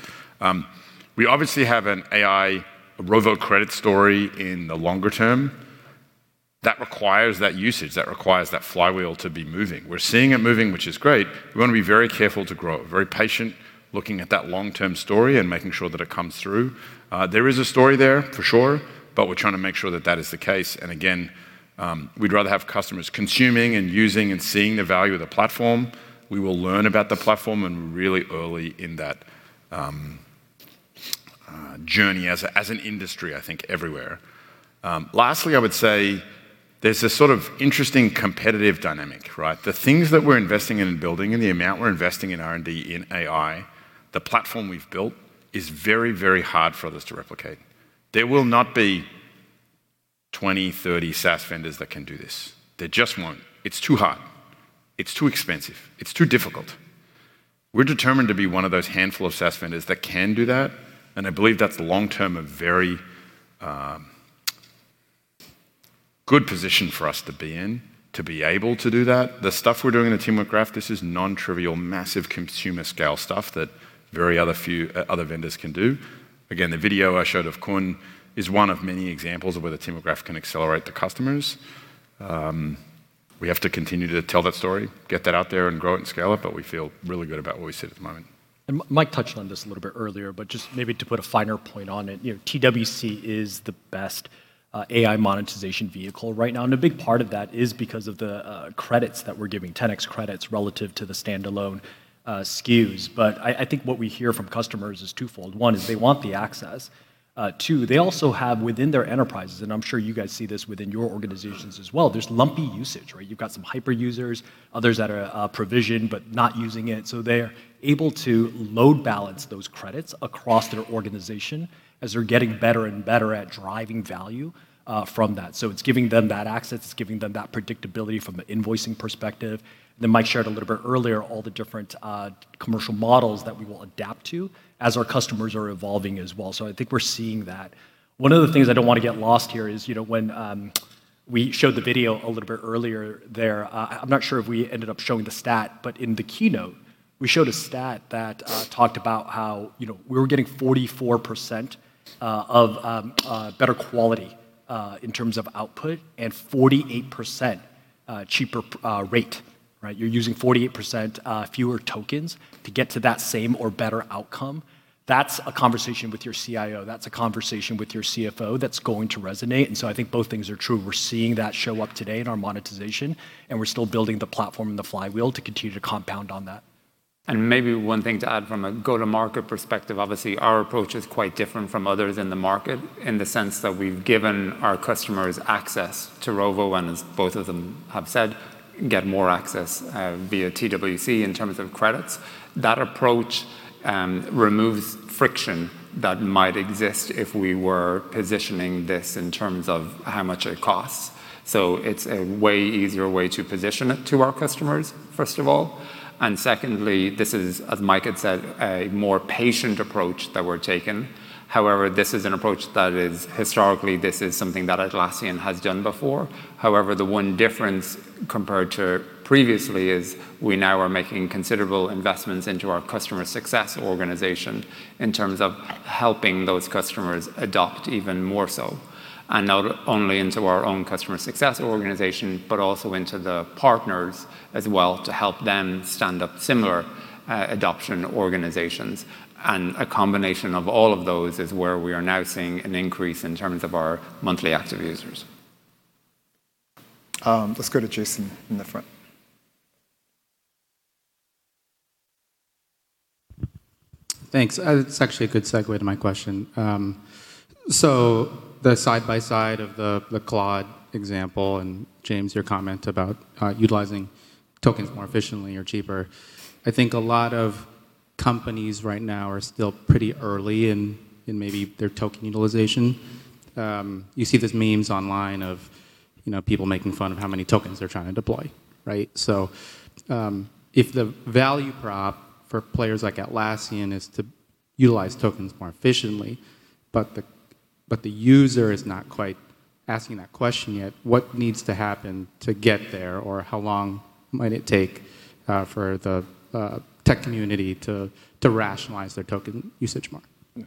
We obviously have an AI Rovo credit story in the longer term. That requires that usage. That requires that flywheel to be moving. We're seeing it moving, which is great. We wanna be very careful to grow it, very patient looking at that long-term story and making sure that it comes through. There is a story there for sure, but we're trying to make sure that that is the case. Again, we'd rather have customers consuming and using and seeing the value of the platform. We will learn about the platform and really early in that journey as an industry, I think everywhere. Lastly, I would say there's a sort of interesting competitive dynamic, right? The things that we're investing in and building and the amount we're investing in R&D in AI, the platform we've built is very, very hard for others to replicate. There will not be 20, 30 SaaS vendors that can do this. There just won't. It's too hard. It's too expensive. It's too difficult. We're determined to be one of those handful of SaaS vendors that can do that, and I believe that's long term a very good position for us to be in to be able to do that. The stuff we're doing in the Teamwork Graph, this is non-trivial, massive consumer scale stuff that very other few other vendors can do. Again, the video I showed of Kun is one of many examples of where the Teamwork Graph can accelerate the customers. We have to continue to tell that story, get that out there, and grow it and scale it, but we feel really good about where we sit at the moment. Mike touched on this a little bit earlier, but just maybe to put a finer point on it, you know, TWC is the best AI monetization vehicle right now. A big part of that is because of the credits that we're giving, 10x credits relative to the standalone SKUs. I think what we hear from customers is twofold. One is they want the access. Two, they also have within their enterprises, and I'm sure you guys see this within your organizations as well, there's lumpy usage, right? You've got some hyper users, others that are provisioned but not using it. They're able to load balance those credits across their organization as they're getting better and better at driving value from that. It's giving them that access, it's giving them that predictability from an invoicing perspective. Mike shared a little bit earlier all the different commercial models that we will adapt to as our customers are evolving as well. I think we're seeing that. One of the things I don't want to get lost here is, you know, when we showed the video a little bit earlier there, I'm not sure if we ended up showing the stat, but in the keynote, we showed a stat that talked about how, you know, we were getting 44% of better quality in terms of output, and 48% cheaper rate, right? You're using 48% fewer tokens to get to that same or better outcome. That's a conversation with your CIO. That's a conversation with your CFO that's going to resonate. I think both things are true. We're seeing that show up today in our monetization, and we're still building the platform and the flywheel to continue to compound on that. Maybe one thing to add from a go-to-market perspective, obviously, our approach is quite different from others in the market in the sense that we've given our customers access to Rovo, and as both of them have said, get more access via TWC in terms of credits. That approach removes friction that might exist if we were positioning this in terms of how much it costs. It's a way easier way to position it to our customers, first of all. Secondly, this is, as Mike had said, a more patient approach that we're taking. However, this is an approach that is historically this is something that Atlassian has done before. However, the one difference compared to previously is we now are making considerable investments into our customer success organization in terms of helping those customers adopt even more so. Not only into our own customer success organization, but also into the partners as well to help them stand up similar adoption organizations. A combination of all of those is where we are now seeing an increase in terms of our monthly active users. Let's go to Jason in the front. Thanks. That's actually a good segue to my question. The side by side of the Claude example, and James, your comment about utilizing tokens more efficiently or cheaper. I think a lot of companies right now are still pretty early in maybe their token utilization. You see these memes online of, you know, people making fun of how many tokens they're trying to deploy, right? If the value prop for players like Atlassian is to utilize tokens more efficiently, but the user is not quite asking that question yet, what needs to happen to get there, or how long might it take for the tech community to rationalize their token usage more? Yeah.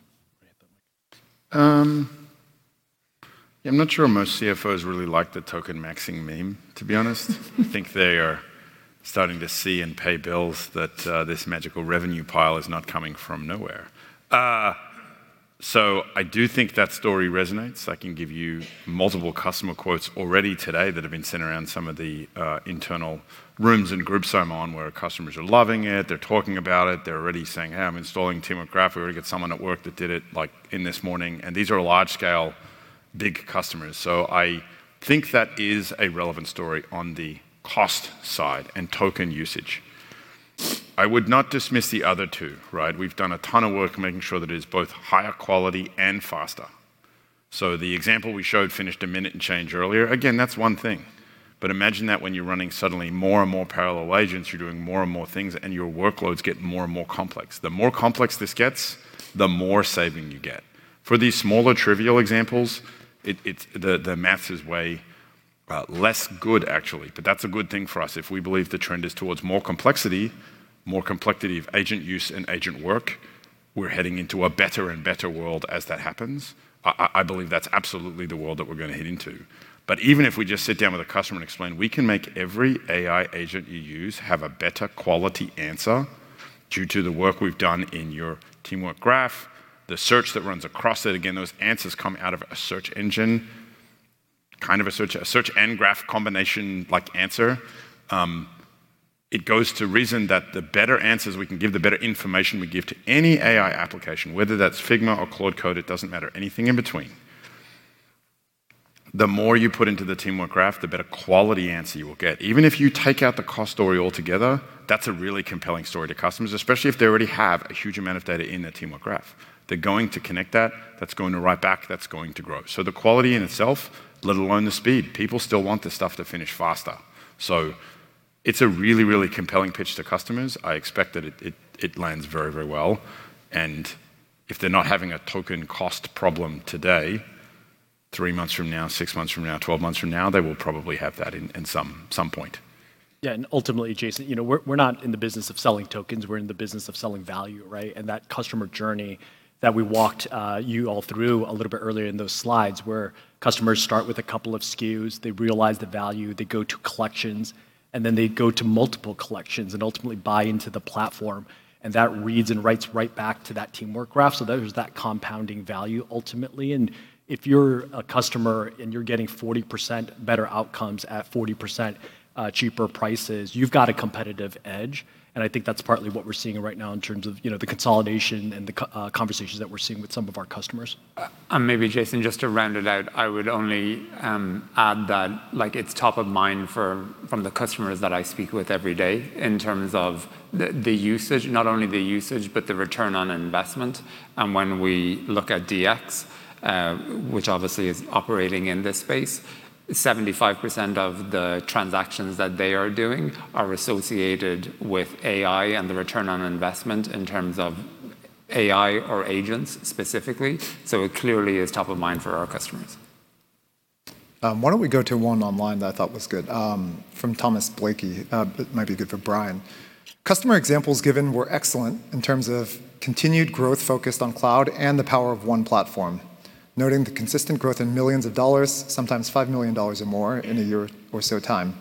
I'm not sure most CFOs really like the token maxing meme, to be honest. I think they are starting to see and pay bills that this magical revenue pile is not coming from nowhere. I do think that story resonates. I can give you multiple customer quotes already today that have been sent around some of the internal rooms and groups I'm on where customers are loving it, they're talking about it. They're already saying, "Hey, I'm installing Teamwork Graph!" We already got someone at work that did it, like, in this morning. These are large scale, big customers. I think that is a relevant story on the cost side and token usage. I would not dismiss the other two, right? We've done a ton of work making sure that it is both higher quality and faster. The example we showed finished a minute and change earlier. That's one thing. Imagine that when you're running suddenly more and more parallel agents, you're doing more and more things, and your workloads get more and more complex. The more complex this gets, the more saving you get. For these smaller trivial examples, the maths is way less good, actually. That's a good thing for us. If we believe the trend is towards more complexity, more complexity of agent use and agent work, we're heading into a better and better world as that happens. I believe that's absolutely the world that we're gonna head into. Even if we just sit down with a customer and explain, we can make every AI agent you use have a better quality answer due to the work we've done in your Teamwork Graph, the search that runs across it. Again, those answers come out of a search engine, kind of a search, a search and graph combination like answer. It goes to reason that the better answers we can give, the better information we give to any AI application, whether that's Figma or Claude Code, it doesn't matter, anything in between. The more you put into the Teamwork Graph, the better quality answer you will get. Even if you take out the cost story altogether, that's a really compelling story to customers, especially if they already have a huge amount of data in their Teamwork Graph. They're going to connect that's going to write back, that's going to grow. The quality in itself, let alone the speed, people still want this stuff to finish faster. It's a really compelling pitch to customers. I expect that it lands very well. If they're not having a token cost problem today, three months from now, six months from now, 12 months from now, they will probably have that in some point. Ultimately, Jason, you know, we're not in the business of selling tokens, we're in the business of selling value, right? That customer journey that we walked you all through a little bit earlier in those slides where customers start with a couple of SKUs, they realize the value, they go to collections, then they go to multiple collections and ultimately buy into the platform, and that reads and writes right back to that Teamwork Graph. There's that compounding value ultimately. If you're a customer and you're getting 40% better outcomes at 40% cheaper prices, you've got a competitive edge. I think that's partly what we're seeing right now in terms of, you know, the consolidation and the conversations that we're seeing with some of our customers. Maybe Jason, just to round it out, I would only add that, like it's top of mind for, from the customers that I speak with every day in terms of the usage, not only the usage, but the return on investment. When we look at DX, which obviously is operating in this space, 75% of the transactions that they are doing are associated with AI and the return on investment in terms of AI or agents specifically. It clearly is top of mind for our customers. Why don't we go to one online that I thought was good, from Thomas Blakey. It might be good for Brian. Customer examples given were excellent in terms of continued growth focused on cloud and the power of one platform. Noting the consistent growth in millions of dollars, sometimes $5 million or more in a year or so time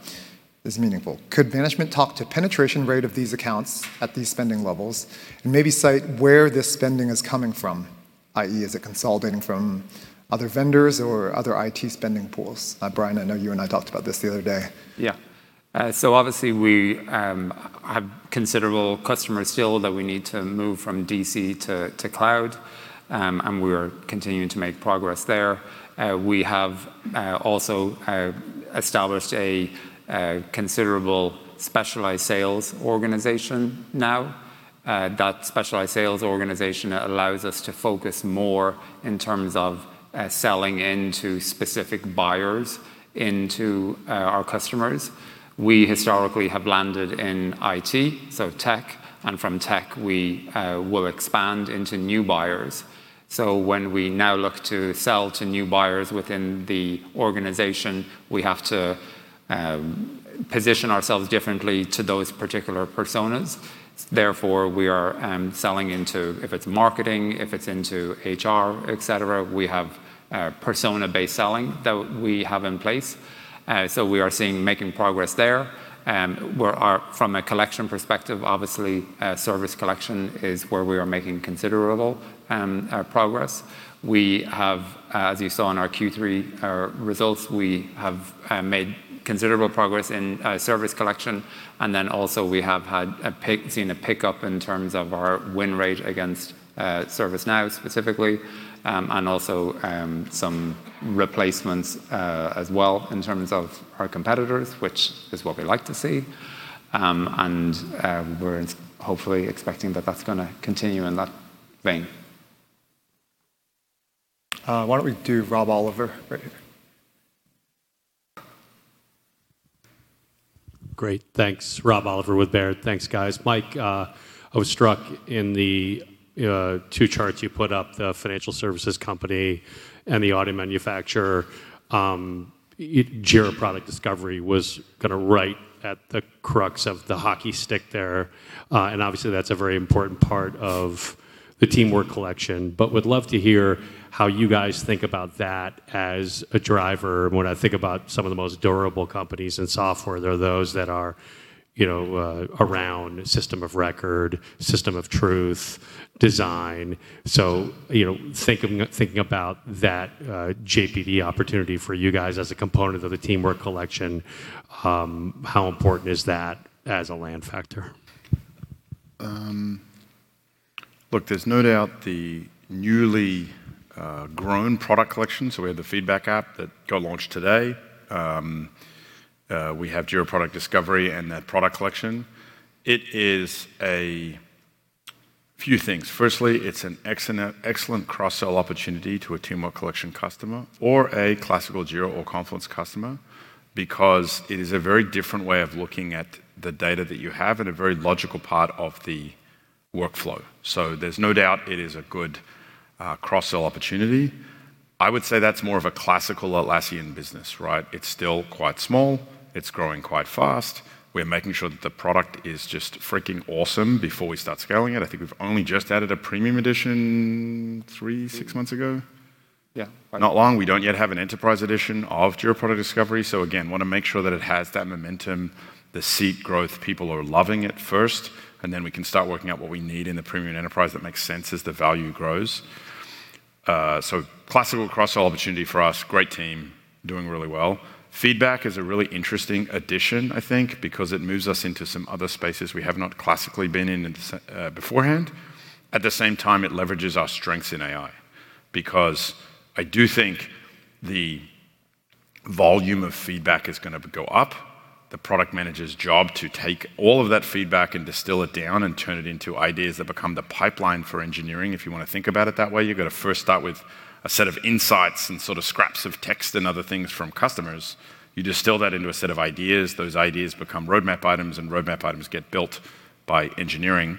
is meaningful. Could management talk to penetration rate of these accounts at these spending levels, and maybe cite where this spending is coming from, i.e., is it consolidating from other vendors or other IT spending pools? Brian, I know you and I talked about this the other day. Obviously we have considerable customers still that we need to move from DC to cloud. We're continuing to make progress there. We have also established a considerable specialized sales organization now. That specialized sales organization allows us to focus more in terms of selling into specific buyers into our customers. We historically have landed in IT, so tech, and from tech, we will expand into new buyers. When we now look to sell to new buyers within the organization, we have to position ourselves differently to those particular personas. Therefore, we are selling into, if it's marketing, if it's into HR, et cetera, we have persona-based selling that we have in place. We are seeing making progress there. We're from a collection perspective, obviously, Service Collection is where we are making considerable progress. We have, as you saw in our Q3 results, we have made considerable progress in Service Collection. Also we have seen a pickup in terms of our win rate against ServiceNow specifically, and also some replacements as well in terms of our competitors, which is what we like to see. We're hopefully expecting that that's gonna continue in that vein. Why don't we do Rob Oliver right here? Great. Thanks. Rob Oliver with Baird. Thanks, guys. Mike, I was struck in the two charts you put up, the financial services company and the auto manufacturer. Jira Product Discovery was kinda right at the crux of the hockey stick there. Obviously that's a very important part of the Teamwork Collection. Would love to hear how you guys think about that as a driver. When I think about some of the most durable companies in software, they're those that are, you know, around system of record, system of truth, design. You know, thinking about that JPD opportunity for you guys as a component of the Teamwork Collection, how important is that as a land factor? There's no doubt the newly grown Product Collection, so we have the Feedback app that got launched today. We have Jira Product Discovery and that Product Collection. It is a few things. Firstly, it's an excellent cross-sell opportunity to a Teamwork Collection customer or a classical Jira or Confluence customer because it is a very different way of looking at the data that you have and a very logical part of the workflow. There's no doubt it is a good cross-sell opportunity. I would say that's more of a classical Atlassian business, right? It's still quite small. It's growing quite fast. We're making sure that the product is just freaking awesome before we start scaling it. I think we've only just added a premium edition three, six months ago. Yeah. Not long. We don't yet have an enterprise edition of Jira Product Discovery. Again, wanna make sure that it has that momentum, the seat growth, people are loving it first, and then we can start working out what we need in the premium enterprise that makes sense as the value grows. Classical cross-sell opportunity for us. Great team, doing really well. Feedback is a really interesting addition, I think, because it moves us into some other spaces we have not classically been in beforehand. At the same time, it leverages our strengths in AI because I do think the volume of feedback is gonna go up. The product manager's job to take all of that feedback and distill it down and turn it into ideas that become the pipeline for engineering, if you wanna think about it that way. You've gotta first start with a set of insights and sort of scraps of text and other things from customers. You distill that into a set of ideas. Those ideas become roadmap items, and roadmap items get built by engineering.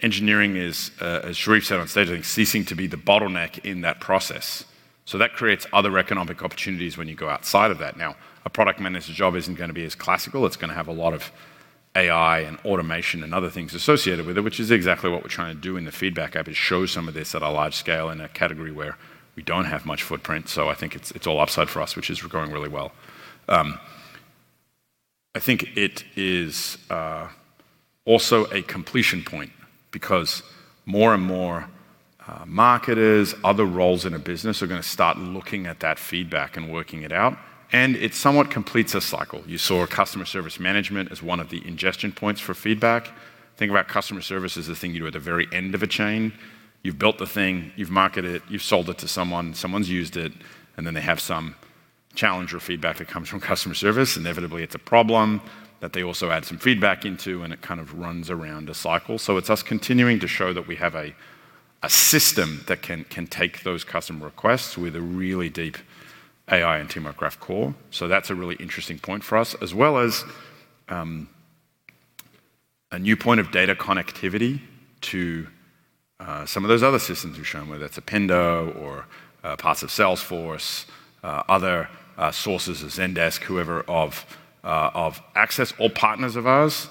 Engineering is, as Sherif said on stage, I think ceasing to be the bottleneck in that process. That creates other economic opportunities when you go outside of that. Now, a product manager's job isn't gonna be as classical. It's gonna have a lot of AI and automation and other things associated with it, which is exactly what we're trying to do in the Feedback app, is show some of this at a large scale in a category where we don't have much footprint. I think it's all upside for us, which is going really well. I think it is also a completion point because more and more marketers, other roles in a business are gonna start looking at that feedback and working it out, and it somewhat completes a cycle. You saw Customer Service Management as one of the ingestion points for feedback. Think about customer service as the thing you do at the very end of a chain. You've built the thing, you've marketed it, you've sold it to someone's used it, and then they have some challenge or feedback that comes from customer service. Inevitably, it's a problem that they also add some feedback into, and it kind of runs around a cycle. It's us continuing to show that we have a system that can take those customer requests with a really deep AI and Teamwork Graph core. That's a really interesting point for us, as well as, a new point of data connectivity to some of those other systems we've shown, whether it's Pendo or parts of Salesforce, other sources of Zendesk, whoever of access or partners of ours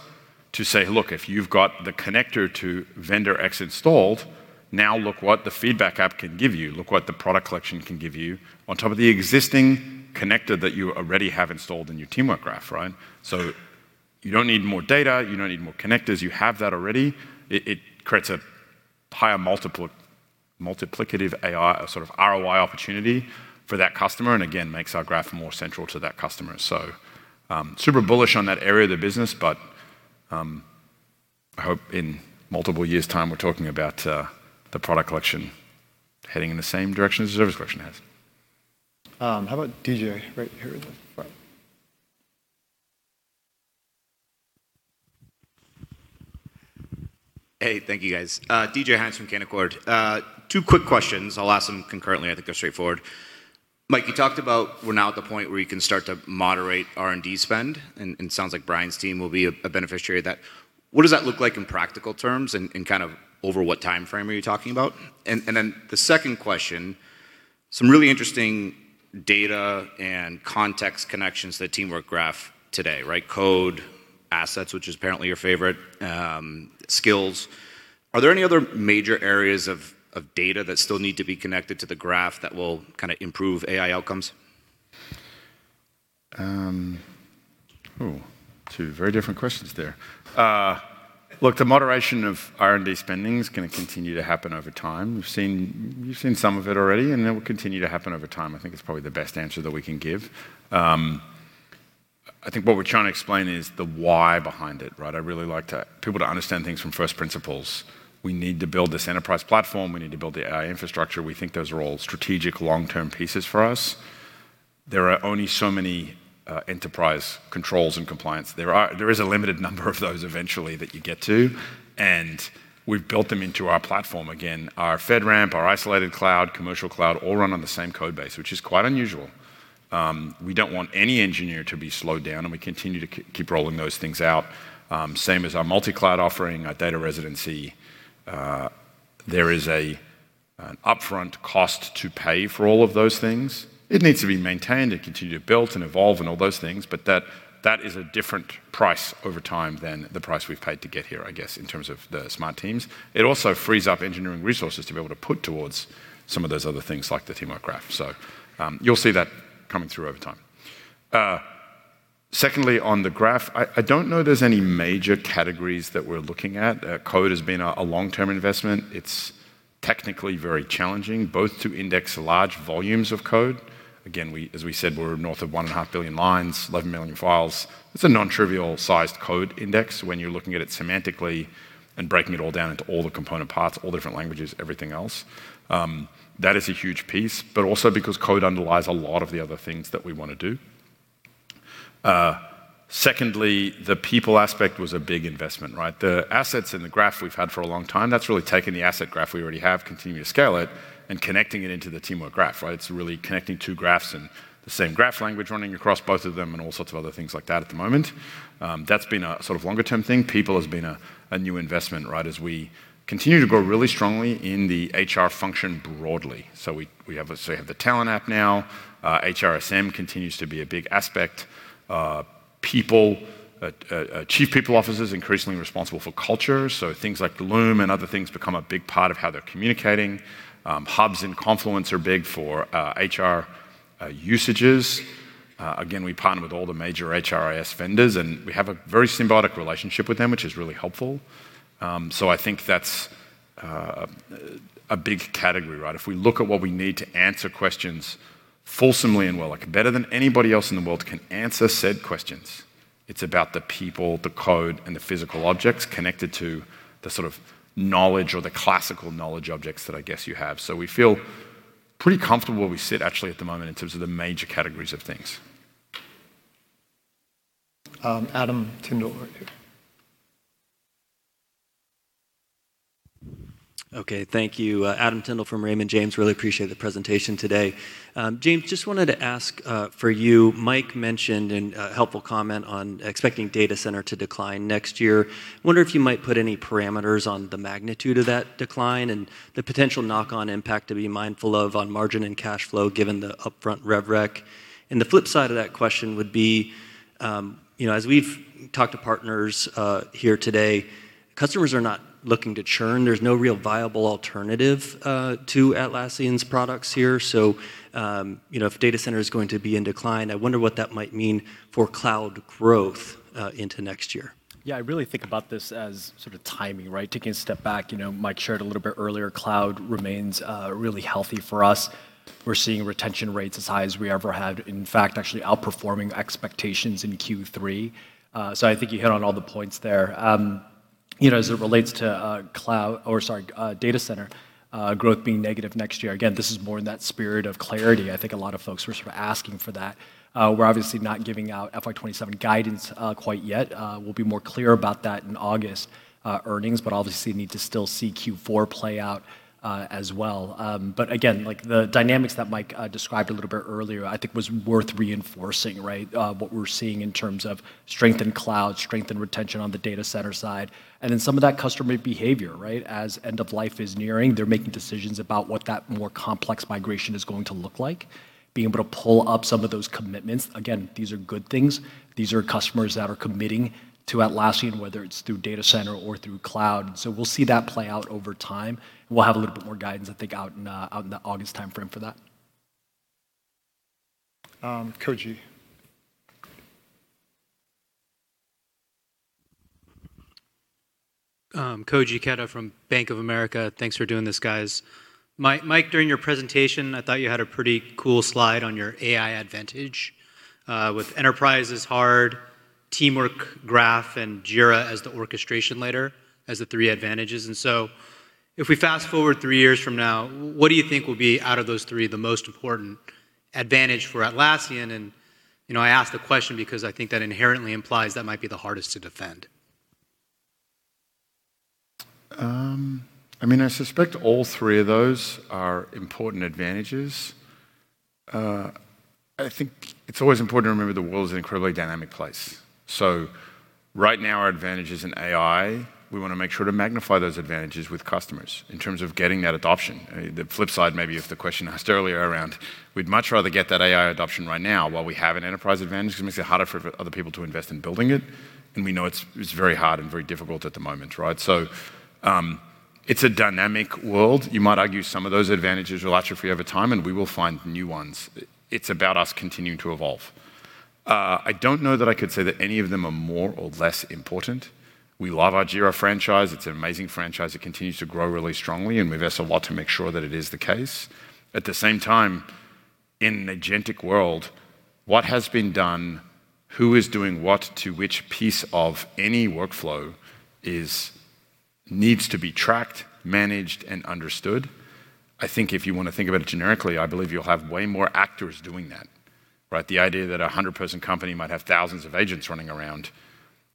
to say, "Look, if you've got the connector to vendor X installed, now look what the Feedback app can give you. Look what the Product Collection can give you on top of the existing connector that you already have installed in your Teamwork Graph," right? You don't need more data. You don't need more connectors. You have that already. It creates a higher multiple, multiplicative AI, a sort of ROI opportunity for that customer, and again, makes our graph more central to that customer. Super bullish on that area of the business. I hope in multiple years' time, we're talking about the Product Collection heading in the same direction as the Service Collection has. How about DJ right here in the front? Hey, thank you, guys. DJ Hynes from Canaccord. Two quick questions. I'll ask them concurrently. I think they're straightforward. Mike, you talked about we're now at the point where you can start to moderate R&D spend, and sounds like Brian's team will be a beneficiary of that. What does that look like in practical terms and kind of over what timeframe are you talking about? The second question, some really interesting data and context connections to the Teamwork Graph today, right? Code, assets, which is apparently your favorite, skills. Are there any other major areas of data that still need to be connected to the Graph that will kinda improve AI outcomes? Two very different questions there. Look, the moderation of R&D spending is gonna continue to happen over time. You've seen some of it already, and it will continue to happen over time. I think it's probably the best answer that we can give. I think what we're trying to explain is the why behind it, right? I really like people to understand things from first principles. We need to build this enterprise platform. We need to build the AI infrastructure. We think those are all strategic long-term pieces for us. There are only so many enterprise controls and compliance. There is a limited number of those eventually that you get to, and we've built them into our platform. Again, our FedRAMP, our Isolated Cloud, commercial cloud all run on the same code base, which is quite unusual. We don't want any engineer to be slowed down, and we continue to keep rolling those things out. Same as our multi-cloud offering, our data residency. There is an upfront cost to pay for all of those things. It needs to be maintained and continue to build and evolve and all those things. That is a different price over time than the price we've paid to get here, I guess, in terms of the smart teams. It also frees up engineering resources to be able to put towards some of those other things like the Teamwork Graph. You'll see that coming through over time. Secondly, on the graph, I don't know there's any major categories that we're looking at. Code has been a long-term investment. It's technically very challenging both to index large volumes of code. Again, we, as we said, we're north of 1.5 billion lines, 11 million files. It's a non-trivial sized code index when you're looking at it semantically and breaking it all down into all the component parts, all different languages, everything else. That is a huge piece, but also because code underlies a lot of the other things that we wanna do. Secondly, the people aspect was a big investment, right? The assets in the graph we've had for a long time, that's really taken the asset graph we already have, continuing to scale it and connecting it into the Teamwork Graph, right? It's really connecting two graphs and the same graph language running across both of them and all sorts of other things like that at the moment. That's been a sort of longer term thing. People has been a new investment, right, as we continue to grow really strongly in the HR function broadly. We have the Talent app now. HRSD continues to be a big aspect. People, Chief People Officers increasingly responsible for culture, so things like Loom and other things become a big part of how they're communicating. Hubs and Confluence are big for HR usages. Again, we partner with all the major HRIS vendors, and we have a very symbiotic relationship with them, which is really helpful. I think that's a big category, right? If we look at what we need to answer questions fulsomely and well, like better than anybody else in the world can answer said questions, it's about the people, the code, and the physical objects connected to the sort of knowledge or the classical knowledge objects that I guess you have. We feel pretty comfortable where we sit actually at the moment in terms of the major categories of things. Adam Tindle right here. Okay. Thank you. Adam Tindle from Raymond James. Really appreciate the presentation today. James, just wanted to ask, for you, Mike mentioned in a helpful comment on expecting Data Center to decline next year. Wonder if you might put any parameters on the magnitude of that decline and the potential knock-on impact to be mindful of on margin and cash flow, given the upfront rev rec. The flip side of that question would be, you know, as we've talked to partners here today, customers are not looking to churn. There's no real viable alternative to Atlassian's products here. You know, if Data Center is going to be in decline, I wonder what that might mean for cloud growth into next year. Yeah, I really think about this as sort of timing, right? Taking a step back, you know, Mike shared a little bit earlier, cloud remains really healthy for us. We're seeing retention rates as high as we ever had, in fact, actually outperforming expectations in Q3. So I think you hit on all the points there. You know, as it relates to cloud or sorry, data center growth being negative next year, again, this is more in that spirit of clarity. I think a lot of folks were sort of asking for that. We're obviously not giving out FY 2027 guidance quite yet. We'll be more clear about that in August earnings, but obviously need to still see Q4 play out as well. Again, like the dynamics that Mike described a little bit earlier I think was worth reinforcing, right? What we're seeing in terms of strength in cloud, strength in retention on the data center side, and then some of that customer behavior, right? As end of life is nearing, they're making decisions about what that more complex migration is going to look like, being able to pull up some of those commitments. Again, these are good things. These are customers that are committing to Atlassian, whether it's through data center or through cloud. We'll see that play out over time. We'll have a little bit more guidance, I think, out in the August timeframe for that. Koji. Koji Ikeda from Bank of America. Thanks for doing this, guys. Mike, during your presentation, I thought you had a pretty cool slide on your AI advantage, with enterprise as hard, Teamwork Graph, and Jira as the orchestration layer as the three advantages. If we fast-forward three years from now, what do you think will be, out of those three, the most important advantage for Atlassian? You know, I ask the question because I think that inherently implies that might be the hardest to defend. I mean, I suspect all three of those are important advantages. I think it's always important to remember the world is an incredibly dynamic place. Right now, our advantage is in AI. We wanna make sure to magnify those advantages with customers in terms of getting that adoption. The flip side maybe of the question asked earlier around we'd much rather get that AI adoption right now while we have an enterprise advantage because it makes it harder for other people to invest in building it, and we know it's very hard and very difficult at the moment, right? It's a dynamic world. You might argue some of those advantages will atrophy over time, and we will find new ones. It's about us continuing to evolve. I don't know that I could say that any of them are more or less important. We love our Jira franchise. It's an amazing franchise. It continues to grow really strongly, and we've invested a lot to make sure that it is the case. At the same time, in an agentic world, what has been done, who is doing what to which piece of any workflow needs to be tracked, managed, and understood. I think if you wanna think about it generically, I believe you'll have way more actors doing that, right? The idea that a hundred-person company might have thousands of agents running around,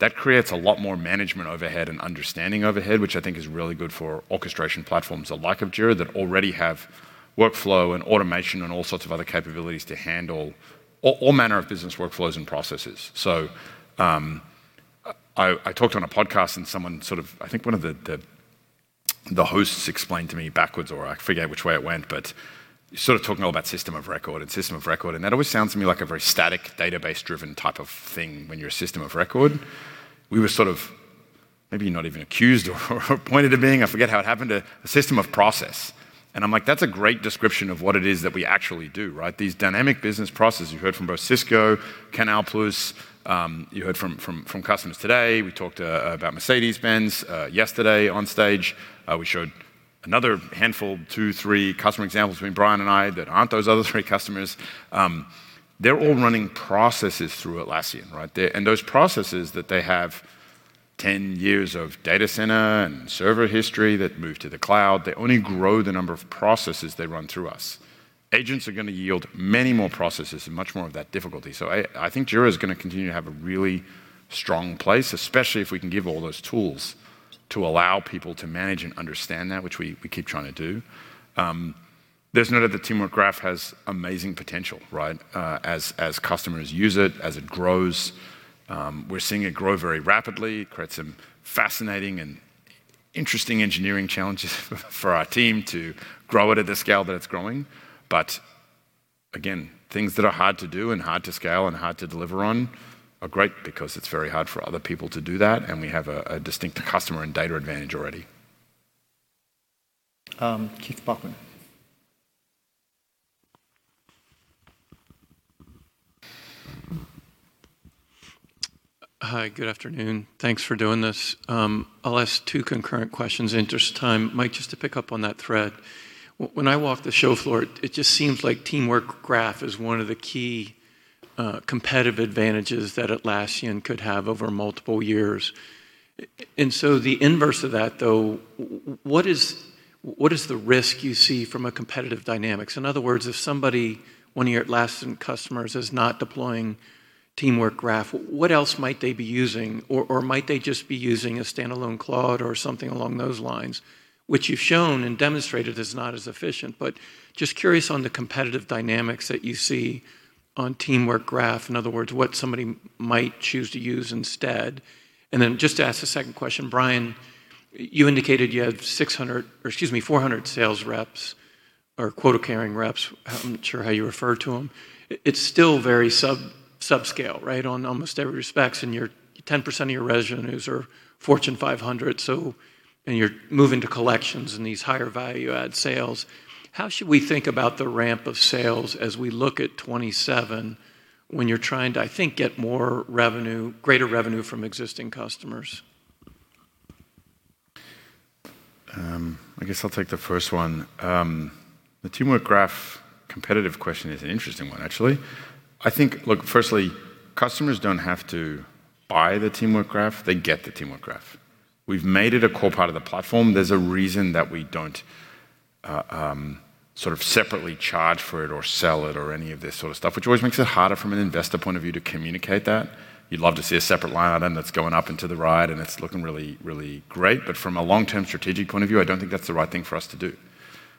that creates a lot more management overhead and understanding overhead, which I think is really good for orchestration platforms the like of Jira that already have workflow and automation and all sorts of other capabilities to handle all manner of business workflows and processes. I talked on a podcast and someone sort of, I think one of the hosts explained to me backwards, or I forget which way it went, but sort of talking all about system of record and system of record, and that always sounds to me like a very static database-driven type of thing when you're a system of record. We were sort of maybe not even accused or pointed to being, I forget how it happened, a system of process. I'm like, that's a great description of what it is that we actually do, right? These dynamic business processes you heard from both Cisco, CANAL+, you heard from customers today. We talked about Mercedes-Benz yesterday on stage. We showed another handful, two, three customer examples between Brian and I that aren't those other three customers. They're all running processes through Atlassian, right? Those processes that they have 10 years of data center and server history that move to the cloud, they only grow the number of processes they run through us. Agents are gonna yield many more processes and much more of that difficulty. I think Jira is gonna continue to have a really strong place, especially if we can give all those tools to allow people to manage and understand that, which we keep trying to do. There's no doubt that Teamwork Graph has amazing potential, right? As customers use it, as it grows. We're seeing it grow very rapidly, create some fascinating and interesting engineering challenges for our team to grow it at the scale that it's growing. Again, things that are hard to do and hard to scale and hard to deliver on are great because it is very hard for other people to do that. We have a distinct customer and data advantage already. Keith Bachman. Hi, good afternoon. Thanks for doing this. I'll ask two concurrent questions in the interest of time. Mike, just to pick up on that thread, when I walk the show floor, it just seems like Teamwork Graph is one of the key- Competitive advantages that Atlassian could have over multiple years. The inverse of that, though, what is the risk you see from a competitive dynamics? In other words, if somebody, one of your Atlassian customers, is not deploying Teamwork Graph, what else might they be using? Might they just be using a standalone Claude or something along those lines, which you've shown and demonstrated is not as efficient. Just curious on the competitive dynamics that you see on Teamwork Graph. In other words, what somebody might choose to use instead. Just to ask a second question, Brian, you indicated you had 600, or excuse me, 400 sales reps or quota-carrying reps. I'm not sure how you refer to them. It's still very sub-subscale, right, on almost every respects, and your 10% of your revenues are Fortune 500, so and you're moving to collections and these higher value add sales. How should we think about the ramp of sales as we look at 2027 when you're trying to, I think, get more revenue, greater revenue from existing customers? I guess I'll take the first one. The Teamwork Graph competitive question is an interesting one, actually. I think, look, firstly, customers don't have to buy the Teamwork Graph, they get the Teamwork Graph. We've made it a core part of the platform. There's a reason that we don't sort of separately charge for it or sell it or any of this sort of stuff, which always makes it harder from an investor point of view to communicate that. You'd love to see a separate line item that's going up into the ride, and it's looking really, really great. From a long-term strategic point of view, I don't think that's the right thing for us to do.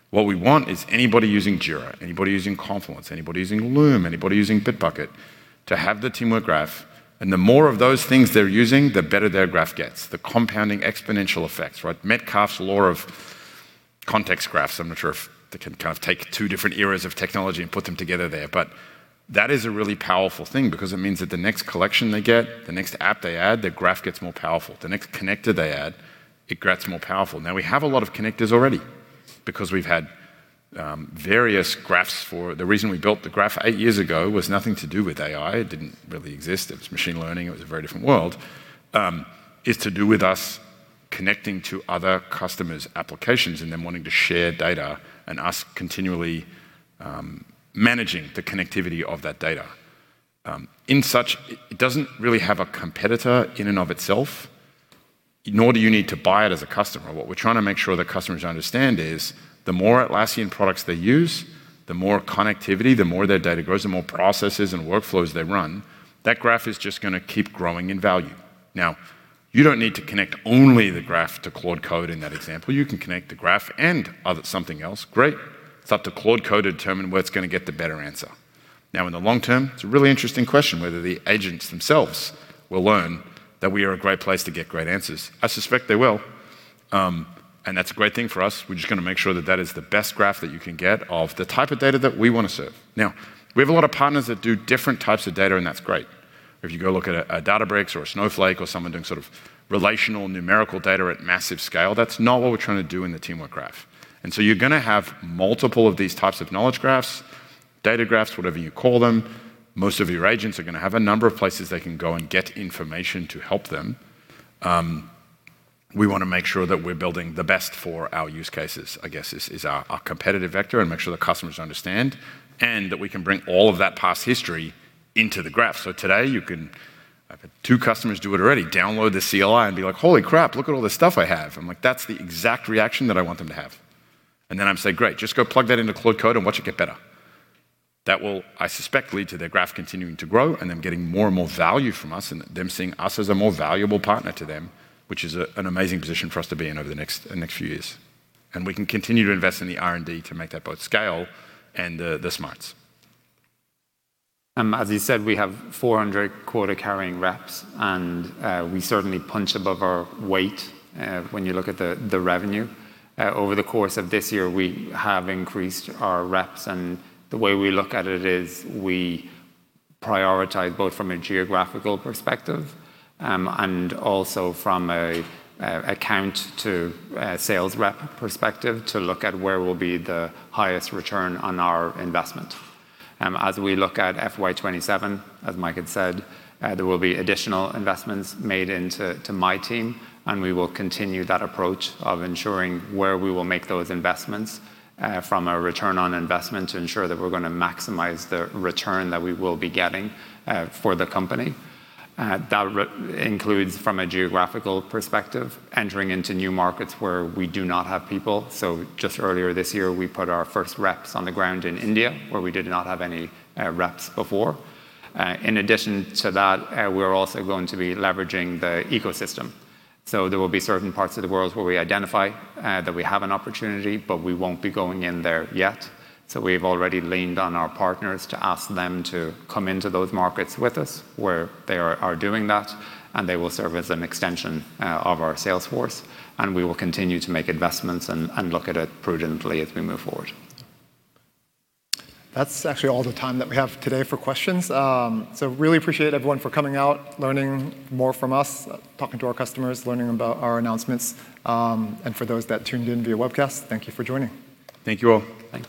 What we want is anybody using Jira, anybody using Confluence, anybody using Loom, anybody using Bitbucket to have the Teamwork Graph. The more of those things they're using, the better their graph gets. The compounding exponential effects, right? Metcalfe's Law of context graphs. I'm not sure if they can kind of take two different eras of technology and put them together there. That is a really powerful thing because it means that the next collection they get, the next app they add, their graph gets more powerful. The next connector they add, it gets more powerful. We have a lot of connectors already because we've had various graphs. The reason we built the graph eight years ago was nothing to do with AI. It didn't really exist. It was machine learning. It was a very different world. It's to do with us connecting to other customers' applications and them wanting to share data and us continually managing the connectivity of that data. In such, it doesn't really have a competitor in and of itself, nor do you need to buy it as a customer. What we're trying to make sure that customers understand is the more Atlassian products they use, the more connectivity, the more their data grows, the more processes and workflows they run, that graph is just gonna keep growing in value. Now, you don't need to connect only the graph to Claude Code in that example. You can connect the graph and other something else. Great. It's up to Claude Code to determine where it's gonna get the better answer. In the long term, it's a really interesting question whether the agents themselves will learn that we are a great place to get great answers. I suspect they will, and that's a great thing for us. We're just gonna make sure that that is the best graph that you can get of the type of data that we want to serve. We have a lot of partners that do different types of data, and that's great. If you go look at a Databricks or a Snowflake or someone doing sort of relational numerical data at massive scale, that's not what we're trying to do in the Teamwork Graph. You're gonna have multiple of these types of knowledge graphs, data graphs, whatever you call them. Most of your agents are gonna have a number of places they can go and get information to help them. We wanna make sure that we're building the best for our use cases, I guess, is our competitive vector and make sure the customers understand, and that we can bring all of that past history into the graph. Today, you can, I've had two customers do it already, download the CLI and be like, "Holy crap, look at all this stuff I have." I'm like, "That's the exact reaction that I want them to have." Then I'm saying, "Great, just go plug that into Claude Code and watch it get better." That will, I suspect, lead to their graph continuing to grow and them getting more and more value from us and them seeing us as a more valuable partner to them, which is a, an amazing position for us to be in over the next few years. We can continue to invest in the R&D to make that both scale and the smarts. As you said, we have 400 quota-carrying reps, and we certainly punch above our weight when you look at the revenue. Over the course of this year, we have increased our reps, and the way we look at it is we prioritize both from a geographical perspective, and also from a account to a sales rep perspective to look at where will be the highest return on our investment. As we look at FY 2027, as Mike had said, there will be additional investments made into my team, and we will continue that approach of ensuring where we will make those investments from a return on investment to ensure that we're gonna maximize the return that we will be getting for the company. That includes from a geographical perspective, entering into new markets where we do not have people. Just earlier this year, we put our first reps on the ground in India, where we did not have any reps before. In addition to that, we're also going to be leveraging the ecosystem. There will be certain parts of the world where we identify that we have an opportunity, but we won't be going in there yet. We've already leaned on our partners to ask them to come into those markets with us where they are doing that, and they will serve as an extension of our sales force, and we will continue to make investments and look at it prudently as we move forward. That's actually all the time that we have today for questions. Really appreciate everyone for coming out, learning more from us, talking to our customers, learning about our announcements. For those that tuned in via webcast, thank you for joining. Thank you all. Thank you.